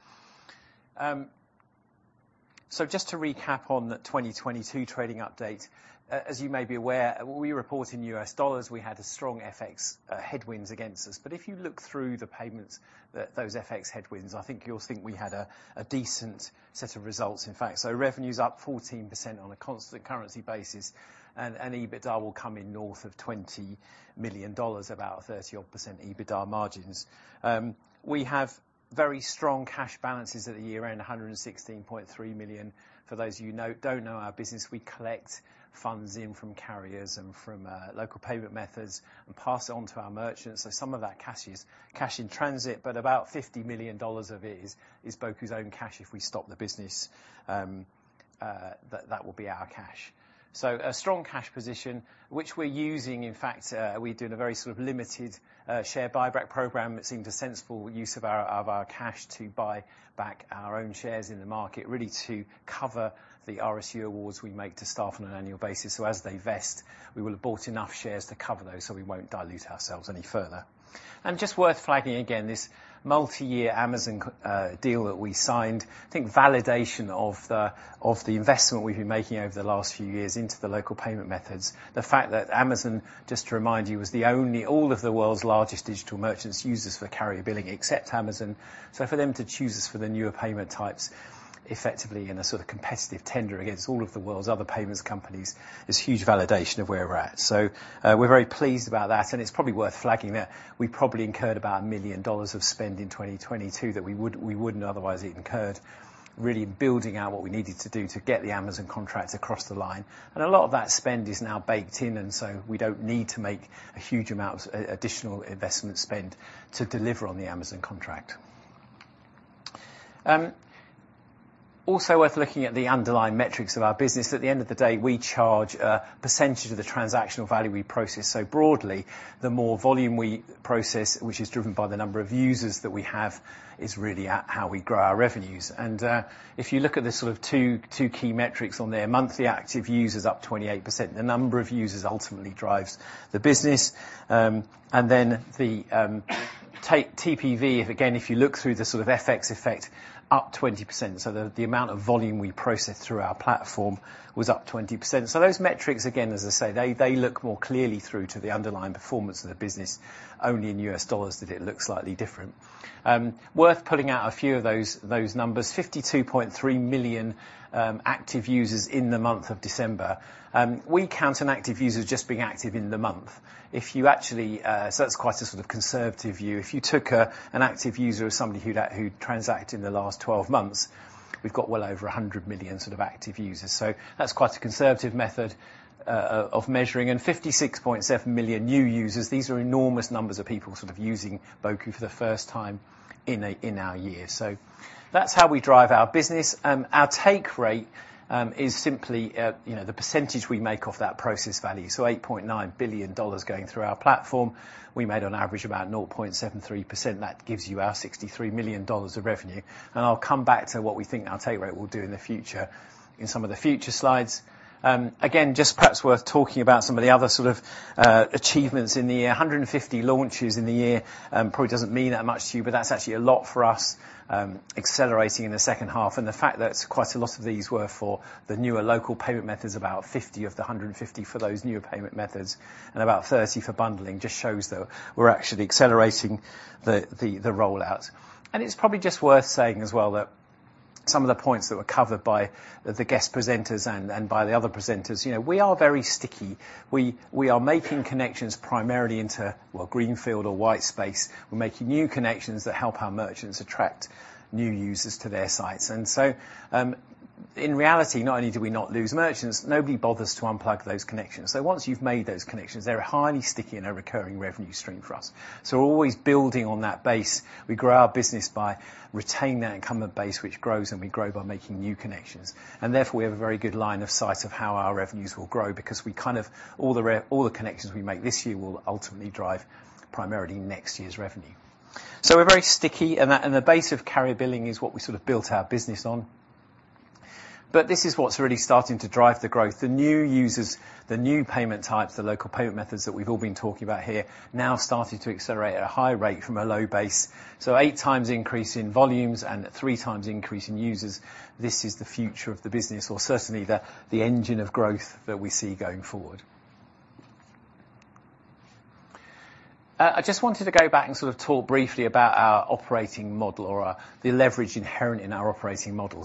Just to recap on the 2022 trading update, as you may be aware, we report in U.S. dollars, we had a strong FX, headwinds against us. If you look through the payments that those FX headwinds, I think you'll think we had a decent set of results, in fact. Revenue's up 14% on a constant currency basis, and EBITDA will come in north of $20 million, about 30% odd EBITDA margins. We have very strong cash balances at the year-end, $116.3 million. For those of you don't know our business, we collect funds in from carriers and from local payment methods and pass it on to our merchants. Some of that cash is cash in transit, but about $50 million of it is Boku's own cash if we stop the business. That will be our cash. A strong cash position, which we're using. In fact, we're doing a very sort of limited share buyback program. It seemed a sensible use of our cash to buy back our own shares in the market, really to cover the RSU awards we make to staff on an annual basis. As they vest, we will have bought enough shares to cover those, so we won't dilute ourselves any further. Just worth flagging again, this multi-year Amazon deal that we signed, I think validation of the investment we've been making over the last few years into the local payment methods. The fact that Amazon, just to remind you, was the only all of the world's largest digital merchants use us for carrier billing except Amazon. For them to choose us for the newer payment types, effectively in a sort of competitive tender against all of the world's other payments companies is huge validation of where we're at. We're very pleased about that, and it's probably worth flagging that we probably incurred about $1 million of spend in 2022 that we wouldn't otherwise have incurred, really building out what we needed to do to get the Amazon contract across the line. A lot of that spend is now baked in, and so we don't need to make a huge amount of additional investment spend to deliver on the Amazon contract. Also worth looking at the underlying metrics of our business. At the end of the day, we charge a percentage of the transactional value we process. Broadly, the more volume we process, which is driven by the number of users that we have, is really at how we grow our revenues. if you look at the two key metrics on there, monthly active users up 28%. The number of users ultimately drives the business. the take TPV, if again, if you look through the FX effect, up 20%. the amount of volume we process through our platform was up 20%. those metrics, again, as I say, look more clearly through to the underlying performance of the business. Only in U.S. dollars did it look slightly different. worth pulling out a few of those numbers. 52.3 million active users in the month of December. We count an active user as just being active in the month. that's quite a conservative view. If you took an active user as somebody who'd transacted in the last 12 months, we've got well over 100 million sort of active users. That's quite a conservative method of measuring. 66.7 million new users. These are enormous numbers of people sort of using Boku for the first time in a, in our year. That's how we drive our business. Our take rate is simply, you know, the percentage we make off that process value. $8.9 billion going through our platform. We made on average about 0.73%. That gives you our $63 million of revenue. I'll come back to what we think our take rate will do in the future in some of the future slides. Again, just perhaps worth talking about some of the other sort of achievements in the year. 150 launches in the year, probably doesn't mean that much to you, but that's actually a lot for us, accelerating in the second half. The fact that quite a lot of these were for the newer Local Payment Methods, about 50 of the 150 for those newer payment methods, and about 30 for bundling, just shows that we're actually accelerating the rollout. It's probably just worth saying as well that some of the points that were covered by the guest presenters and by the other presenters, you know, we are very sticky. We are making connections primarily into, well, greenfield or white space. We're making new connections that help our merchants attract new users to their sites. In reality, not only do we not lose merchants, nobody bothers to unplug those connections. Once you've made those connections, they're highly sticky and a recurring revenue stream for us. We're always building on that base. We grow our business by retaining that incumbent base, which grows, and we grow by making new connections. We have a very good line of sight of how our revenues will grow because we kind of all the connections we make this year will ultimately drive primarily next year's revenue. We're very sticky, and the base of carrier billing is what we sort of built our business on. This is what's really starting to drive the growth. The new users, the new payment types, the local payment methods that we've all been talking about here now starting to accelerate at a high rate from a low base. 8x increase in volumes and 3x increase in users. This is the future of the business or certainly the engine of growth that we see going forward. I just wanted to go back and sort of talk briefly about our operating model or the leverage inherent in our operating model.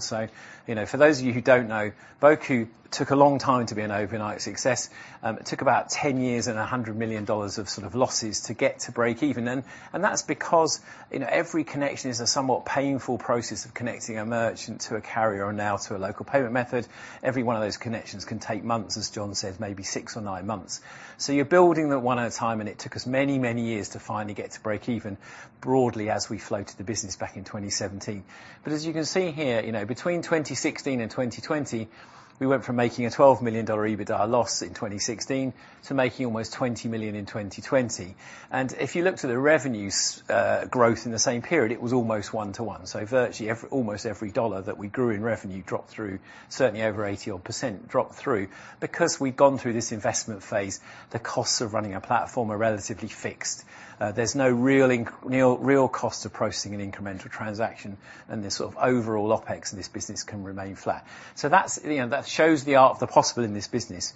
You know, for those of you who don't know, Boku took a long time to be an overnight success. It took about 10 years and $100 million of sort of losses to get to break even. That's because, you know, every connection is a somewhat painful process of connecting a merchant to a carrier or now to a Local Payment Method. Every one of those connections can take months, as Jon said, maybe six or nine months. You're building them one at a time, and it took us many, many years to finally get to break even broadly as we floated the business back in 2017. As you can see here, you know, between 2016 and 2020, we went from making a $12 million EBITDA loss in 2016 to making almost $20 million in 2020. If you looked at the revenues, growth in the same period, it was almost one to one. Virtually every, almost every dollar that we grew in revenue dropped through, certainly over 80% odd dropped through. Because we'd gone through this investment phase, the costs of running a platform are relatively fixed. There's no real cost of processing an incremental transaction, and the sort of overall OpEx of this business can remain flat. That's, you know, that shows the art of the possible in this business.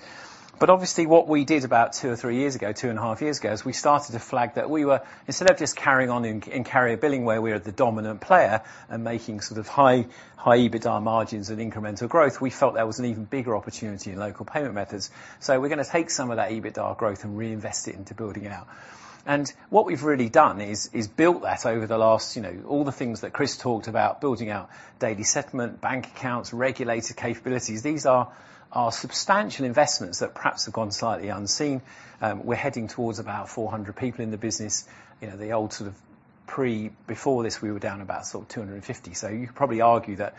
Obviously, what we did about two or three years ago, two and a half years ago, is we started to flag that we were, instead of just carrying on in carrier billing where we are the dominant player and making sort of high EBITDA margins and incremental growth, we felt there was an even bigger opportunity in Local Payment Methods. We're gonna take some of that EBITDA growth and reinvest it into building it out. What we've really done is built that over the last, you know, all the things that Chris talked about, building out daily settlement, bank accounts, regulator capabilities. These are substantial investments that perhaps have gone slightly unseen. We're heading towards about 400 people in the business. You know, the old sort of before this, we were down about sort of 250. You could probably argue that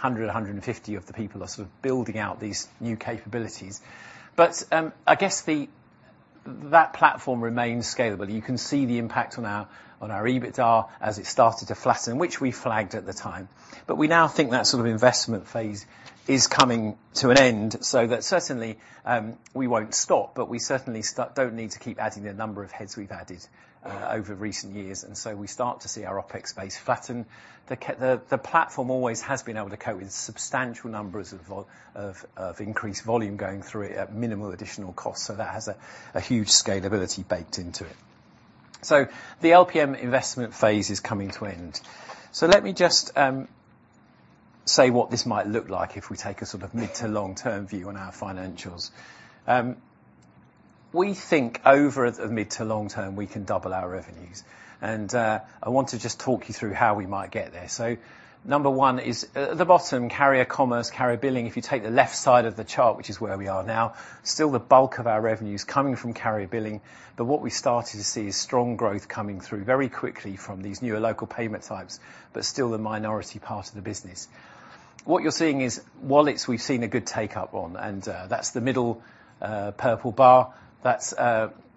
150 of the people are sort of building out these new capabilities. I guess that platform remains scalable. You can see the impact on our EBITDA as it started to flatten, which we flagged at the time. We now think that sort of investment phase is coming to an end, so that certainly, we won't stop, but we certainly don't need to keep adding the number of heads we've added over recent years. We start to see our OpEx base flatten. The platform always has been able to cope with substantial numbers of increased volume going through it at minimal additional cost, so that has a huge scalability baked into it. The LPM investment phase is coming to end. Let me just say what this might look like if we take a sort of mid to long-term view on our financials. We think over the mid to long term, we can double our revenues. I want to just talk you through how we might get there. Number one is at the bottom, carrier commerce, carrier billing. If you take the left side of the chart, which is where we are now, still the bulk of our revenue is coming from carrier billing. What we're starting to see is strong growth coming through very quickly from these newer local payment types, but still the minority part of the business. What you're seeing is wallets we've seen a good take up on, and that's the middle purple bar.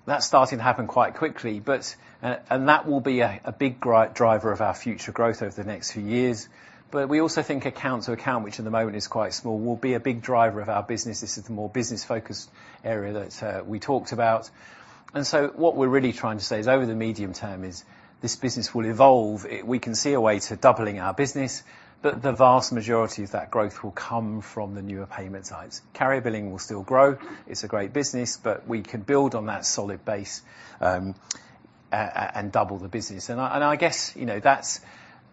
That's starting to happen quite quickly. That will be a big driver of our future growth over the next few years. We also think Account-to-Account, which at the moment is quite small, will be a big driver of our business. This is the more business-focused area that we talked about. What we're really trying to say is over the medium term is this business will evolve. We can see a way to doubling our business, but the vast majority of that growth will come from the newer payment types. Carrier billing will still grow. It's a great business, but we can build on that solid base and double the business. I guess, you know, that's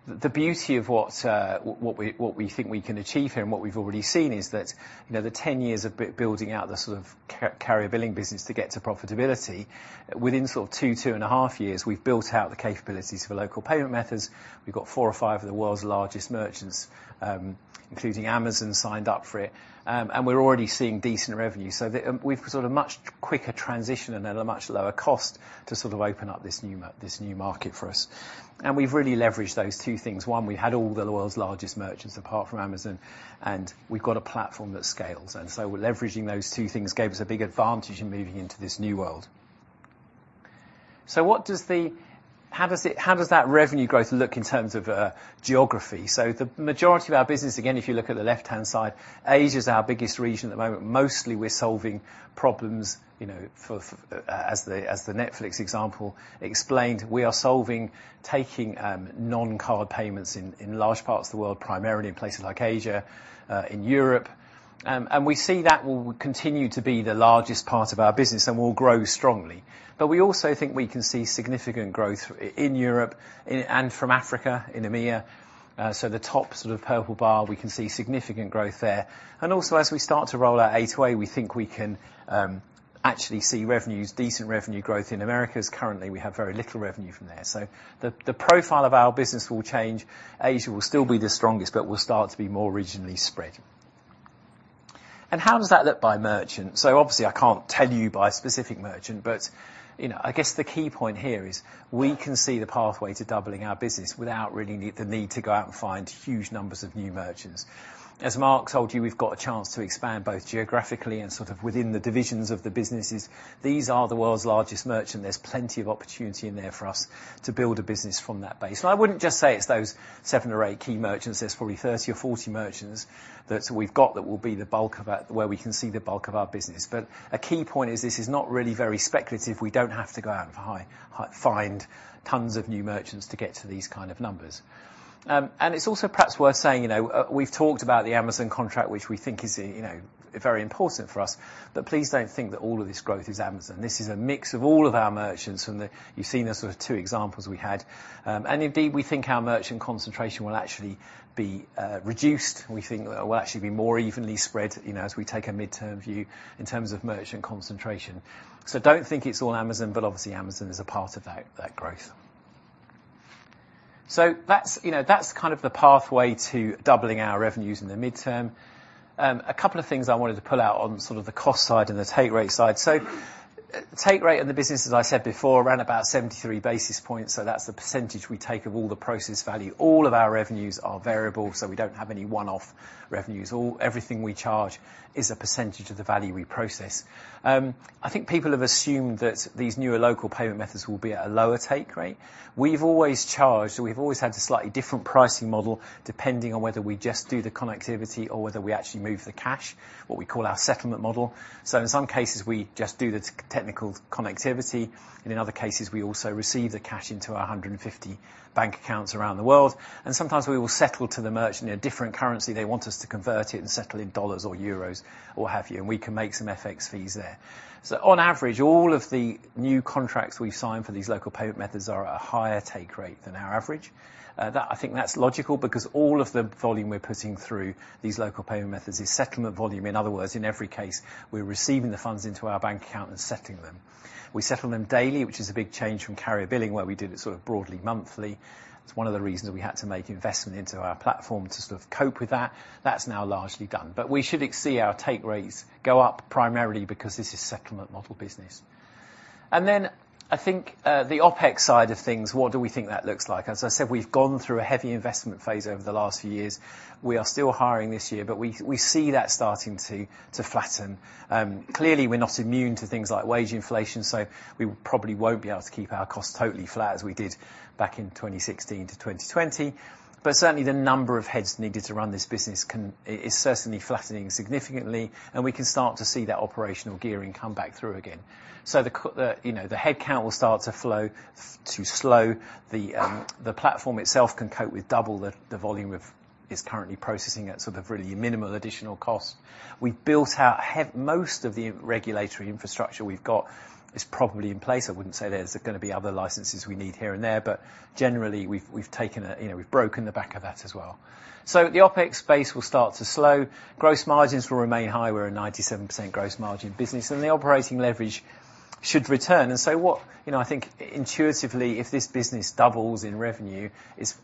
the beauty of what we think we can achieve here and what we've already seen is that, you know, the 10 years of building out the sort of carrier billing business to get to profitability, within sort of two and half years we've built out the capabilities for local payment methods. We've got four or five of the world's largest merchants, including Amazon, signed up for it. We're already seeing decent revenue. We've got a much quicker transition and at a much lower cost to sort of open up this new market for us. We've really leveraged those two things. One, we had all the world's largest merchants apart from Amazon, and we've got a platform that scales. Leveraging those two things gave us a big advantage in moving into this new world. What does How does that revenue growth look in terms of geography? The majority of our business, again, if you look at the left-hand side, Asia's our biggest region at the moment. Mostly we're solving problems, you know, for as the Netflix example explained, we are solving taking non-card payments in large parts of the world, primarily in places like Asia, in Europe. We see that will continue to be the largest part of our business and will grow strongly. We also think we can see significant growth in Europe and from Africa, in EMEA. The top sort of purple bar we can see significant growth there. Also, as we start to roll out A2A, we think we can actually see revenues, decent revenue growth in Americas. Currently, we have very little revenue from there. The profile of our business will change. Asia will still be the strongest, but we'll start to be more regionally spread. How does that look by merchant? Obviously I can't tell you by specific merchant, but, you know, I guess the key point here is we can see the pathway to doubling our business without really the need to go out and find huge numbers of new merchants. As Mark told you, we've got a chance to expand both geographically and sort of within the divisions of the businesses. These are the world's largest merchants. There's plenty of opportunity in there for us to build a business from that base. I wouldn't just say it's those seven or eight key merchants. There's probably 30 or 40 merchants that we've got that will be the bulk of that, where we can see the bulk of our business. A key point is this is not really very speculative. We don't have to go out and find tons of new merchants to get to these kind of numbers. It's also perhaps worth saying, you know, we've talked about the Amazon contract, which we think is, you know, very important for us. Please don't think that all of this growth is Amazon. This is a mix of all of our merchants. You've seen the sort of two examples we had. Indeed, we think our merchant concentration will actually be reduced. We think it will actually be more evenly spread, you know, as we take a midterm view in terms of merchant concentration. Don't think it's all Amazon, but obviously Amazon is a part of that growth. That's, you know, that's kind of the pathway to doubling our revenues in the midterm. A couple of things I wanted to pull out on sort of the cost side and the take rate side. Take rate in the business, as I said before, around about 73 basis points, so that's the % we take of all the process value. All of our revenues are variable, so we don't have any one-off revenues. Everything we charge is a percentage of the value we process. I think people have assumed that these newer local payment methods will be at a lower take rate. We've always charged, or we've always had a slightly different pricing model, depending on whether we just do the connectivity or whether we actually move the cash, what we call our settlement model. In some cases, we just do the technical connectivity, and in other cases, we also receive the cash into our 150 bank accounts around the world, and sometimes we will settle to the merchant in a different currency. They want us to convert it and settle in dollars or euros or what have you, and we can make some FX fees there. On average, all of the new contracts we've signed for these local payment methods are at a higher take rate than our average. I think that's logical because all of the volume we're putting through these local payment methods is settlement volume. In other words, in every case, we're receiving the funds into our bank account and settling them. We settle them daily, which is a big change from carrier billing, where we did it sort of broadly monthly. It's one of the reasons we had to make investment into our platform to sort of cope with that. That's now largely done. We should see our take rates go up primarily because this is settlement model business. I think the OpEx side of things, what do we think that looks like? As I said, we've gone through a heavy investment phase over the last few years. We are still hiring this year, but we see that starting to flatten. Clearly we're not immune to things like wage inflation, so we probably won't be able to keep our costs totally flat as we did back in 2016-2020. Certainly the number of heads needed to run this business is certainly flattening significantly, and we can start to see that operational gearing come back through again. The, you know, the headcount will start to slow. The platform itself can cope with double the volume of is currently processing at sort of really minimal additional cost. We've built out Most of the regulatory infrastructure we've got is probably in place. I wouldn't say there's gonna be other licenses we need here and there. Generally we've taken a you know, we've broken the back of that as well. The OpEx base will start to slow. Gross margins will remain high. We're a 97% gross margin business. The operating leverage should return. You know, I think intuitively if this business doubles in revenue,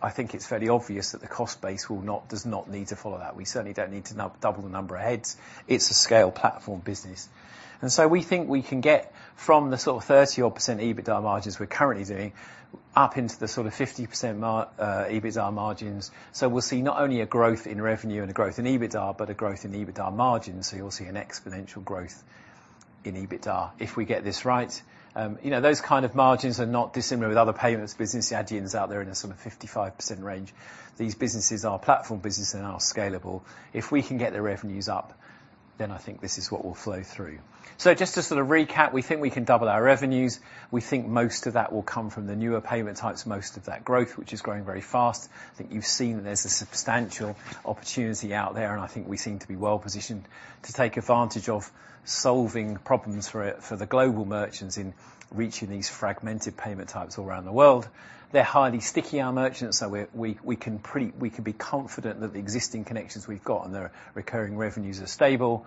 I think it's fairly obvious that the cost base will not, does not need to follow that. We certainly don't need to double the number of heads. It's a scale platform business. We think we can get from the sort of 30% EBITDA margins we're currently doing, up into the sort of 50% EBITDA margins. We'll see not only a growth in revenue and a growth in EBITDA, but a growth in EBITDA margins. You'll see an exponential growth in EBITDA if we get this right. You know, those kind of margins are not dissimilar with other payments business. The Adyen's out there in a sort of 55% range. These businesses are platform business and are scalable. If we can get the revenues up, I think this is what will flow through. Just to sort of recap, we think we can double our revenues. We think most of that will come from the newer payment types, most of that growth, which is growing very fast. I think you've seen there's a substantial opportunity out there, and I think we seem to be well-positioned to take advantage of solving problems for the global merchants in reaching these fragmented payment types all around the world. They're highly sticky, our merchants, so we're, we can be confident that the existing connections we've got and their recurring revenues are stable.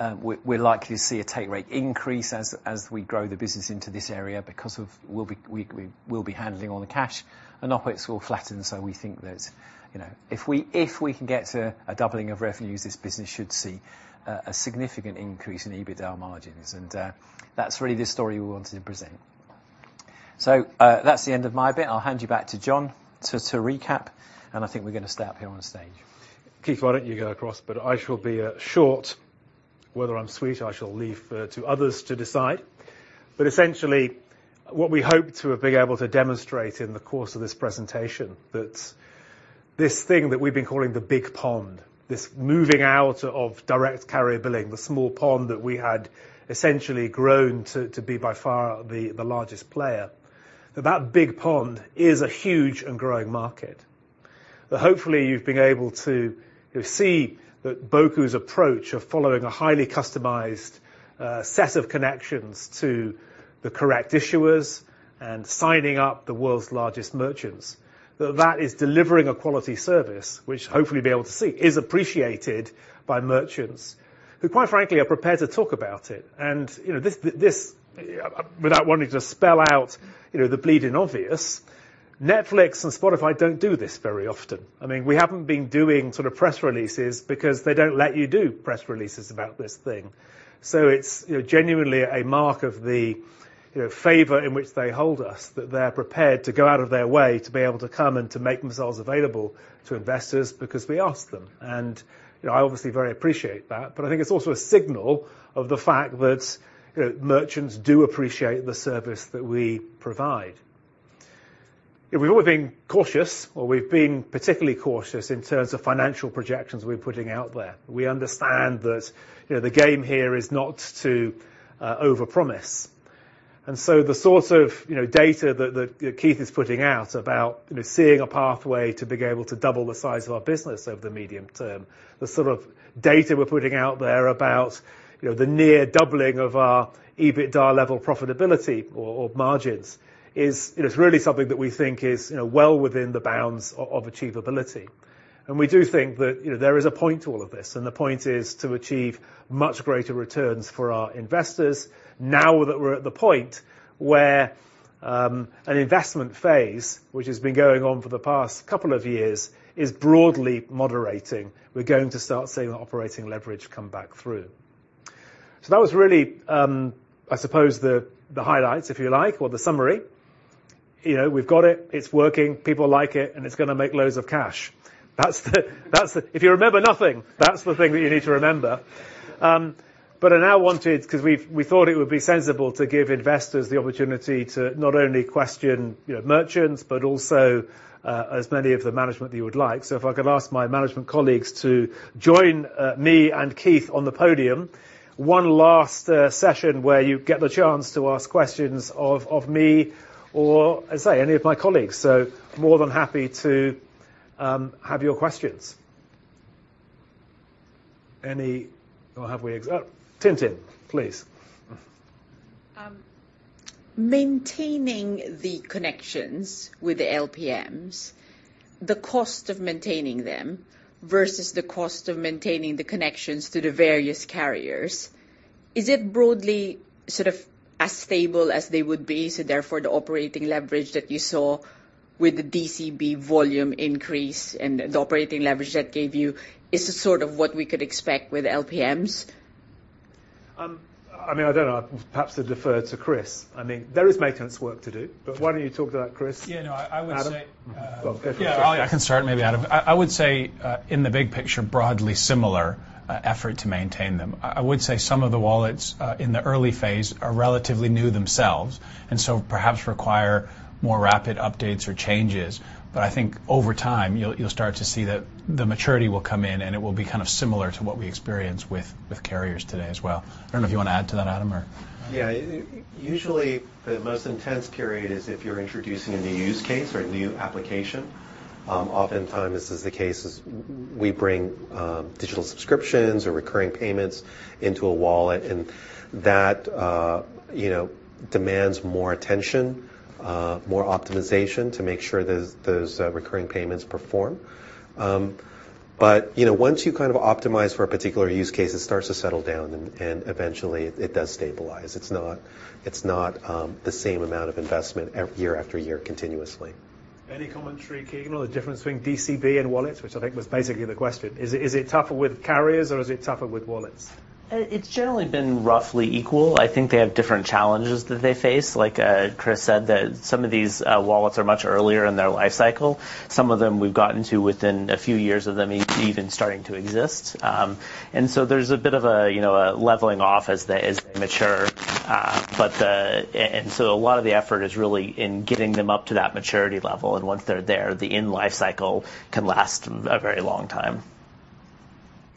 We're, we're likely to see a take rate increase as we grow the business into this area because of we will be handling all the cash and OpEx will flatten, so we think there's, you know... If we, if we can get to a doubling of revenues, this business should see a significant increase in EBITDA margins. That's really the story we wanted to present. That's the end of my bit. I'll hand you back to Jon to recap. I think we're gonna stay up here on stage. Keith, why don't you go across, I shall be short. Whether I'm sweet, I shall leave to others to decide. Essentially, what we hope to have been able to demonstrate in the course of this presentation that this thing that we've been calling the big pond, this moving out of Direct Carrier Billing, the small pond that we had essentially grown to be by far the largest player, that that big pond is a huge and growing market. Hopefully you've been able to, you know, see that Boku's approach of following a highly customized set of connections to the correct issuers and signing up the world's largest merchants, that is delivering a quality service which hopefully you'll be able to see is appreciated by merchants who, quite frankly, are prepared to talk about it. You know, this... Without wanting to spell out, you know, the bleeding obvious, Netflix and Spotify don't do this very often. I mean, we haven't been doing sort of press releases because they don't let you do press releases about this thing. It's, you know, genuinely a mark of the, you know, favor in which they hold us that they're prepared to go out of their way to be able to come and to make themselves available to investors because we ask them. You know, I obviously very appreciate that, but I think it's also a signal of the fact that, you know, merchants do appreciate the service that we provide. We've always been cautious, or we've been particularly cautious in terms of financial projections we're putting out there. We understand that, you know, the game here is not to overpromise. The sort of, you know, data that Keith is putting out about, you know, seeing a pathway to being able to double the size of our business over the medium term, the sort of data we're putting out there about, you know, the near doubling of our EBITDA level profitability or margins is, you know, is really something that we think is, you know, well within the bounds of achievability. We do think that, you know, there is a point to all of this, and the point is to achieve much greater returns for our investors now that we're at the point where an investment phase, which has been going on for the past couple of years, is broadly moderating. We're going to start seeing the operating leverage come back through. That was really, I suppose the highlights, if you like, or the summary. You know, we've got it's working, people like it, and it's gonna make loads of cash. If you remember nothing, that's the thing that you need to remember. But I now wanted, 'cause we thought it would be sensible to give investors the opportunity to not only question, you know, merchants, but also as many of the management that you would like. If I could ask my management colleagues to join me and Keith Butcher on the podium, one last session where you get the chance to ask questions of me or, as I say, any of my colleagues. More than happy to have your questions. Any? Or have we? Oh, Tim Metcalfe, please. Maintaining the connections with the LPMs, the cost of maintaining them versus the cost of maintaining the connections to the various carriers, is it broadly sort of as stable as they would be, so therefore the operating leverage that you saw with the DCB volume increase and the operating leverage that gave you is sort of what we could expect with LPMs? I mean, I don't know. Perhaps I defer to Chris. I mean, there is maintenance work to do, but why don't you talk to that, Chris? Yeah, no, I would say... Adam? Well, go for it, sorry. Yeah, I can start maybe, Adam. I would say, in the big picture, broadly similar, effort to maintain them. I would say some of the wallets, in the early phase are relatively new themselves and so perhaps require more rapid updates or changes. I think over time, you'll start to see the maturity will come in, and it will be kind of similar to what we experience with carriers today as well. I don't know if you want to add to that, Adam, or? Yeah. Usually the most intense period is if you're introducing a new use case or a new application. Oftentimes this is the case is we bring digital subscriptions or recurring payments into a wallet and that, you know, demands more attention, more optimization to make sure those recurring payments perform. You know, once you kind of optimize for a particular use case, it starts to settle down and eventually it does stabilize. It's not the same amount of investment year after year continuously. Any commentary, Keegan, on the difference between DCB and wallets, which I think was basically the question. Is it, is it tougher with carriers or is it tougher with wallets? It's generally been roughly equal. I think they have different challenges that they face. Like, Chris said that some of these, wallets are much earlier in their life cycle. Some of them we've gotten to within a few years of them even starting to exist. And so there's a bit of a, you know, a leveling off as they, as they mature. A lot of the effort is really in getting them up to that maturity level. Once they're there, the in-life cycle can last a very long time.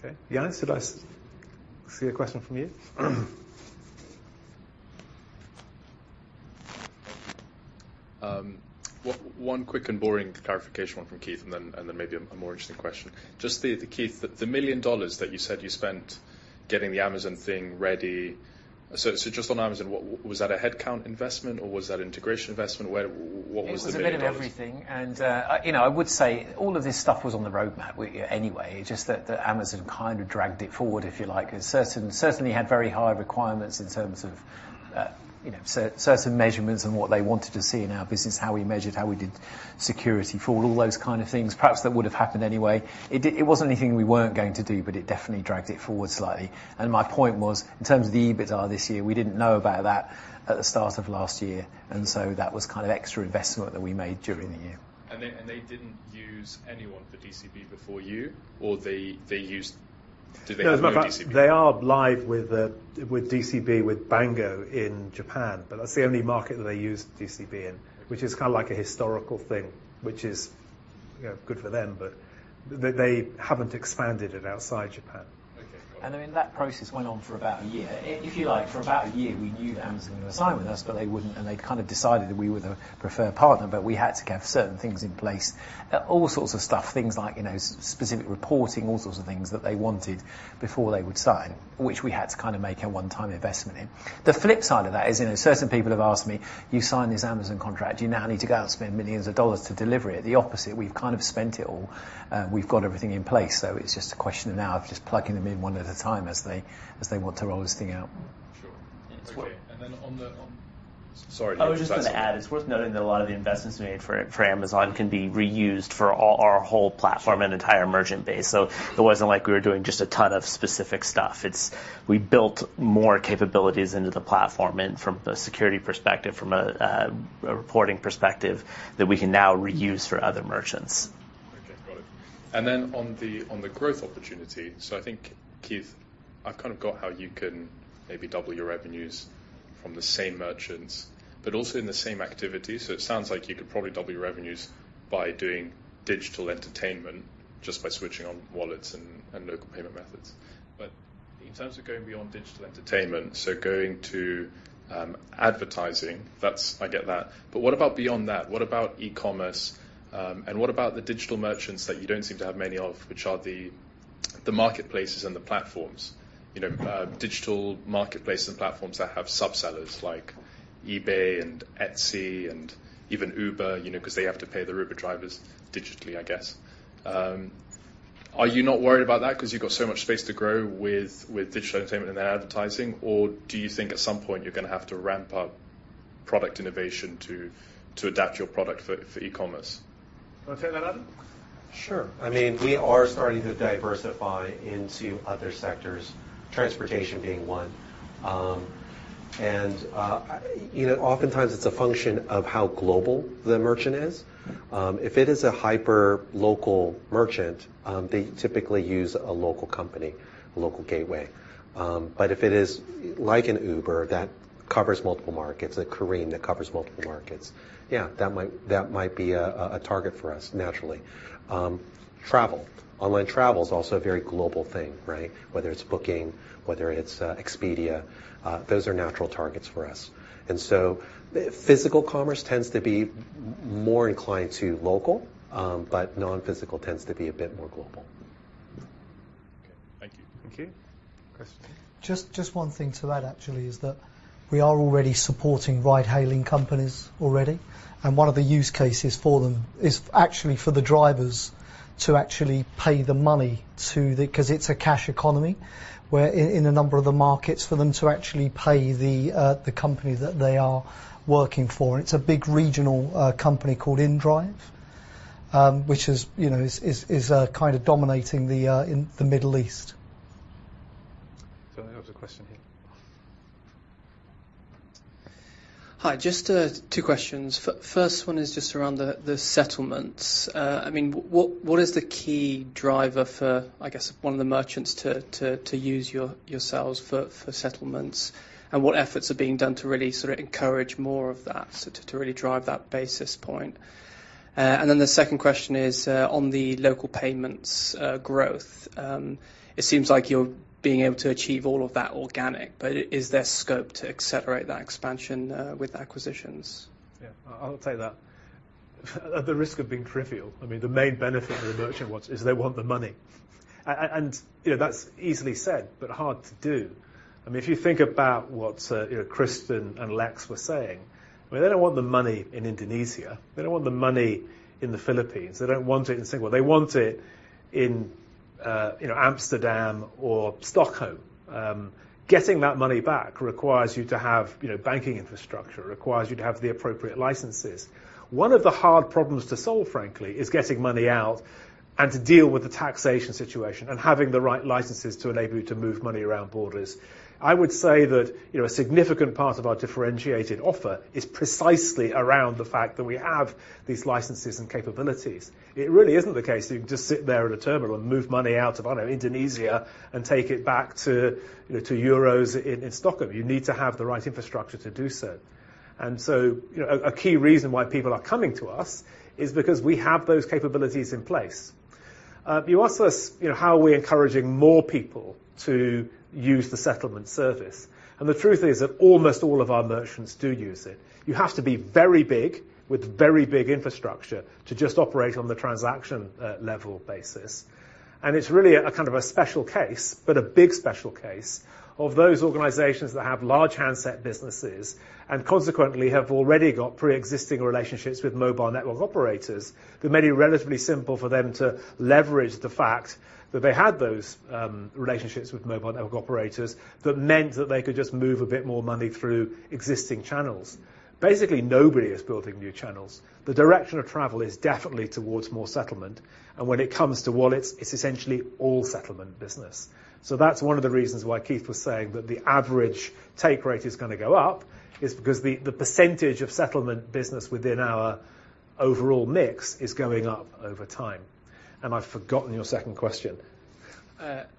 Okay. Jan, did I see a question from you? One quick and boring clarification one from Keith and then, and then maybe a more interesting question. Just, Keith, the $1 million that you said you spent getting the Amazon thing ready, just on Amazon, was that a headcount investment or was that integration investment? What was the $1 million? It was a bit of everything, you know, I would say all of this stuff was on the roadmap anyway. Just that Amazon kind of dragged it forward, if you like. It certainly had very high requirements in terms of, you know, certain measurements and what they wanted to see in our business, how we measured, how we did security for all those kind of things. Perhaps that would have happened anyway. It wasn't anything we weren't going to do, but it definitely dragged it forward slightly. My point was, in terms of the EBITDA this year, we didn't know about that at the start of last year, that was kind of extra investment that we made during the year. They didn't use anyone for DCB before you or they used? Did they have no DCB? No, as a matter of fact, they are live with DCB with Bango in Japan, but that's the only market that they use DCB in. Okay which is kind of like a historical thing, which is, you know, good for them, but they haven't expanded it outside Japan. Okay, got it. I mean, that process went on for about a year. If you like, for about a year, we knew that Amazon were signing with us, but they wouldn't, and they kind of decided that we were the preferred partner, but we had to have certain things in place. All sorts of stuff, things like, you know, specific reporting, all sorts of things that they wanted before they would sign, which we had to kind of make a one-time investment in. The flip side of that is, you know, certain people have asked me, "You signed this Amazon contract. Do you now need to go out and spend millions of dollars to deliver it?" The opposite. We've kind of spent it all. We've got everything in place, it's just a question now of just plugging them in one at a time as they want to roll this thing out. Sure. Okay. On the. Sorry. I was just gonna add, it's worth noting that a lot of the investments we made for Amazon can be reused for all our whole platform and entire merchant base. It wasn't like we were doing just a ton of specific stuff. We built more capabilities into the platform and from a security perspective, from a reporting perspective that we can now reuse for other merchants. Got it. On the, on the growth opportunity, I think, Keith, I've kind of got how you can maybe double your revenues from the same merchants, but also in the same activity. It sounds like you could probably double your revenues by doing digital entertainment just by switching on wallets and Local Payment Methods. In terms of going beyond digital entertainment, going to, advertising. I get that. What about beyond that? What about e-commerce? And what about the digital merchants that you don't seem to have many of, which are the marketplaces and the platforms? You know, digital marketplace and platforms that have sub-sellers like eBay and Etsy and even Uber, you know, 'cause they have to pay the Uber drivers digitally, I guess. Are you not worried about that 'cause you've got so much space to grow with digital entertainment and advertising? Do you think at some point you're gonna have to ramp up product innovation to adapt your product for e-commerce? Wanna take that, Adam? Sure. I mean, we are starting to diversify into other sectors, transportation being one. You know, oftentimes it's a function of how global the merchant is. If it is a hyper-local merchant, they typically use a local company, a local gateway. But if it is like an Uber that covers multiple markets, like Careem that covers multiple markets, yeah, that might be a target for us naturally. Travel. Online travel is also a very global thing, right? Whether it's booking, whether it's Expedia, those are natural targets for us. Physical commerce tends to be more inclined to local, but non-physical tends to be a bit more global. Okay. Thank you. Thank you. Chris? Just one thing to add actually is that we are already supporting ride hailing companies already. One of the use cases for them is actually for the drivers to actually pay the money to the because it's a cash economy where in a number of the markets for them to actually pay the company that they are working for. It's a big regional company called inDrive, which is, you know, kind of dominating in the Middle East. I think there was a question here. Hi. Just two questions. First one is just around the settlements. I mean, what is the key driver for, I guess, one of the merchants to use your sales for settlements, and what efforts are being done to really sort of encourage more of that, so to really drive that basis point? Then the second question is on the local payments growth. It seems like you're being able to achieve all of that organic, but is there scope to accelerate that expansion with acquisitions? Yeah. I'll take that. At the risk of being trivial, I mean, the main benefit of the merchant wants is they want the money. You know, that's easily said, but hard to do. I mean, if you think about what, you know, Chris and Lex were saying, I mean, they don't want the money in Indonesia. They don't want the money in the Philippines. They don't want it in Singapore. They want it in, you know, Amsterdam or Stockholm, getting that money back requires you to have, you know, banking infrastructure, requires you to have the appropriate licenses. One of the hard problems to solve, frankly, is getting money out and to deal with the taxation situation and having the right licenses to enable you to move money around borders. I would say that, you know, a significant part of our differentiated offer is precisely around the fact that we have these licenses and capabilities. It really isn't the case that you can just sit there at a terminal and move money out of, I don't know, Indonesia and take it back to, you know, to euros in Stockholm. You need to have the right infrastructure to do so. So, you know, a key reason why people are coming to us is because we have those capabilities in place. You asked us, you know, how are we encouraging more people to use the settlement service, and the truth is that almost all of our merchants do use it. You have to be very big with very big infrastructure to just operate on the transaction level basis. It's really a kind of a special case, but a big special case of those organizations that have large handset businesses and consequently have already got preexisting relationships with mobile network operators. That made it relatively simple for them to leverage the fact that they had those relationships with mobile network operators that meant that they could just move a bit more money through existing channels. Basically, nobody is building new channels. The direction of travel is definitely towards more settlement. When it comes to wallets, it's essentially all settlement business. That's one of the reasons why Keith was saying that the average take rate is gonna go up, is because the percentage of settlement business within our overall mix is going up over time. I've forgotten your second question.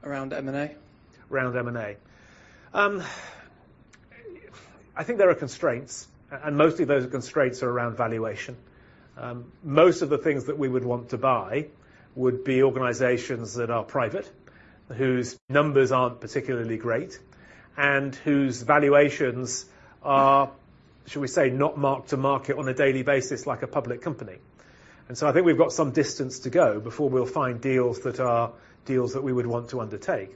Around M&A. Around M&A. I think there are constraints, and most of those constraints are around valuation. Most of the things that we would want to buy would be organizations that are private, whose numbers aren't particularly great, and whose valuations are, shall we say, not marked to market on a daily basis like a public company. I think we've got some distance to go before we'll find deals that are deals that we would want to undertake.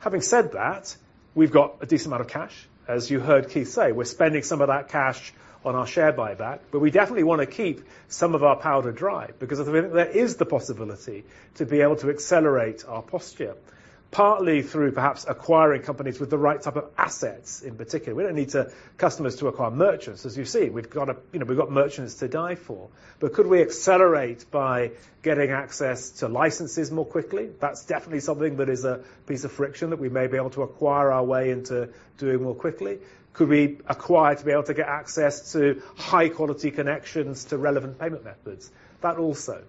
Having said that, we've got a decent amount of cash. As you heard Keith say, we're spending some of that cash on our share buyback, but we definitely wanna keep some of our powder dry because at the minute there is the possibility to be able to accelerate our posture, partly through perhaps acquiring companies with the right type of assets in particular. We don't need to customers to acquire merchants. As you see, we've got, you know, we've got merchants to die for. Could we accelerate by getting access to licenses more quickly? That's definitely something that is a piece of friction that we may be able to acquire our way into doing more quickly. Could we acquire to be able to get access to high-quality connections to relevant payment methods? That also.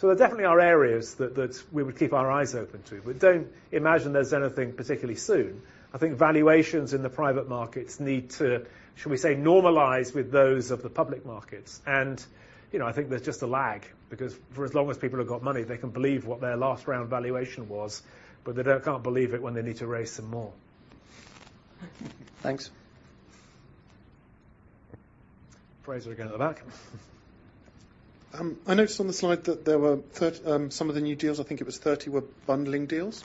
There definitely are areas that we would keep our eyes open to. Don't imagine there's anything particularly soon. I think valuations in the private markets need to, shall we say, normalize with those of the public markets. You know, I think there's just a lag because for as long as people have got money, they can believe what their last round valuation was, but they don't... can't believe it when they need to raise some more. Thanks. Frazer, again at the back. I noticed on the slide that there were some of the new deals, I think it was 30 were bundling deals.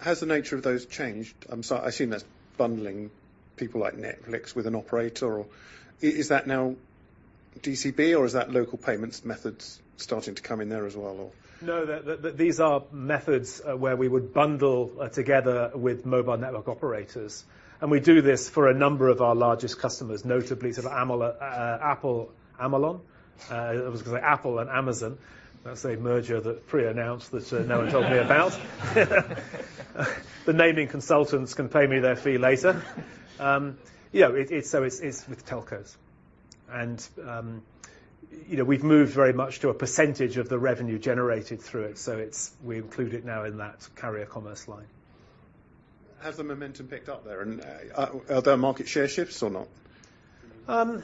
Has the nature of those changed? I assume that's bundling people like Netflix with an operator or? Is that now DCB or is that Local Payment Methods starting to come in there as well or? No. These are methods, where we would bundle together with mobile network operators, and we do this for a number of our largest customers, notably sort of Apple, Amazon. I was gonna say Apple and Amazon. That's a merger that pre-announced that no one told me about. The naming consultants can pay me their fee later. Yeah. It's with telcos. You know, we've moved very much to a percentage of the revenue generated through it, so we include it now in that carrier commerce line. Has the momentum picked up there and are there market share shifts or not?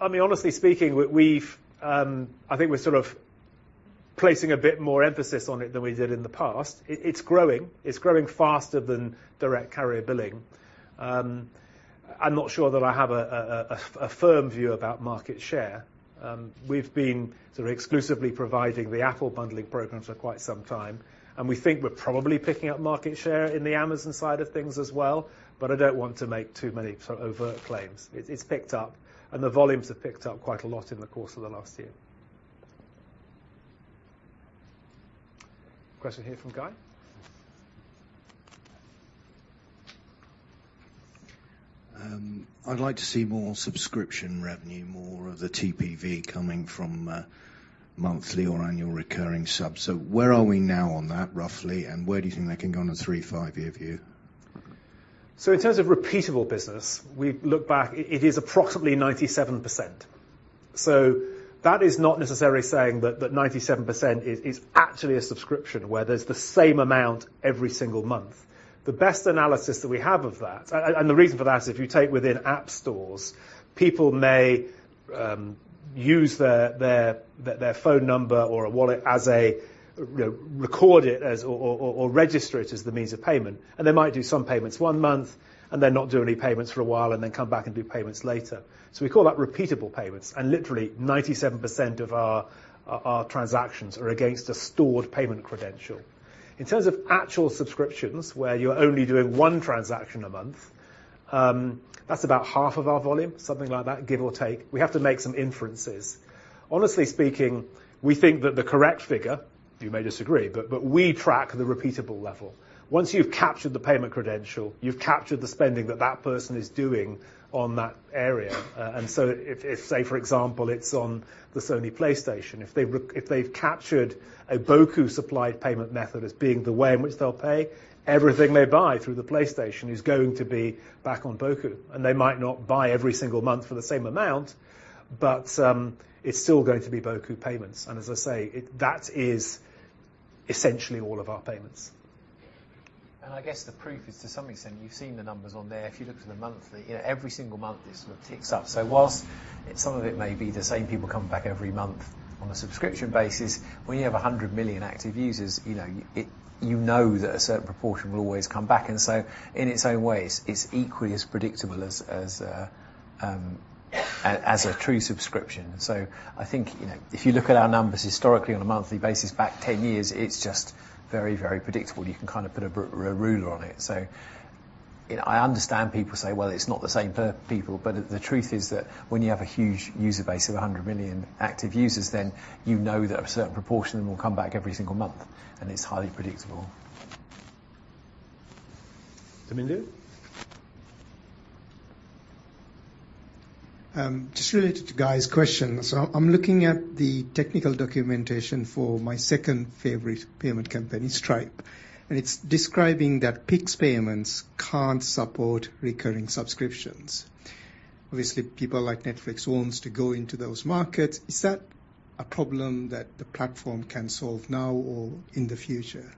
I mean, honestly speaking, we've, I think we're sort of placing a bit more emphasis on it than we did in the past. It's growing. It's growing faster than Direct Carrier Billing. I'm not sure that I have a firm view about market share. We've been sort of exclusively providing the Apple bundling program for quite some time, and we think we're probably picking up market share in the Amazon side of things as well, but I don't want to make too many sort of overt claims. It's picked up, and the volumes have picked up quite a lot in the course of the last year. Question here from Guy. I'd like to see more subscription revenue, more of the TPV coming from, monthly or annual recurring subs. Where are we now on that, roughly, and where do you think that can go on a three-five year view? In terms of repeatable business, we look back, it is approximately 97%. That is not necessarily saying that 97% is actually a subscription where there's the same amount every single month. The best analysis that we have of that. And the reason for that is if you take within app stores, people may use their phone number or a wallet as a, you know, record it as or register it as the means of payment. They might do some payments one month, and then not do any payments for a while, and then come back and do payments later. We call that repeatable payments, and literally 97% of our transactions are against a stored payment credential. In terms of actual subscriptions, where you're only doing one transaction a month, that's about half of our volume, something like that, give or take. We have to make some inferences. Honestly speaking, we think that the correct figure, you may disagree, but we track the repeatable level. Once you've captured the payment credential, you've captured the spending that that person is doing on that area. If, say, for example, it's on the Sony PlayStation, if they've captured a Boku-supplied payment method as being the way in which they'll pay, everything they buy through the PlayStation is going to be back on Boku. They might not buy every single month for the same amount, but it's still going to be Boku payments. As I say, that is essentially all of our payments. I guess the proof is, to some extent, you've seen the numbers on there. If you look to the monthly, you know, every single month, this sort of ticks up. Whilst some of it may be the same people coming back every month on a subscription basis, when you have 100 million active users, you know, it, you know that a certain proportion will always come back. In its own ways, it's equally as predictable as a true subscription. I think, you know, if you look at our numbers historically on a monthly basis back 10 years, it's just very, very predictable. You can kind of put a ruler on it. I understand people say, "Well, it's not the same per people." The truth is that when you have a huge user base of 100 million active users, you know that a certain proportion of them will come back every single month. It's highly predictable. Damindu? Just related to Guy's question. I'm looking at the technical documentation for my second favorite payment company, Stripe, and it's describing that Pix payments can't support recurring subscriptions. Obviously, people like Netflix wants to go into those markets. Is that a problem that the platform can solve now or in the future?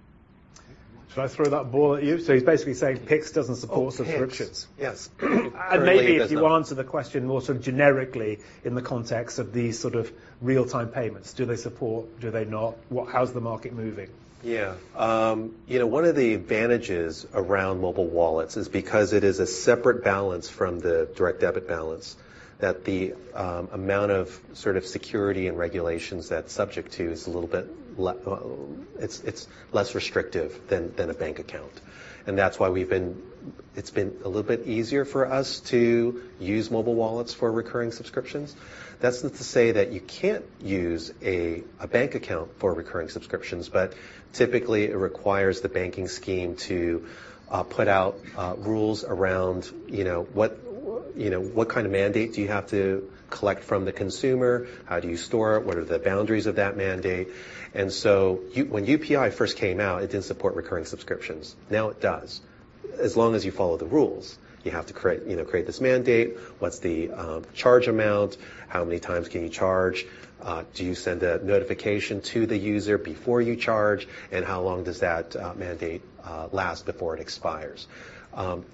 Should I throw that ball at you? He's basically saying Pix doesn't support subscriptions. Oh, Pix. Yes. Maybe if you answer the question more sort of generically in the context of these sort of Real-time payments. Do they support? Do they not? How's the market moving? Yeah. you know, one of the advantages around mobile wallets is because it is a separate balance from the direct debit balance, that the amount of sort of security and regulations that it's subject to is a little bit less restrictive than a bank account. That's why it's been a little bit easier for us to use mobile wallets for recurring subscriptions. That's not to say that you can't use a bank account for recurring subscriptions, but typically it requires the banking scheme to put out rules around, you know, what kind of mandate do you have to collect from the consumer? How do you store it? What are the boundaries of that mandate? When UPI first came out, it didn't support recurring subscriptions. Now it does, as long as you follow the rules. You have to create, you know, create this mandate. What's the charge amount? How many times can you charge? Do you send a notification to the user before you charge? How long does that mandate last before it expires?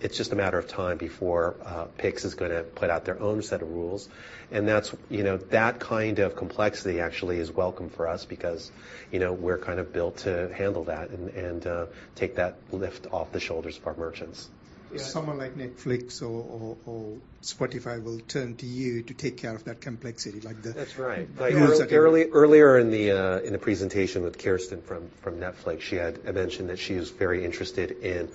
It's just a matter of time before Pix is gonna put out their own set of rules. That's, you know, that kind of complexity actually is welcome for us because, you know, we're kind of built to handle that and take that lift off the shoulders of our merchants. Yeah. Someone like Netflix or Spotify will turn to you to take care of that complexity like... That's right. Users Earlier in the presentation with Kristen from Netflix, she had mentioned that she is very interested in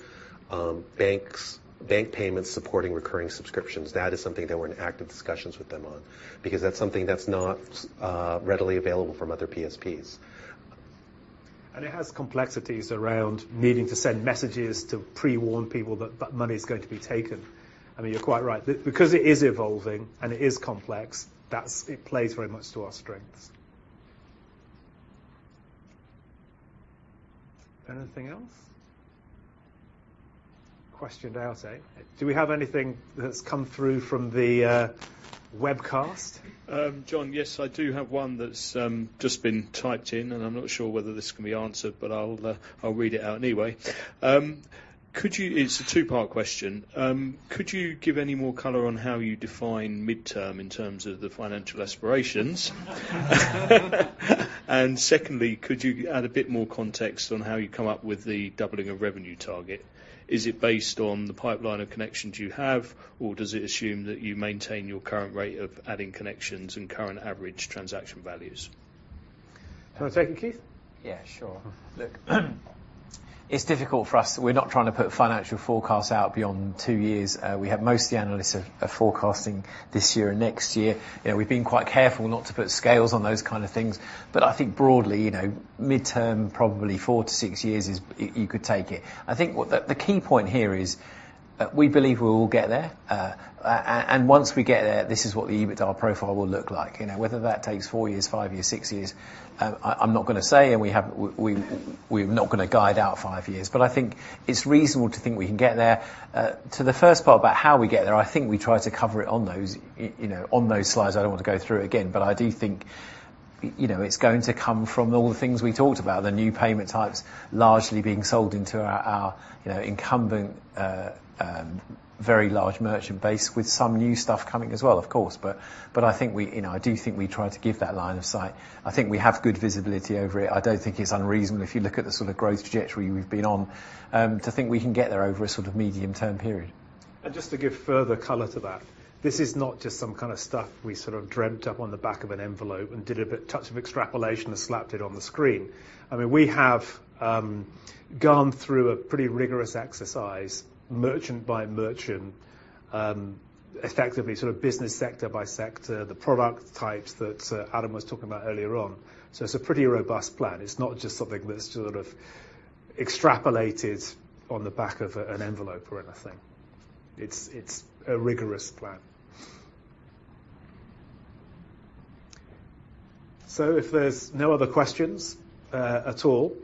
bank payments supporting recurring subscriptions. That is something that we're in active discussions with them on because that's something that's not readily available from other PSPs. It has complexities around needing to send messages to pre-warn people that that money is going to be taken. I mean, you're quite right. Because it is evolving and it is complex, it plays very much to our strengths. Anything else? Question out, eh? Do we have anything that's come through from the webcast? Jon, yes, I do have one that's just been typed in, and I'm not sure whether this can be answered, but I'll read it out anyway. It's a two-part question. Could you give any more color on how you define midterm in terms of the financial aspirations? Secondly, could you add a bit more context on how you come up with the doubling of revenue target? Is it based on the pipeline of connections you have, or does it assume that you maintain your current rate of adding connections and current average transaction values? Do you want to take it, Keith? Yeah, sure. Look, it's difficult for us. We're not trying to put financial forecasts out beyond two years. We have most of the analysts are forecasting this year and next year. You know, we've been quite careful not to put scales on those kind of things. I think broadly, you know, midterm, probably four-six years is, you could take it. I think what the key point here is, we believe we will get there. Once we get there, this is what the EBITDA profile will look like. You know, whether that takes four years, five years, six years, I'm not gonna say, and we're not gonna guide out five years. I think it's reasonable to think we can get there. to the first part about how we get there, I think we try to cover it on those, you know, on those slides. I don't want to go through it again. I do think, You know, it's going to come from all the things we talked about, the new payment types largely being sold into our, you know, incumbent, very large merchant base with some new stuff coming as well, of course. I think and I do think we try to give that line of sight. I think we have good visibility over it. I don't think it's unreasonable if you look at the sort of growth trajectory we've been on, to think we can get there over a sort of medium-term period. Just to give further color to that, this is not just some kind of stuff we sort of dreamt up on the back of an envelope and did a bit touch of extrapolation and slapped it on the screen. I mean, we have gone through a pretty rigorous exercise, merchant by merchant, effectively sort of business sector by sector, the product types that Adam was talking about earlier on. It's a pretty robust plan. It's not just something that's sort of extrapolated on the back of an envelope or anything. It's a rigorous plan. If there's no other questions at all,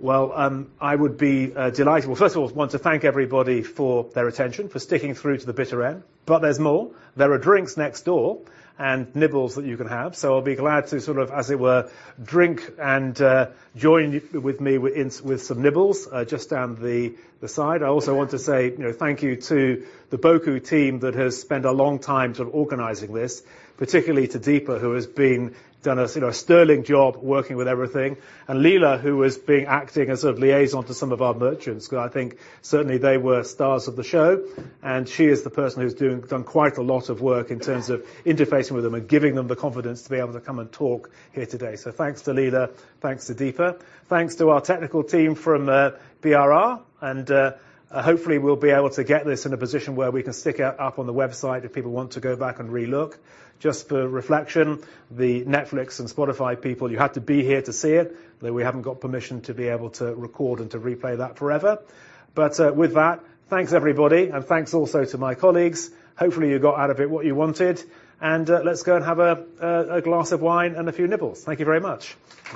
well, I would be delighted. Well, first of all, want to thank everybody for their attention, for sticking through to the bitter end. There's more. There are drinks next door and nibbles that you can have. I'll be glad to sort of, as it were, drink and join with me with some nibbles, just down the side. I also want to say, you know, thank you to the Boku team that has spent a long time sort of organizing this, particularly to Deepa, who has done a sort of sterling job working with everything, and Leila, who has been acting as sort of liaison to some of our merchants, who I think certainly they were stars of the show, and she is the person who's done quite a lot of work in terms of interfacing with them and giving them the confidence to be able to come and talk here today. Thanks to Leila. Thanks to Deepa. Thanks to our technical team from BRR, and hopefully we'll be able to get this in a position where we can stick it up on the website if people want to go back and re-look. Just for reflection, the Netflix and Spotify people, you had to be here to see it, that we haven't got permission to be able to record and to replay that forever. With that, thanks everybody, and thanks also to my colleagues. Hopefully, you got out of it what you wanted. Let's go and have a glass of wine and a few nibbles. Thank you very much.